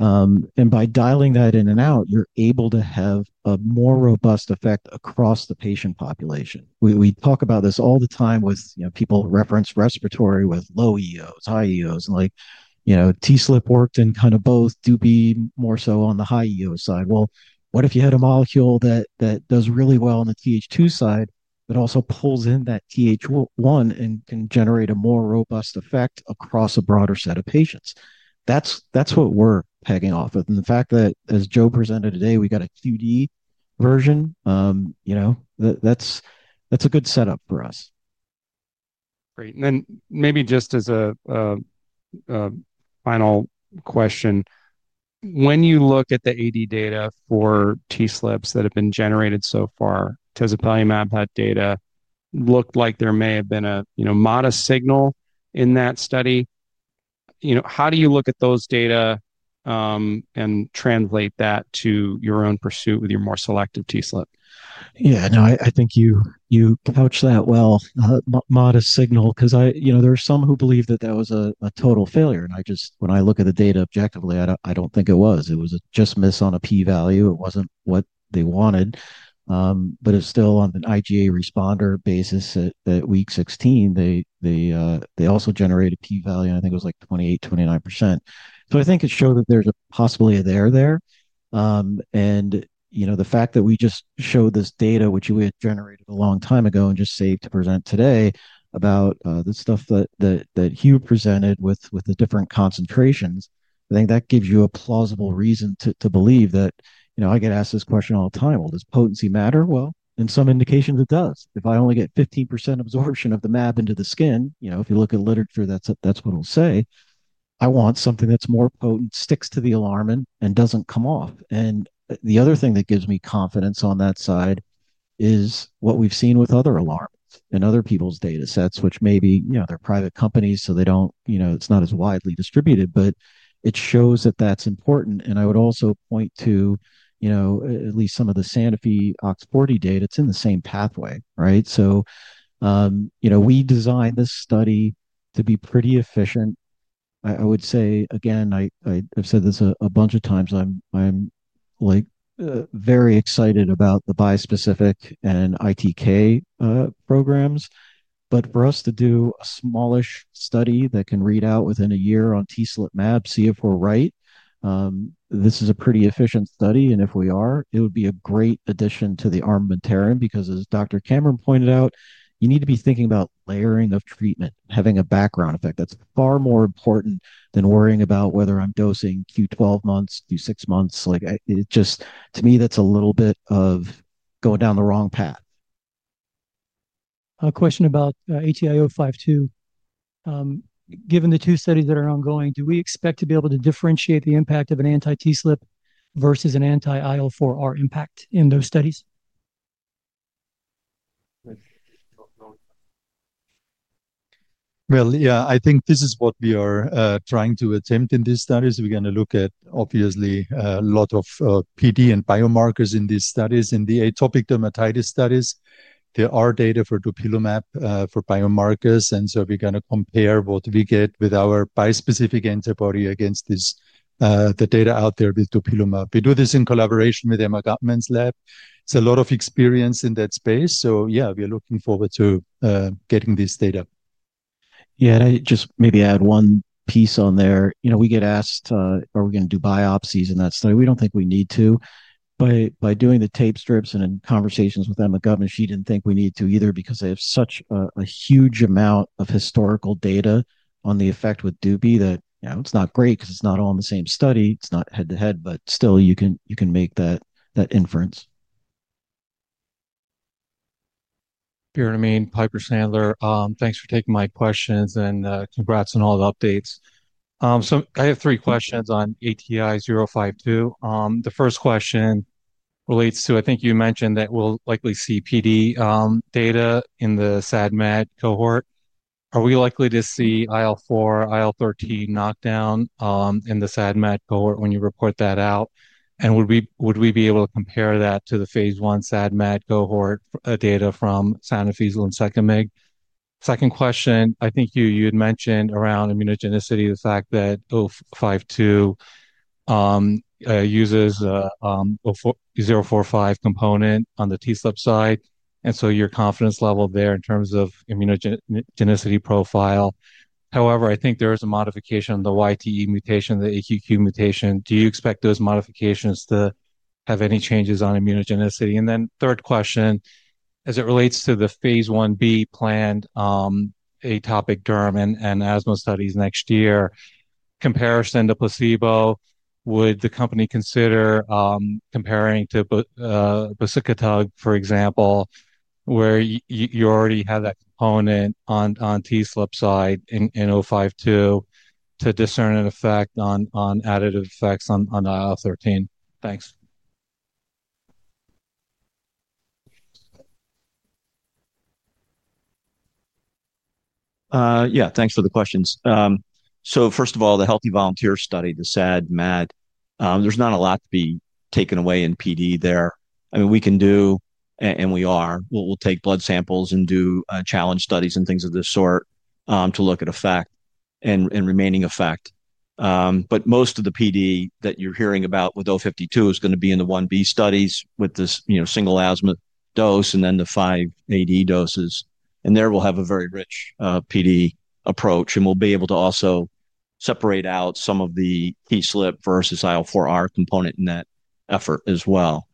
By dialing that in and out, you're able to have a more robust effect across the patient population. We talk about this all the time with, you know, people reference respiratory with low EOs, high EOs, like, you know, TSLP worked, and kind of both dupi more so on the high EO side. What if you had a molecule that does really well on the Th2 side, but also pulls in that Th1 and can generate a more robust effect across a broader set of patients. That's what works. Pegging off with and the fact that, as Joe presented today, we got a QD version, you know, that's a good setup for us. Great. Maybe just as a final question, when you look at the AD data for TSLP that have been generated so far, tezepelumab, that data looked like there may have been a modest signal in that study. How do you look at those data and translate that to your own pursuit with your more selective TSLP? Yeah, I think you pouch that, modest signal because I, you know, there are some who believe that that was a total failure. I just, when I look at the data objectively, I don't think it was. It was a just miss on a P value. It wasn't what they wanted, but it's still on an IGA responder basis. At week 16, they also generated a P value. I think it was like 28%, 29%. I think it shows that there's a possibility there. The fact that we just showed this data, which we had generated a long time ago and just saved to present today about the stuff that Hugh presented with the different concentrations, I think that gives you a plausible reason to believe that. I get asked this question all the time, does potency matter? In some indications, it does. If I only get 15% absorption of the mab into the skin, if you look at literature, that's what it'll say. I want something that's more potent, sticks to the alarm, and doesn't come off. The other thing that gives me confidence on that side is what we've seen with other alarms and other people's data sets, which maybe, they're private companies, so they don't, it's not as widely distributed, but it shows that that's important. I would also point to at least some of the Sanofi OX40 data. It's in the same pathway. We designed this study to be pretty efficient, I would say. I've said this a bunch of times. I'm very excited about the bispecific and ITK programs. For us to do a smallish study that can read out within a year on TSLP mab, see if we're right, this is a pretty efficient study and if we are, it would be a great addition to the armamentarium because as Dr. Cameron pointed out, you need to be thinking about layering of treatment having a background effect. That's far more important than worrying about whether I'm dosing Q12 months, Q6 months. It just to me that's a little bit of going down the wrong path. A question about ATI-052. Given the two studies that are ongoing, do we expect to be able to differentiate the impact of an anti-TSLP vs an anti-IL-4R impact in those studies? I think this is what we are trying to attempt in these studies. We're going to look at obviously a lot of PD and biomarkers in these studies. In the atopic dermatitis studies there are data for dupilumab for biomarkers, and we're going to compare what we get with our bispecific antibody against this, the data out there with dupilumab. We do this in collaboration with Emma Guttman's lab. It's a lot of experience in that space. We are looking forward to getting this data. Yeah. I just maybe add one piece on there. You know, we get asked are we going to do biopsies in that study? We don't think we need to by doing the tape strips. In conversations with Emma Gutt, she didn't think we needed to either because they have such a huge amount of historical data on the effect with dupi that it's not great because it's not all in the same study. It's not head to head, but still you can make that inference. Biren Amin, Piper Sandler. Thanks for taking my questions and congrats on all the updates. I have three questions on ATI-052. The first question relates to, I think you mentioned that we'll likely see PD data in the SAD/MAD cohort. Are we likely to see IL-4/IL-13 knockdown In the SAD/MED cohort, when you report that out, would we be able to compare that to the phase I SAD/MAT cohort data from Sanofi, as well as [Secomig]? Second question, I think you had mentioned around immunogenicity, the fact that, of course uses ATI-045 component on the TSLP side and your confidence level there in terms of immunogenicity profile. However, I think there is a modification of the YTE mutation, the AQQ mutation. Do you expect those modifications to have any changes on immunogenicity, and then third question as it relates to the phase I-B planned atopic derm and asthma studies next year, comparison to placebo. Would the company consider comparing to bosakitug, for example, where you already have that component on TSLP side in ATI-052 to discern an effect on additive effects on IL-13? Thanks. Yeah, thanks for the questions. First of all, the healthy volunteer study, the SAD, MAD, there's not a lot to be taken away in PD there. I mean, we can do, and we are, we'll take blood samples and do challenge studies and things of this sort to look at effect and remaining effect. Most of the PD that you're hearing about with ATI-052 is going to be in the I-B studies with this single asthma dose and then the five AD doses. There we'll have a very rich PD approach and we'll be able to also separate out some of the TSLP versus IL-4R component in that effort as well.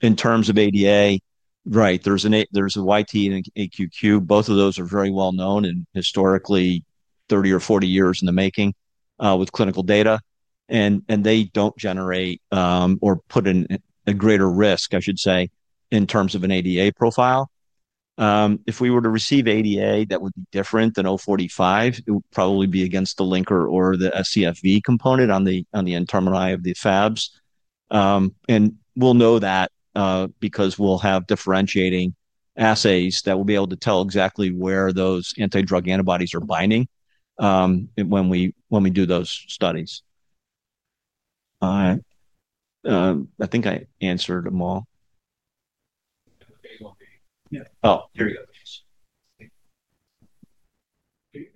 In terms of ADA, right, there's a YT and AQQ. Both of those are very well known and historically 30 or 40 years in the making with clinical data, and they don't generate or put in a greater risk, I should say, in terms of an ADA profile. If we were to receive ADA that would be different than ATI-045, it would probably be against the linker or the scFv component on the N-termini of the Fabs. We'll know that because we'll have differentiating assays that will be able to tell exactly where those anti-drug antibodies are binding when we do those studies. I think I answered them all. Oh, here we go.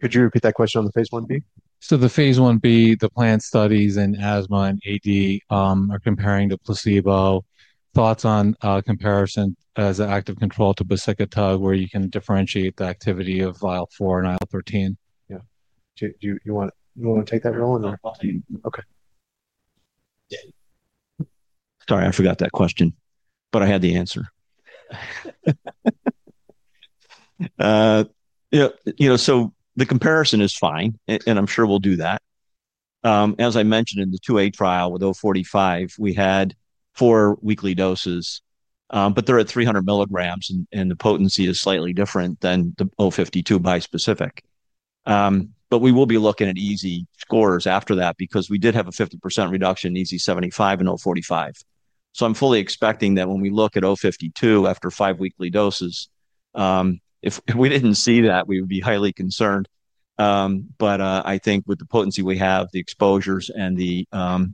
Could you repeat that question on the phase I-B? The phase I-B, the planned studies in asthma and AD are comparing to placebo. Thoughts on comparison as active control to bosakitug, where you can differentiate the activity of vial for an IL-13. Yeah. Do you want to take that, Roland? Okay. Sorry I forgot the question, but I had the answer, you know, so the comparison is fine and I'm sure we'll do that. As I mentioned, in the phase II trial with ATI-045, we had four weekly doses, but they're at 300 mg and the potency is slightly different than the ATI-052 bispecific. We will be looking at EASI scores after that because we did have a 50% reduction, EASI-75 in ATI-045. I'm fully expecting that when we look at ATI-052 after five weekly doses. If we didn't see that, we would be highly concerned. I think with the potency we have, the exposures and the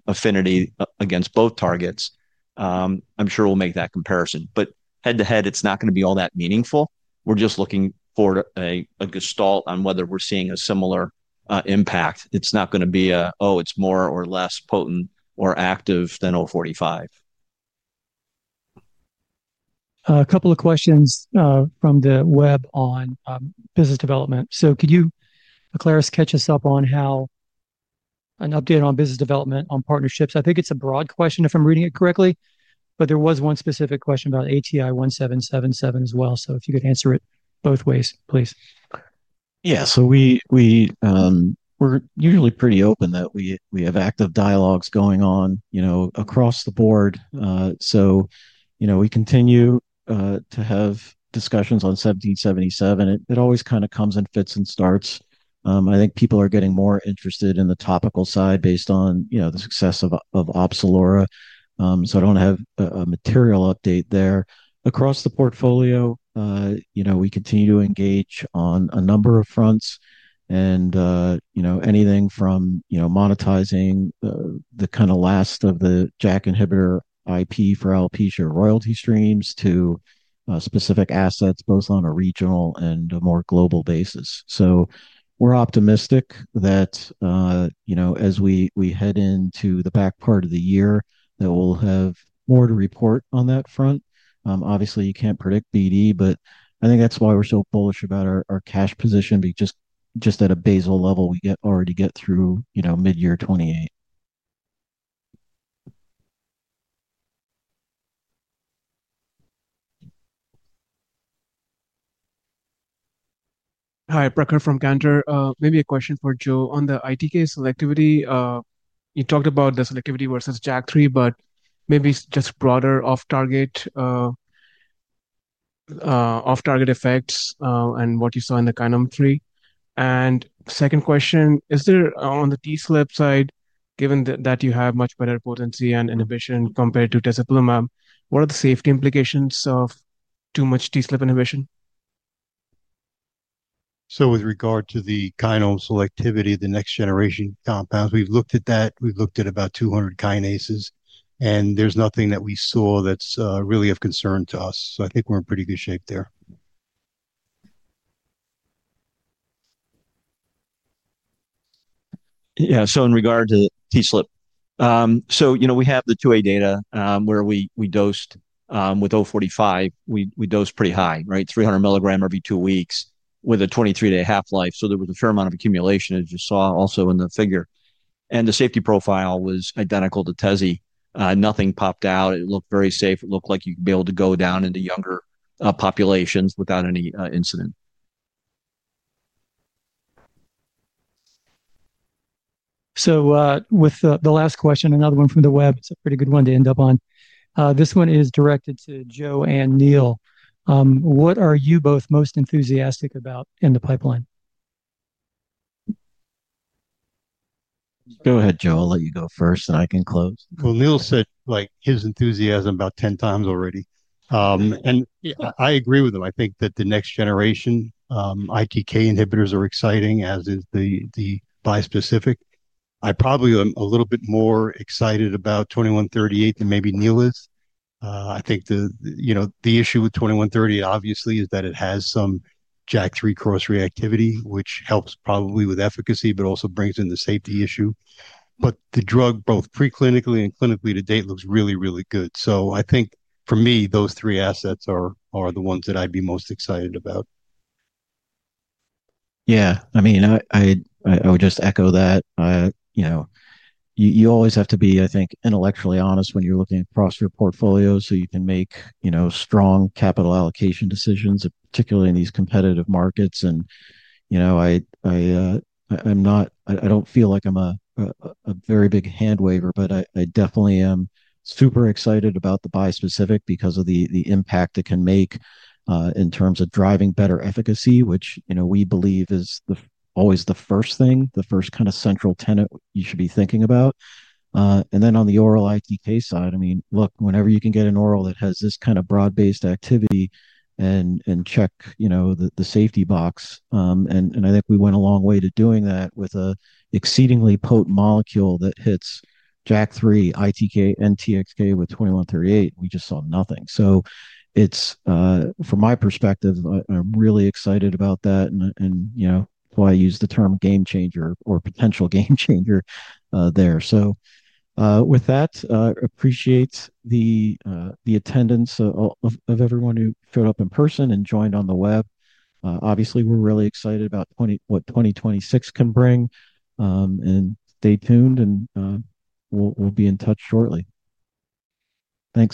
affinity against both targets, I'm sure we'll make that comparison. Head to head it's not going to be all that meaningful. We're just looking for a gestalt on whether we're seeing a similar impact. It's not going to be a, oh, it's more or less potent or active than ATI-045. A couple of questions from the web on business development. Could you, Aclaris, catch us up on how an update on business development on partnerships? I think it's a broad question if I'm reading it correctly. There was one specific question about ATI-1777 as well. If you could answer it both ways please. Yeah, we're usually pretty open that we have active dialogues going on across the board. We continue to have discussions on ATI-1777. It always kind of comes in fits and starts. I think people are getting more interested in the topical side based on the success of OPZELURA. I don't have a material update there. Across the portfolio, we continue to engage on a number of fronts, anything from monetizing the kind of last of the JAK inhibitor IP for alopecia royalty streams to specific assets both on a regional and a more global basis. We're optimistic that as we head into the back part of the year, we'll have more to report on that front. Obviously, you can't predict BD, but I think that's why we're so bullish about our cash position because just at a basic level we already get through mid year 2028. Hi Prakhar from Cantor. Maybe a question for Joe on the ITK selectivity. You talked about the selectivity versus JAK3, but maybe just broader off-target effects and what you saw in the KINEM 3. Second question is there on the TSLP side, given that you have much better potency and inhibition compared to tezepelumab, what are the safety implications of too much TSLP inhibition? With regard to the kinase selectivity, the next generation compounds, we've looked at that, we've looked at about 200 kinases, and there's nothing that we saw that's really of concern to us. I think we're in pretty good shape there. Yeah. In regard to TSLP, you know, we have the II-A data where we dosed with ATI-045. We dose pretty high, right? 300 mg every two weeks with a 23-day half-life. There was a fair amount of accumulation, as you saw also in the figure. The safety profile was identical to teze. Nothing popped out. It looked very safe. It looked like you could be able to go down into younger populations without any incident. With the last question, another one from the web. It's a pretty good one to end up on. This one is directed to Joe and Neal. What are you both most enthusiastic about in the pipeline? Go ahead, Joe. I'll let you go first, and I can close. Neil said like his enthusiasm about 10x already and I agree with him. I think that the next generation ITK inhibitors are exciting, as is the bispecific. I probably am a little bit more excited about ATI-2138 than maybe Neil is. I think the issue with ATI-2130 obviously is that it has some JAK3 cross reactivity, which helps probably with efficacy but also brings in the safety issue. The drug, both preclinically and clinically to date, looks really, really good. I think for me those three assets are the ones that I'd be most excited about. Yeah, I would just echo that. You always have to be, I think, intellectually honest when you're looking across your portfolio so you can make strong capital allocation decisions, particularly in these competitive markets. I don't feel like I'm a very big hand waiver. I definitely am super excited about the bispecific because of the impact it can make in terms of driving better efficacy, which we believe is always the first thing, the first kind of central tenet you should be thinking about. On the oral ITK side, whenever you can get an oral that has this kind of broad-based activity and check the safety box, I think we went a long way to doing that with an exceedingly potent molecule that hits JAK3, ITK, and TXK with ATI-2138. We just saw nothing. From my perspective, I'm really excited about that and why I use the term game changer or potential game changer there. With that, appreciate the attendance of everyone who showed up in person and joined on the web. Obviously, we're really excited about what 2026 can bring and stay tuned and we'll be in touch shortly. Thanks.